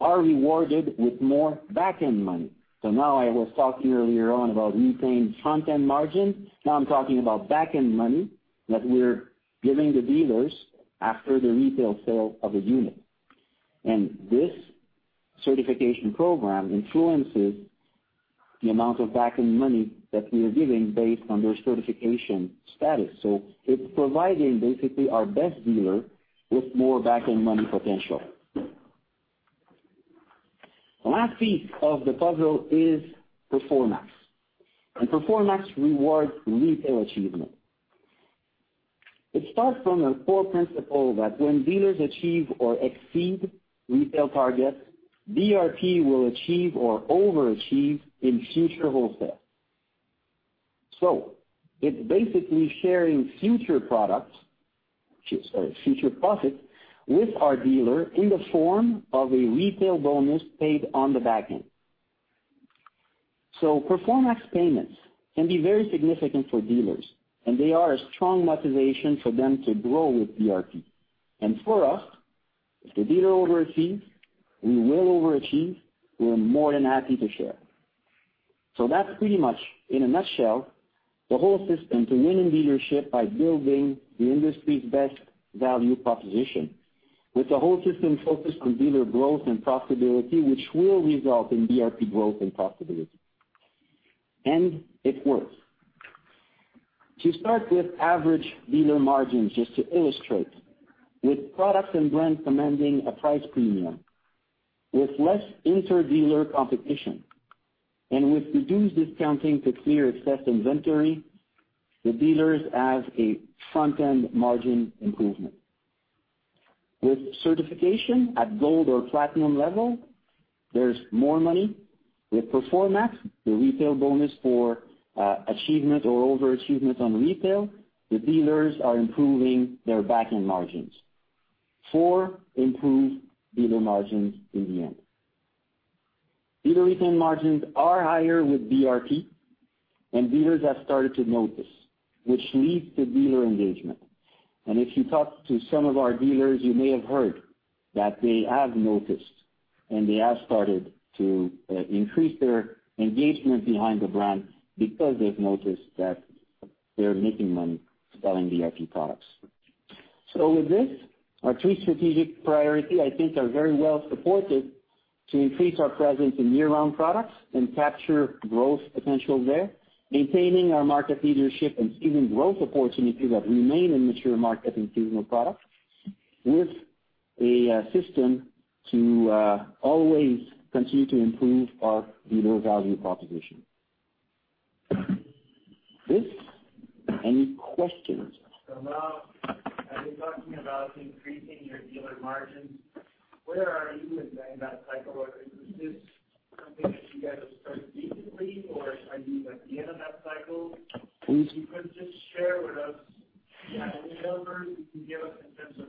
are rewarded with more back-end money. Now I was talking earlier on about retained front-end margin. I'm talking about back-end money that we're giving the dealers after the retail sale of a unit. This certification program influences the amount of back-end money that we are giving based on their certification status. It's providing basically our best dealer with more back-end money potential. The last piece of the puzzle is PerforMAX rewards retail achievement. It starts from a core principle that when dealers achieve or exceed retail targets, BRP will achieve or overachieve in future wholesale. It's basically sharing future profits with our dealer in the form of a retail bonus paid on the back end. PerforMAX payments can be very significant for dealers, and they are a strong motivation for them to grow with BRP. For us, if the dealer overachieves, we will overachieve, we are more than happy to share. That's pretty much in a nutshell, the whole system to winning dealership by building the industry's best value proposition. With the whole system focused on dealer growth and profitability, which will result in BRP growth and profitability. It works. To start with average dealer margins, just to illustrate, with products and brand commanding a price premium, with less inter-dealer competition, and with reduced discounting to clear excess inventory, the dealers have a front-end margin improvement. With certification at gold or platinum level, there's more money. With PerforMAX, the retail bonus for achievement or overachievement on retail, the dealers are improving their back-end margins for improved dealer margins in the end. Dealer retail margins are higher with BRP, and dealers have started to notice, which leads to dealer engagement. If you talk to some of our dealers, you may have heard that they have noticed, and they have started to increase their engagement behind the brand because they've noticed that they're making money selling BRP products. With this, our three strategic priority, I think, are very well supported to increase our presence in year-round products and capture growth potential there, maintaining our market leadership and even growth opportunities that remain in mature markets in seasonal products with a system to always continue to improve our dealer value proposition. With this, any questions? Now as you're talking about increasing your dealer margins, where are you in that cycle? Is this something that you guys have started recently, or are you at the end of that cycle? If you could just share with us, any numbers you can give us in terms of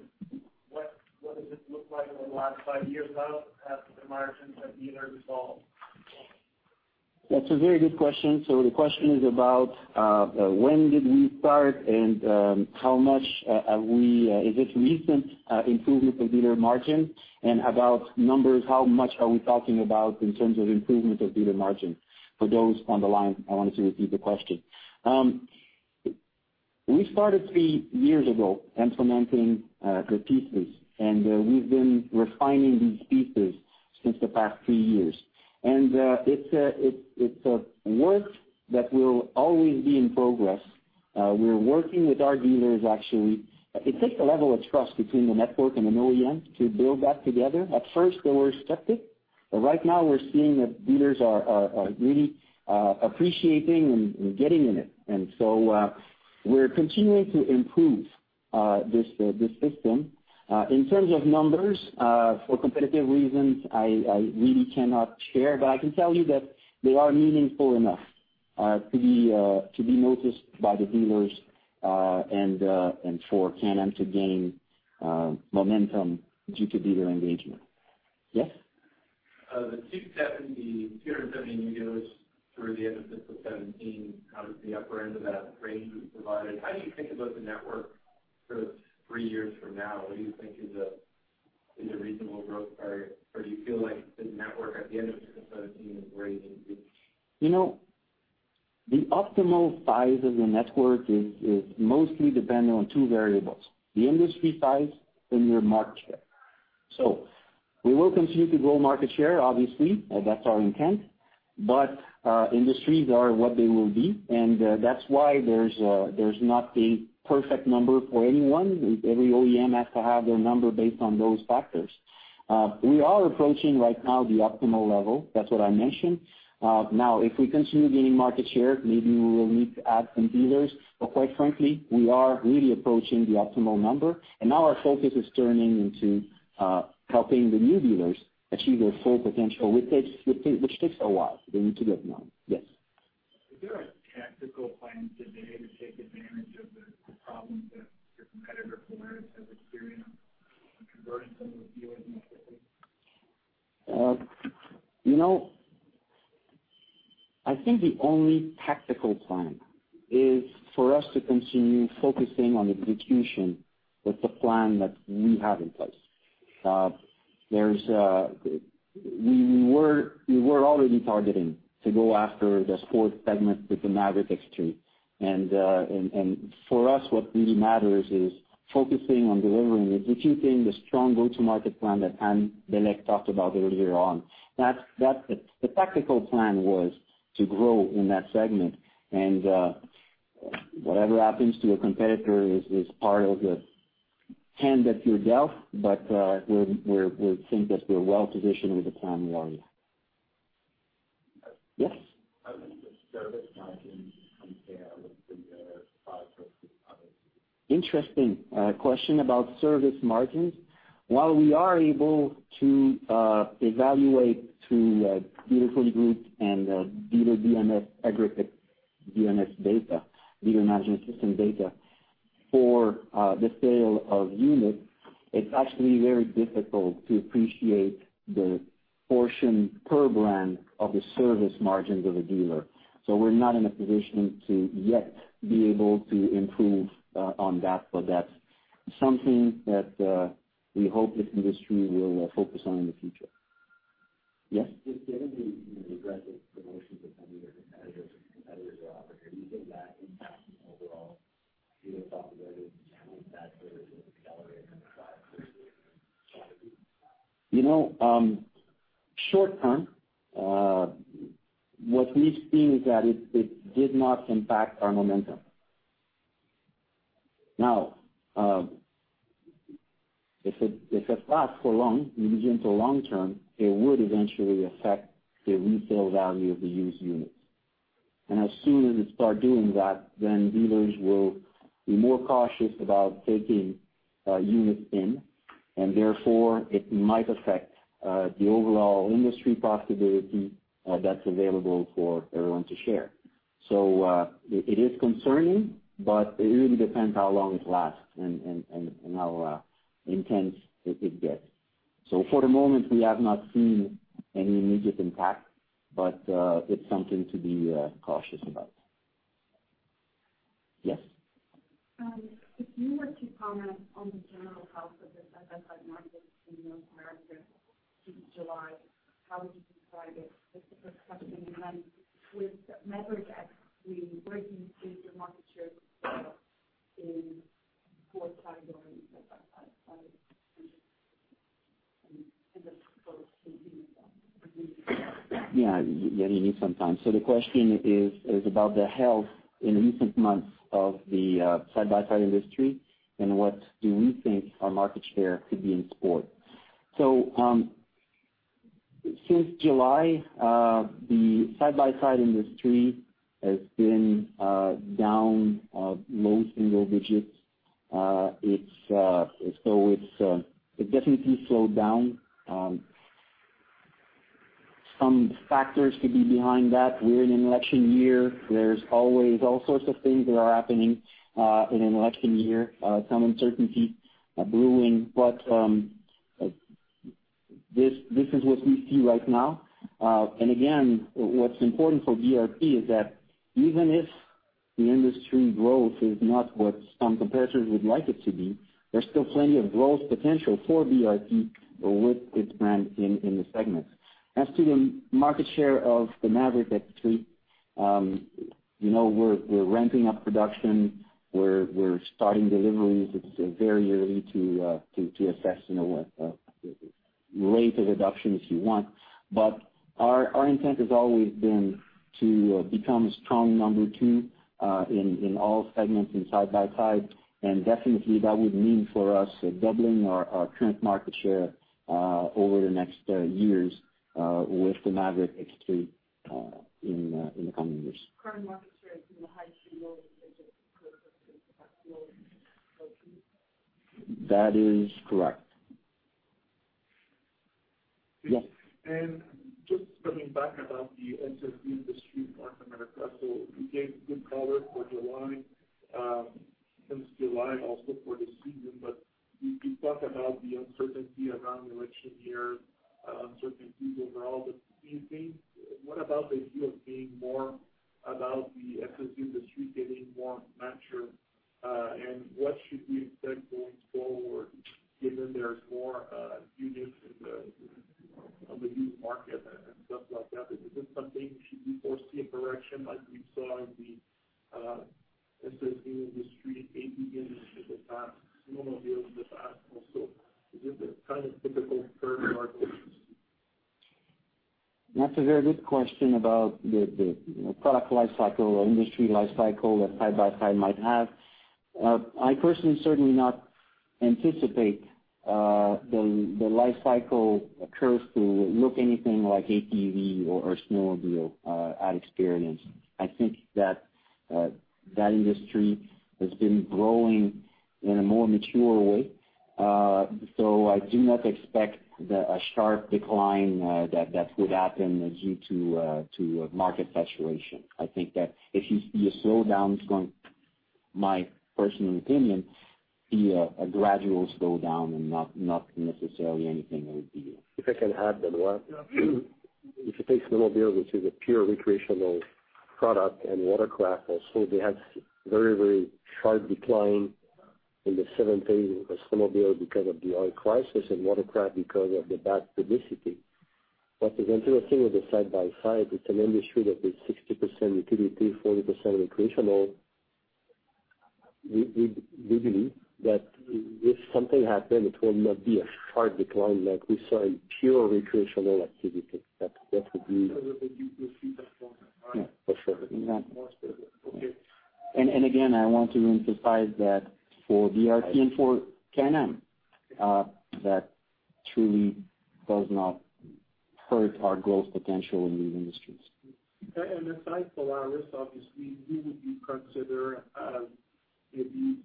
what does this look like over the last five years, how have the margins at dealer resolved? That's a very good question. The question is about, when did we start, and is this recent improvement of dealer margin? About numbers, how much are we talking about in terms of improvement of dealer margin? For those on the line, I wanted to repeat the question. We started three years ago implementing the pieces, and we've been refining these pieces since the past three years. It's a work that will always be in progress. We're working with our dealers, actually. It takes a level of trust between the network and the OEM to build that together. At first, they were skeptic, but right now we're seeing that dealers are really appreciating and getting in it. We're continuing to improve this system. In terms of numbers, for competitive reasons, I really cannot share, but I can tell you that they are meaningful enough to be noticed by the dealers, and for Can-Am to gain momentum due to dealer engagement. Yes. The 270 new dealers through the end of 2017, kind of at the upper end of that range we provided. How do you think about the network sort of three years from now? What do you think is a reasonable growth target, or do you feel like the network at the end of 2017 is where you need to be? The optimal size of the network is mostly dependent on two variables, the industry size and your market share. We will continue to grow market share, obviously. That's our intent. Industries are what they will be, and that's why there's not a perfect number for anyone. Every OEM has to have their number based on those factors. We are approaching right now the optimal level. That's what I mentioned. If we continue gaining market share, maybe we will need to add some dealers. Quite frankly, we are really approaching the optimal number, and now our focus is turning into helping the new dealers achieve their full potential, which takes a while. They need to get known. Yes. Is there a tactical plan today to take advantage of the problems that your competitor Polaris has experienced and converting some of those dealers? I think the only tactical plan is for us to continue focusing on execution with the plan that we have in place. We were already targeting to go after the sports segment with the Maverick X3. For us, what really matters is focusing on delivering and executing the strong go-to-market plan that Anne Bélec talked about earlier on. The tactical plan was to grow in that segment. Whatever happens to a competitor is part of the hand that you're dealt, but we think that we're well-positioned with the plan we are in. Yes. How does the service margins compare with the product of the others? Interesting question about service margins. While we are able to evaluate through dealer pool groups and dealer DMS, aggregate DMS data, dealer management system data for the sale of units, it's actually very difficult to appreciate the portion per brand of the service margins of a dealer. We're not in a position to yet be able to improve on that, but that's something that we hope the industry will focus on in the future. Yes. Given the aggressive promotions that some of your competitors are offering, do you think that impacts the overall dealer profitability challenge that dealers have accelerated in the product strategy? Short term, what we've seen is that it did not impact our momentum. If it lasts for long, you move into long term, it would eventually affect the resale value of the used units. As soon as it start doing that, dealers will be more cautious about taking units in, and therefore it might affect the overall industry profitability that's available for everyone to share. It is concerning, but it really depends how long it lasts and how intense it gets. For the moment, we have not seen any immediate impact, but it's something to be cautious about. Yes. If you were to comment on the general health of the side-by-side market in North America since July, how would you describe it with the question in mind with Maverick X3 breaking into market share in what category of side-by-side? I suppose you need some time. Yeah, you need some time. The question is about the health in recent months of the side-by-side industry and what do we think our market share could be in sport. Since July, the side-by-side industry has been down low single digits. It definitely slowed down. Some factors could be behind that. We're in an election year. There's always all sorts of things that are happening in an election year, some uncertainty brewing. This is what we see right now. Again, what's important for BRP is that even if the industry growth is not what some competitors would like it to be, there's still plenty of growth potential for BRP with its brand in the segment. As to the market share of the Maverick X3, we're ramping up production. We're starting deliveries. It's very early to assess rate of adoption, if you want. Our intent has always been to become a strong number two in all segments in side-by-side, and definitely that would mean for us doubling our current market share over the next years with the Maverick X3 in the coming years. Current market share is in the high single digits for That is correct. Yes. Just coming back about the SSV industry in North America. You gave good color for July, since July, also for the season. You talk about the uncertainty around election year, uncertainties overall. Do you think, what about the view of being more about the SSV industry getting more mature? What should we expect going forward, given there's more units in the used market and stuff like that? Is this something we should foresee a correction like we saw in the SSV industry, ATV industry in the past, snowmobile in the past also? Is this a kind of typical curve for our industry? That's a very good question about the product life cycle or industry life cycle that side-by-side might have. I personally certainly not anticipate the life cycle curve to look anything like ATV or snowmobile had experienced. I think that that industry has been growing in a more mature way. I do not expect a sharp decline that would happen due to market saturation. I think that if you see a slowdown, my personal opinion, be a gradual slowdown and not necessarily anything revealing. If I can add, Benoît. Yeah. If you take snowmobile, which is a pure recreational product, and watercraft also, they had very sharp decline in the '70s with snowmobile because of the oil crisis and watercraft because of the bad publicity. The interesting with the side-by-side, it's an industry that is 60% utility, 40% recreational. We believe that if something happen, it will not be a sharp decline like we saw in pure recreational activities. You foresee that for now. All right. Yeah, for sure. I want to emphasize that for BRP and for Can-Am that truly does not hurt our growth potential in these industries. Aside Polaris, obviously, who would you consider as maybe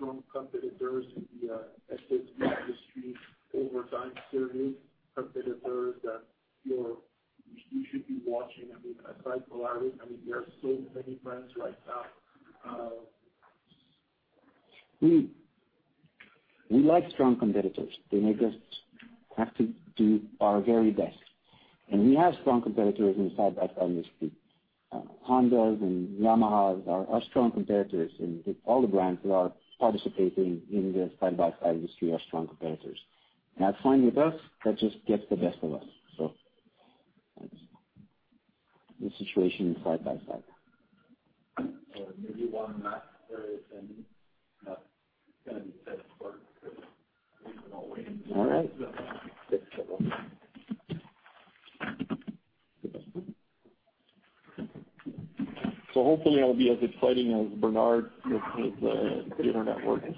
strong competitors in the SSV industry over time? Certainly competitors that you should be watching. I mean, aside Polaris, there are so many brands right now. We like strong competitors. They make us have to do our very best. We have strong competitors in the side-by-side industry. Hondas and Yamahas are strong competitors, and all the brands that are participating in the side-by-side industry are strong competitors. That's fine with us. That just gets the best of us. That's the situation in side-by-side. Maybe one last area, Sandy. It's got to be said and done because we've been all waiting. All right. Hopefully I'll be as exciting as Bernard with his internet working.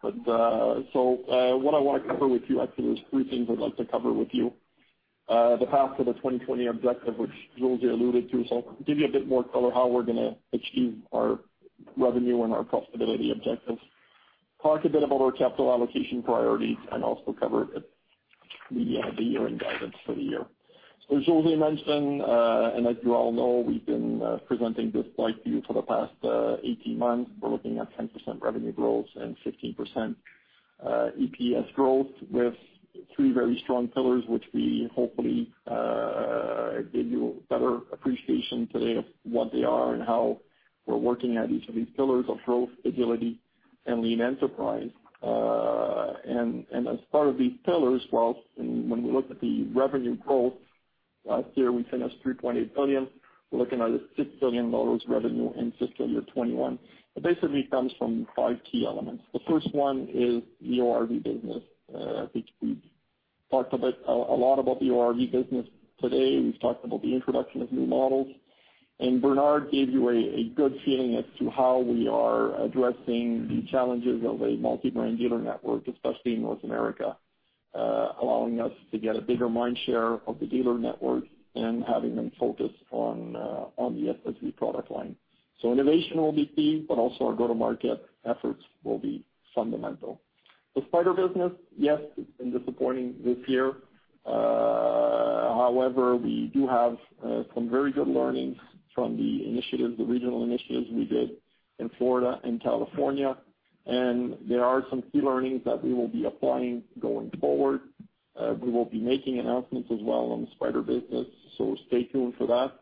What I want to cover with you actually, there's three things I'd like to cover with you. The path to the 2020 objective, which José alluded to. Give you a bit more color how we're going to achieve our revenue and our profitability objectives. Talk a bit about our capital allocation priorities and also cover the year-end guidance for the year. As José mentioned, and as you all know, we've been presenting this slide to you for the past 18 months. We're looking at 10% revenue growth and 15% EPS growth with three very strong pillars, which we hopefully gave you a better appreciation today of what they are and how we're working at each of these pillars of growth, Agility, and Lean Enterprise. As part of these pillars, when we look at the revenue growth, last year we finished 3.8 billion. We're looking at a 6 billion dollars revenue in fiscal year 2021. It basically comes from five key elements. The first one is the ORV business. I think we talked a lot about the ORV business today. We've talked about the introduction of new models, and Bernard gave you a good feeling as to how we are addressing the challenges of a multi-brand dealer network, especially in North America, allowing us to get a bigger mind share of the dealer network and having them focused on the Spyder product line. Innovation will be key, also our go-to-market efforts will be fundamental. The Spyder business, yes, it's been disappointing this year. However, we do have some very good learnings from the regional initiatives we did in Florida and California, there are some key learnings that we will be applying going forward. We will be making announcements as well on the Spyder business, stay tuned for that.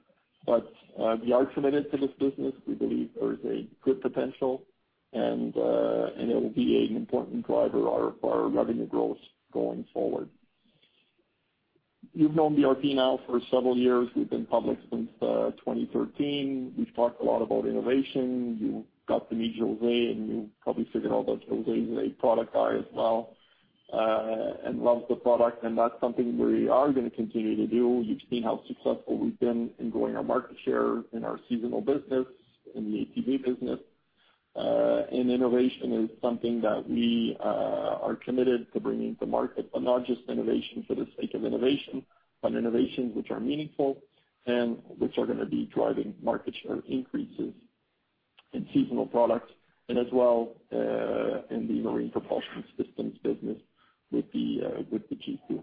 We are committed to this business. We believe there is a good potential and it will be an important driver of our revenue growth going forward. You've known BRP now for several years. We've been public since 2013. We've talked a lot about innovation. You got to meet José, and you probably figured out that José is a product guy as well and loves the product, that's something we are going to continue to do. You've seen how successful we've been in growing our market share in our seasonal business, in the ATV business. Innovation is something that we are committed to bringing to market, but not just innovation for the sake of innovation, but innovations which are meaningful and which are going to be driving market share increases in seasonal products and as well in the marine propulsion systems business with the G2.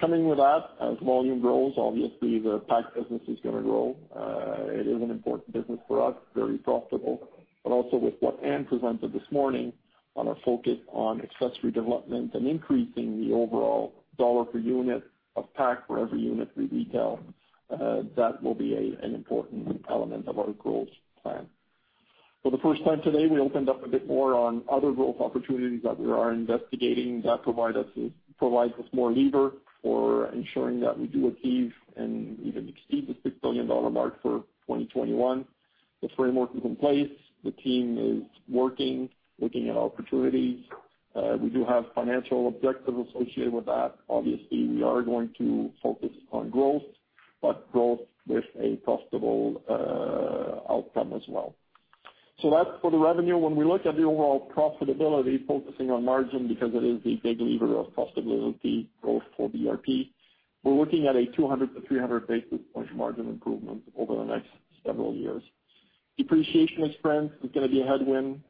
Coming with that, as volume grows, obviously the parts business is going to grow. It is an important business for us, very profitable, but also with what Anne presented this morning on our focus on accessory development and increasing the overall dollar per unit of pack for every unit we retail, that will be an important element of our growth plan. For the first time today, we opened up a bit more on other growth opportunities that we are investigating that provides us more lever for ensuring that we do achieve and even exceed the 6 billion dollar mark for 2021. The framework is in place. The team is working, looking at opportunities. We do have financial objectives associated with that. Obviously, we are going to focus on growth, but growth with a profitable outcome as well. That's for the revenue. When we look at the overall profitability, focusing on margin because it is the big lever of profitability growth for BRP, we are looking at a 200 to 300 basis point margin improvement over the next several years. Depreciation expense is going to be a headwind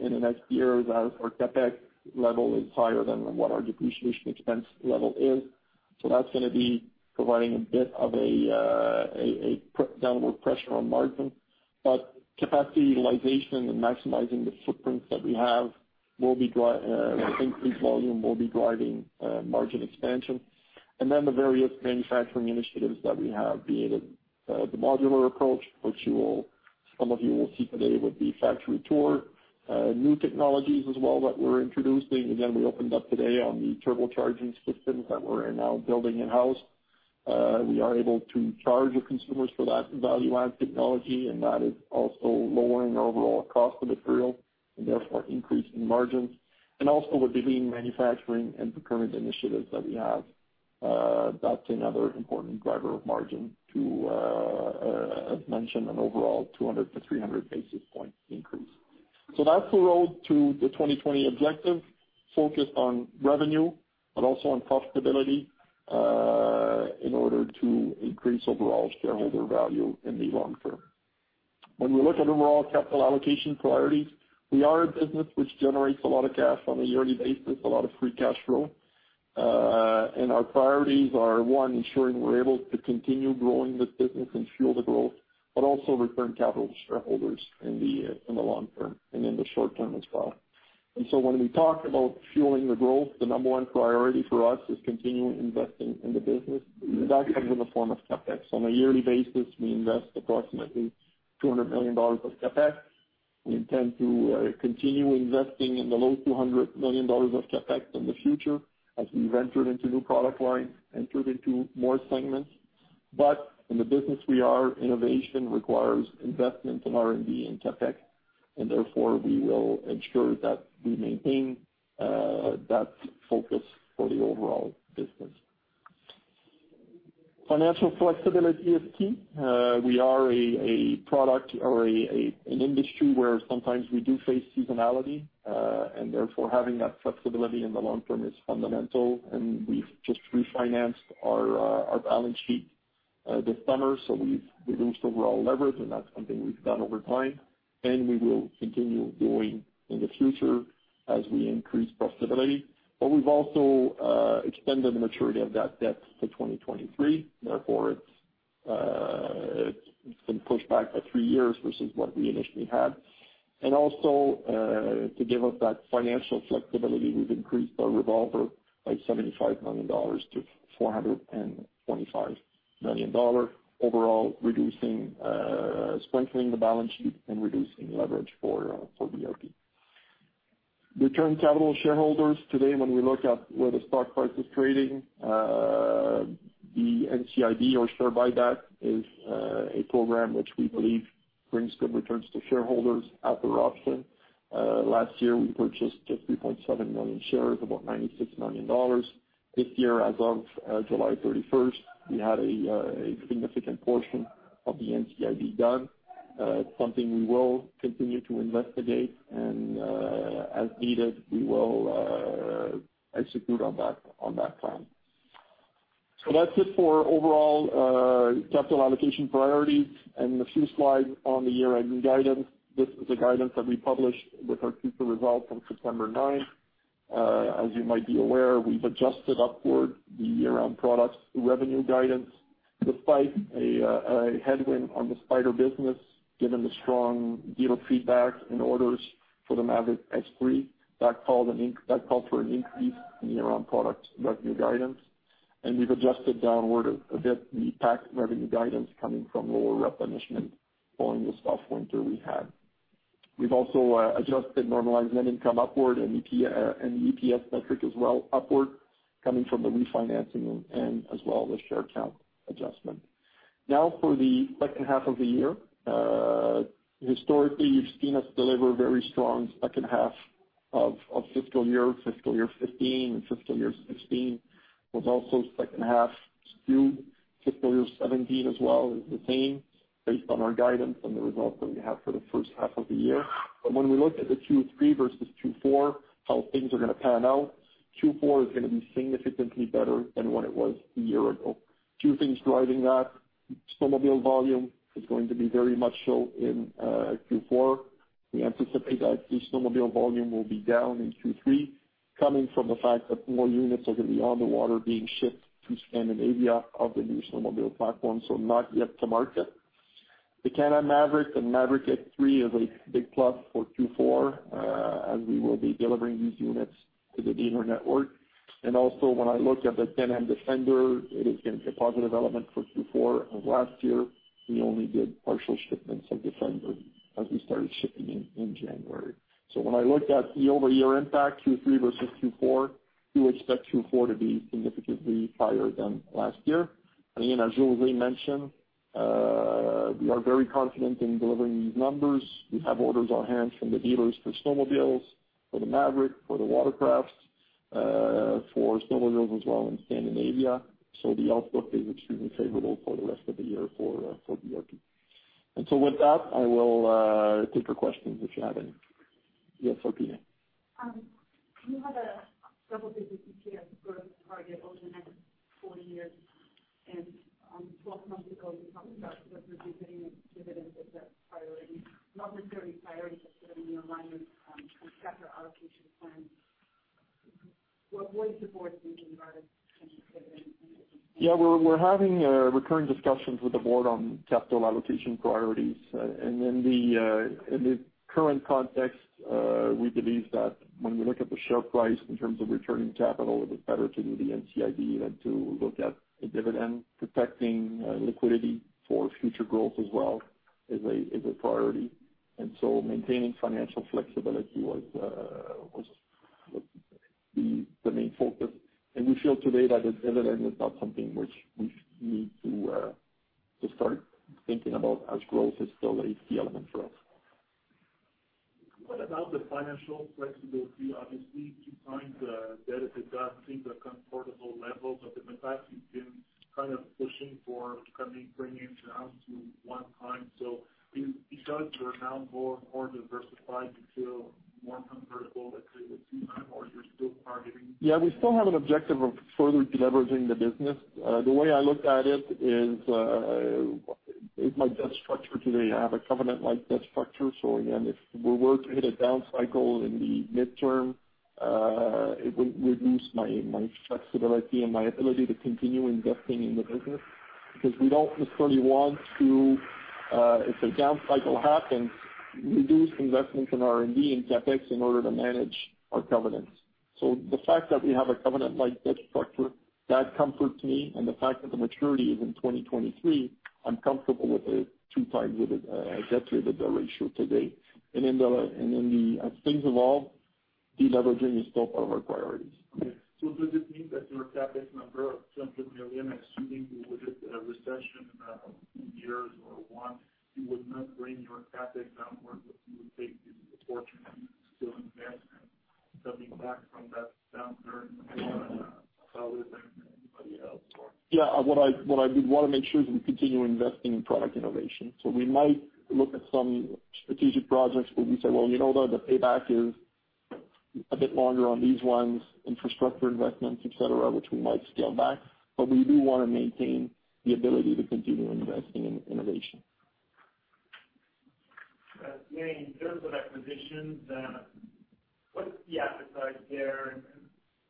in the next year as our CapEx level is higher than what our depreciation expense level is. That's going to be providing a bit of a downward pressure on margin. Capacity utilization and maximizing the footprints that we have with increased volume will be driving margin expansion. The various manufacturing initiatives that we have, be it the modular approach, which some of you will see today with the factory tour, new technologies as well that we are introducing. Again, we opened up today on the turbocharging systems that we are now building in-house. We are able to charge the consumers for that value-add technology, and that is also lowering our overall cost of material and therefore increasing margins. Also with the lean manufacturing and procurement initiatives that we have, that's another important driver of margin to, as mentioned, an overall 200 to 300 basis point increase. That's the road to the 2020 objective, focused on revenue but also on profitability in order to increase overall shareholder value in the long term. When we look at overall capital allocation priorities, we are a business which generates a lot of cash on a yearly basis, a lot of free cash flow. Our priorities are, one, ensuring we are able to continue growing this business and fuel the growth, but also return capital to shareholders in the long term and in the short term as well. When we talk about fueling the growth, the number one priority for us is continuing investing in the business. That comes in the form of CapEx. On a yearly basis, we invest approximately 200 million dollars of CapEx. We intend to continue investing in the low 200 million dollars of CapEx in the future as we venture into new product lines, enter into more segments. In the business we are, innovation requires investment in R&D and CapEx, we will ensure that we maintain that focus for the overall business. Financial flexibility is key. We are a product or an industry where sometimes we do face seasonality, having that flexibility in the long term is fundamental. We've just refinanced our balance sheet this summer, we've reduced overall leverage, that's something we've done over time, we will continue doing in the future as we increase profitability. We've also extended the maturity of that debt to 2023. It's been pushed back by three years versus what we initially had. Also, to give us that financial flexibility, we've increased our revolver by 75 million-425 million dollars, overall reducing, strengthening the balance sheet and reducing leverage for BRP. Return capital to shareholders. Today, when we look at where the stock price is trading, the NCIB or share buyback is a program which we believe brings good returns to shareholders as an option. Last year, we purchased just 3.7 million shares, about 96 million dollars. This year, as of July 31st, we had a significant portion of the NCIB done. It's something we will continue to investigate and, as needed, we will execute on that plan. That's it for overall capital allocation priorities. A few slides on the year-end guidance. This is the guidance that we published with our Q2 results on September 9th. As you might be aware, we've adjusted upward the year-end products revenue guidance despite a headwind on the Spyder business, given the strong dealer feedback and orders for the Maverick X3. That called for an increase in year-end product revenue guidance. We've adjusted downward a bit the PAC revenue guidance coming from lower replenishment following the soft winter we had. We've also adjusted normalized net income upward and the EPS metric as well upward coming from the refinancing and as well the share count adjustment. For the second half of the year. Historically, you've seen us deliver very strong second half of fiscal year 2015 and fiscal year 2016. It was also second half skew. Fiscal year 2017 as well is the same based on our guidance and the results that we have for the first half of the year. When we look at the Q3 versus Q4, how things are going to pan out, Q4 is going to be significantly better than what it was a year ago. Two things driving that. Snowmobile volume is going to be very much so in Q4. We anticipate that the snowmobile volume will be down in Q3, coming from the fact that more units are going to be on the water being shipped to Scandinavia of the new snowmobile platform, so not yet to market. The Can-Am Maverick and Maverick X3 is a big plus for Q4, as we will be delivering these units to the dealer network. Also when I look at the Can-Am Defender, it is again a positive element for Q4. Last year, we only did partial shipments of Defender as we started shipping in January. When I look at the year-over-year impact, Q3 versus Q4, we would expect Q4 to be significantly higher than last year. Again, as José mentioned, we are very confident in delivering these numbers. We have orders on hand from the dealers for snowmobiles, for the Maverick, for the watercrafts, for snowmobiles as well in Scandinavia. The outlook is extremely favorable for the rest of the year for BRP. With that, I will take your questions if you have any. Yes, Sophia. You have a double-digit EPS growth target over the next four years, 12 months ago, you were talking about distributing a dividend as a priority. Not necessarily priority, but in alignment with capital allocation plans. What was the board's thinking about dividend? We're having recurring discussions with the board on capital allocation priorities. In the current context, we believe that when we look at the share price in terms of returning capital, it is better to do the NCIB than to look at a dividend. Protecting liquidity for future growth as well is a priority. Maintaining financial flexibility was the main focus. We feel today that a dividend is not something which we need to start thinking about as growth is still a key element for us. What about the financial flexibility? Obviously, two times the debt is, I think, a comfortable level, but the fact you've been kind of pushing for bringing it down to one time. Because you are now more diversified, you feel more comfortable with the two time or you're still targeting? We still have an objective of further deleveraging the business. The way I look at it is my debt structure today. I have a covenant light debt structure. Again, if we were to hit a down cycle in the midterm, it would reduce my flexibility and my ability to continue investing in the business. Because we don't necessarily want to, if a down cycle happens, reduce investments in R&D and CapEx in order to manage our covenants. The fact that we have a covenant light debt structure, that comforts me, and the fact that the maturity is in 2023, I'm comfortable with a two times debt-to-EBITDA ratio today. As things evolve, deleveraging is still part of our priorities. Okay. Does it mean that your CapEx number of 200 million, assuming we would hit a recession in a few years or one, you would not bring your CapEx downward, but you would take the portion and still invest? Stepping back from that downturn than anybody else or? What I did want to make sure is we continue investing in product innovation. We might look at some strategic projects where we say, "Well, the payback is a bit longer on these ones, infrastructure investments, et cetera," which we might scale back. We do want to maintain the ability to continue investing in innovation. And in terms of acquisitions, what's the appetite there and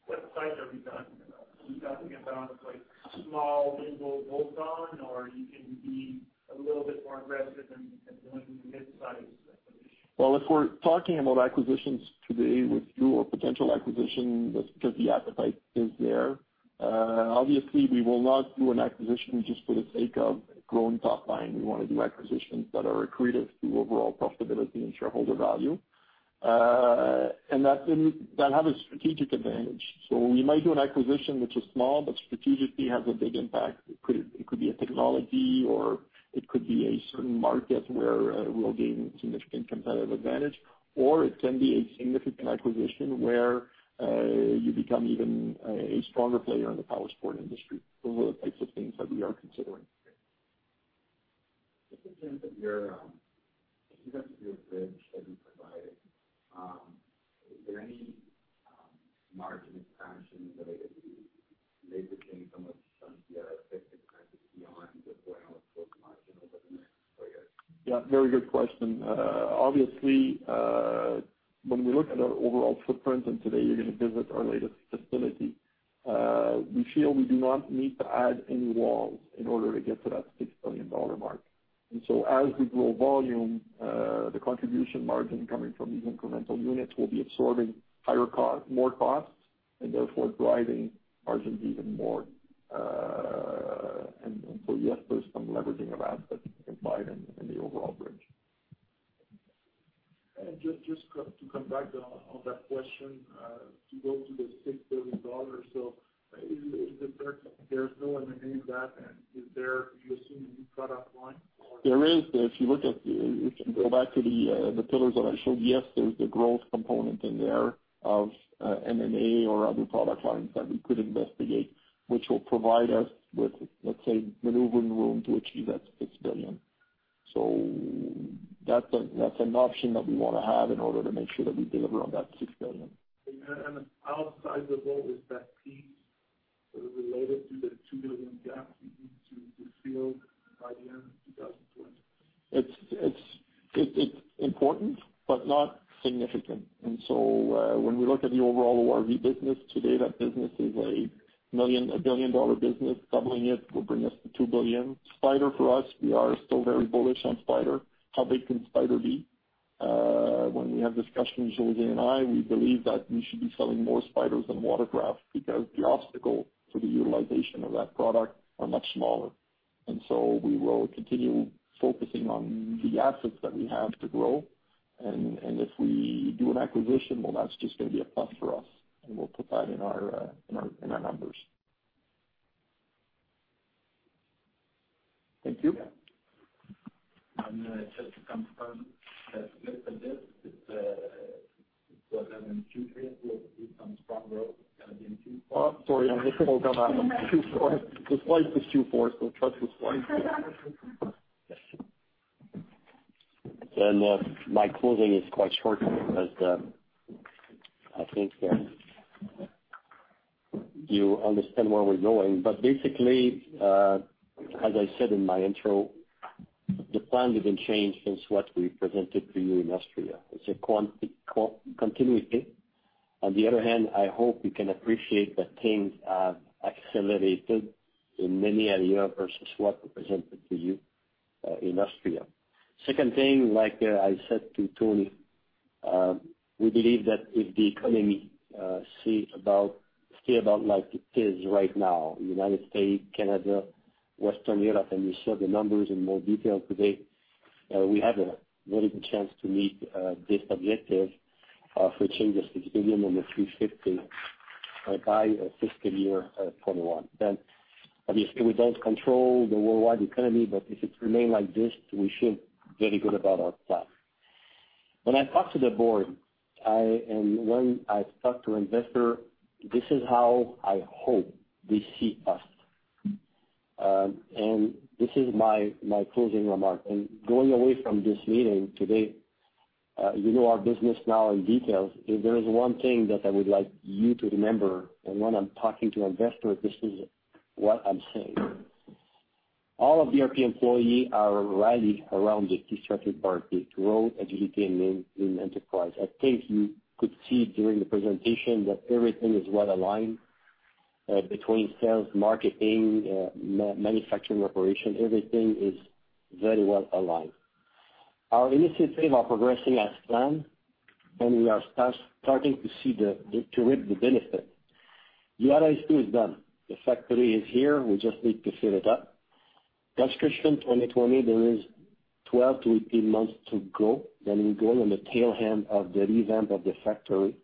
what sites are we talking about? Are we talking about like small, little bolt-on or you can be a little bit more aggressive in doing mid-sized acquisitions? Well, if we're talking about acquisitions today with you or potential acquisition, that's because the appetite is there. Obviously, we will not do an acquisition just for the sake of growing top line. We want to do acquisitions that are accretive to overall profitability and shareholder value. That have a strategic advantage. We might do an acquisition which is small, but strategically has a big impact. It could be a technology or it could be a certain market where we'll gain significant competitive advantage. It can be a significant acquisition where you become even a stronger player in the powersports industry. Those are the types of things that we are considering. Just in terms of your bridge that you provided, is there any margin expansion related to leveraging some of the other fixed expenses beyond just the gross margin over the next four years? Yeah, very good question. Obviously, when we look at our overall footprint, and today you're gonna visit our latest facility, we feel we do not need to add any walls in order to get to that 6 billion dollar mark. As we grow volume, the contribution margin coming from these incremental units will be absorbing more costs and therefore driving margins even more. Yes, there's some leveraging of assets implied in the overall bridge. Just to come back on that question, to go to the 6 billion dollars. There's no M&A in that and you assume a new product line. There is. If you go back to the pillars that I showed, yes, there's the growth component in there of M&A or other product lines that we could investigate, which will provide us with, let's say, maneuvering room to achieve that 6 billion. That's an option that we want to have in order to make sure that we deliver on that 6 billion. How sizable is that piece related to the 2 billion gap you need to fill by the end of 2020? It's important but not significant. When we look at the overall ORV business today, that business is a billion-dollar business. Doubling it will bring us to 2 billion. Spyder for us, we are still very bullish on Spyder. How big can Spyder be? When we have discussions, José and I, we believe that we should be selling more Spyders than Watercraft because the obstacle for the utilization of that product are much smaller. We will continue focusing on the assets that we have to grow. If we do an acquisition, well, that's just going to be a plus for us and we'll put that in our numbers. Thank you. Yeah. Yann, just to confirm that with this, it's what, in Q3 we'll see some strong growth going into Q4? Oh, sorry. I misspoke on that one. The slide says Q4, so trust the slide. My closing is quite short because I think that you understand where we're going. Basically, as I said in my intro, the plan didn't change since what we presented to you in Austria. Second thing, like I said to Tony, we believe that if the economy stay about like it is right now, U.S., Canada, Western Europe, and we show the numbers in more detail today, we have a very good chance to meet this objective for change of 6 billion number 350 by fiscal year 2021. Obviously we don't control the worldwide economy, but if it remain like this, we should very good about our plan. When I talk to the board and when I talk to investor, this is how I hope they see us. This is my closing remark. Going away from this meeting today, you know our business now in details. If there is one thing that I would like you to remember and when I'm talking to investors, this is what I'm saying. All of BRP employee are rallied around this strategic priority to grow, educate and win in enterprise. I think you could see during the presentation that everything is well aligned between sales, marketing, manufacturing operation. Everything is very well aligned. Our initiatives are progressing as planned and we are starting to reap the benefit. The RSE is done. The factory is here. We just need to fill it up. Gunskirchen 2020, there is 12 to 18 months to go. We go on the tail end of the revamp of the factory.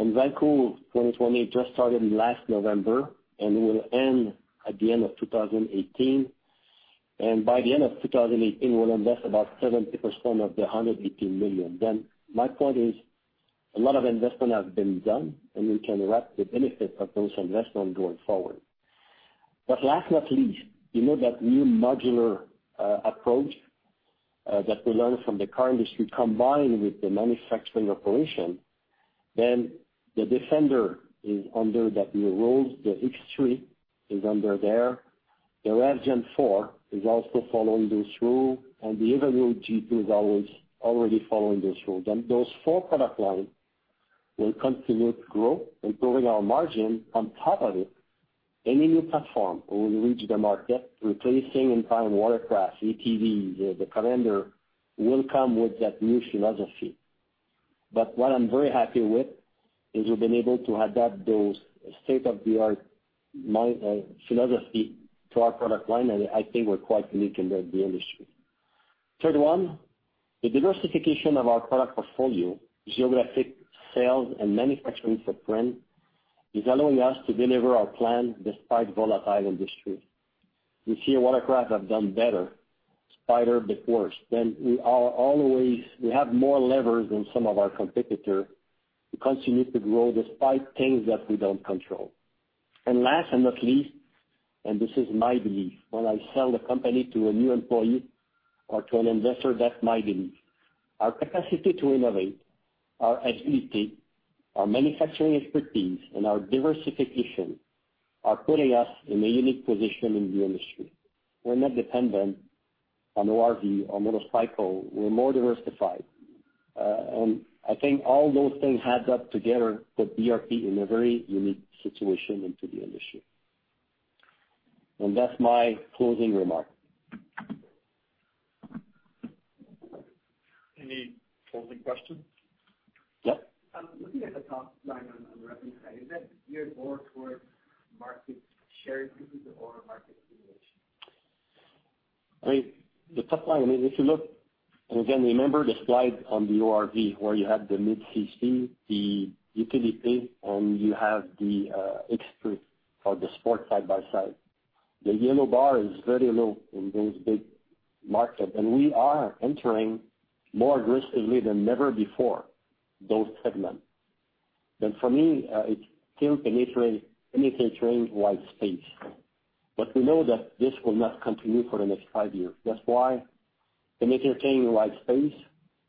Valcourt 2020 just started last November and will end at the end of 2018. By the end of 2018, we'll invest about 70% of the 118 million. My point is, a lot of investment has been done, and we can reap the benefit of those investments going forward. Last not least, you know that new modular approach that we learned from the car industry combined with the manufacturing operation, the Defender is under that new rule. The X3 is under there. The REV Gen4 is also following this rule, and the Evinrude G2 is already following this rule. Those four product lines will continue to grow, improving our margin. On top of it, any new platform will reach the market replacing, in time, watercraft, ATVs. The calendar will come with that new philosophy. What I'm very happy with is we've been able to adapt those state-of-the-art philosophy to our product line, and I think we're quite unique in the industry. Third, the diversification of our product portfolio, geographic sales, and manufacturing footprint is allowing us to deliver our plan despite volatile industry. We see watercraft have done better, Spyder a bit worse. We have more levers than some of our competitors to continue to grow despite things that we don't control. Last and not least, and this is my belief. When I sell the company to a new employee or to an investor, that's my belief. Our capacity to innovate, our agility, our manufacturing expertise, and our diversification are putting us in a unique position in the industry. We're not dependent on ORV or motorcycle. We're more diversified. I think all those things add up together, put BRP in a very unique situation into the industry. That's my closing remark. Any closing questions? Yeah. Looking at the top line on the revenue side, is that geared more towards market share increases or market stimulation? The top line, if you look, again, remember the slide on the ORV where you have the mid-cc, the utility, and you have the X3 or the sport side by side. The yellow bar is very low in those big markets, and we are entering more aggressively than ever before those segments. For me, it's still penetrating white space. We know that this will not continue for the next five years. That's why penetrating white space,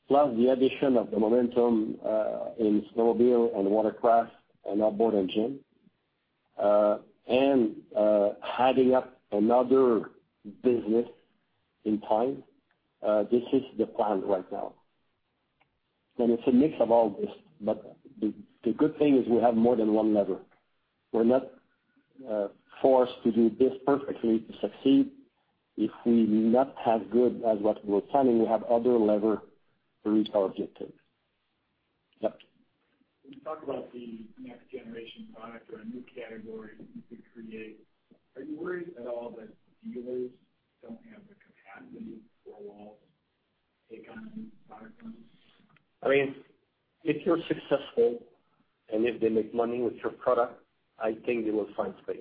plus the addition of the momentum in snowmobile and watercraft and outboard engine, and adding up another business in time, this is the plan right now. It's a mix of all this, but the good thing is we have more than one lever. We're not forced to do this perfectly to succeed. If we not have good as what we're planning, we have other lever to reach our objective. Yep. Can you talk about the next generation product or a new category that you could create? Are you worried at all that dealers don't have the capacity for all take on new product lines? If you're successful and if they make money with your product, I think they will find space.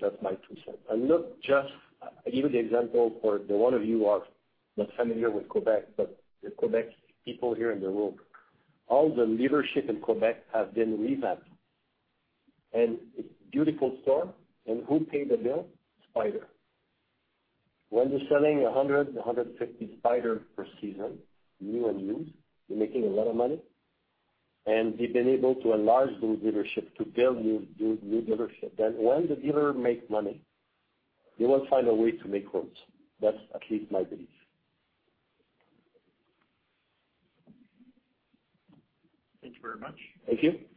That's my two cents. I give you the example for the one of you who are not familiar with Quebec, but the Quebec people here in the room. All the dealership in Quebec have been revamped, and it's beautiful store. Who paid the bill? Spyder. When they're selling 100 to 150 Spyder per season, new and used, they're making a lot of money, and they've been able to enlarge those dealerships to build new dealership. When the dealer make money, they will find a way to make. <inaudible> That's at least my belief. Thank you very much. Thank you.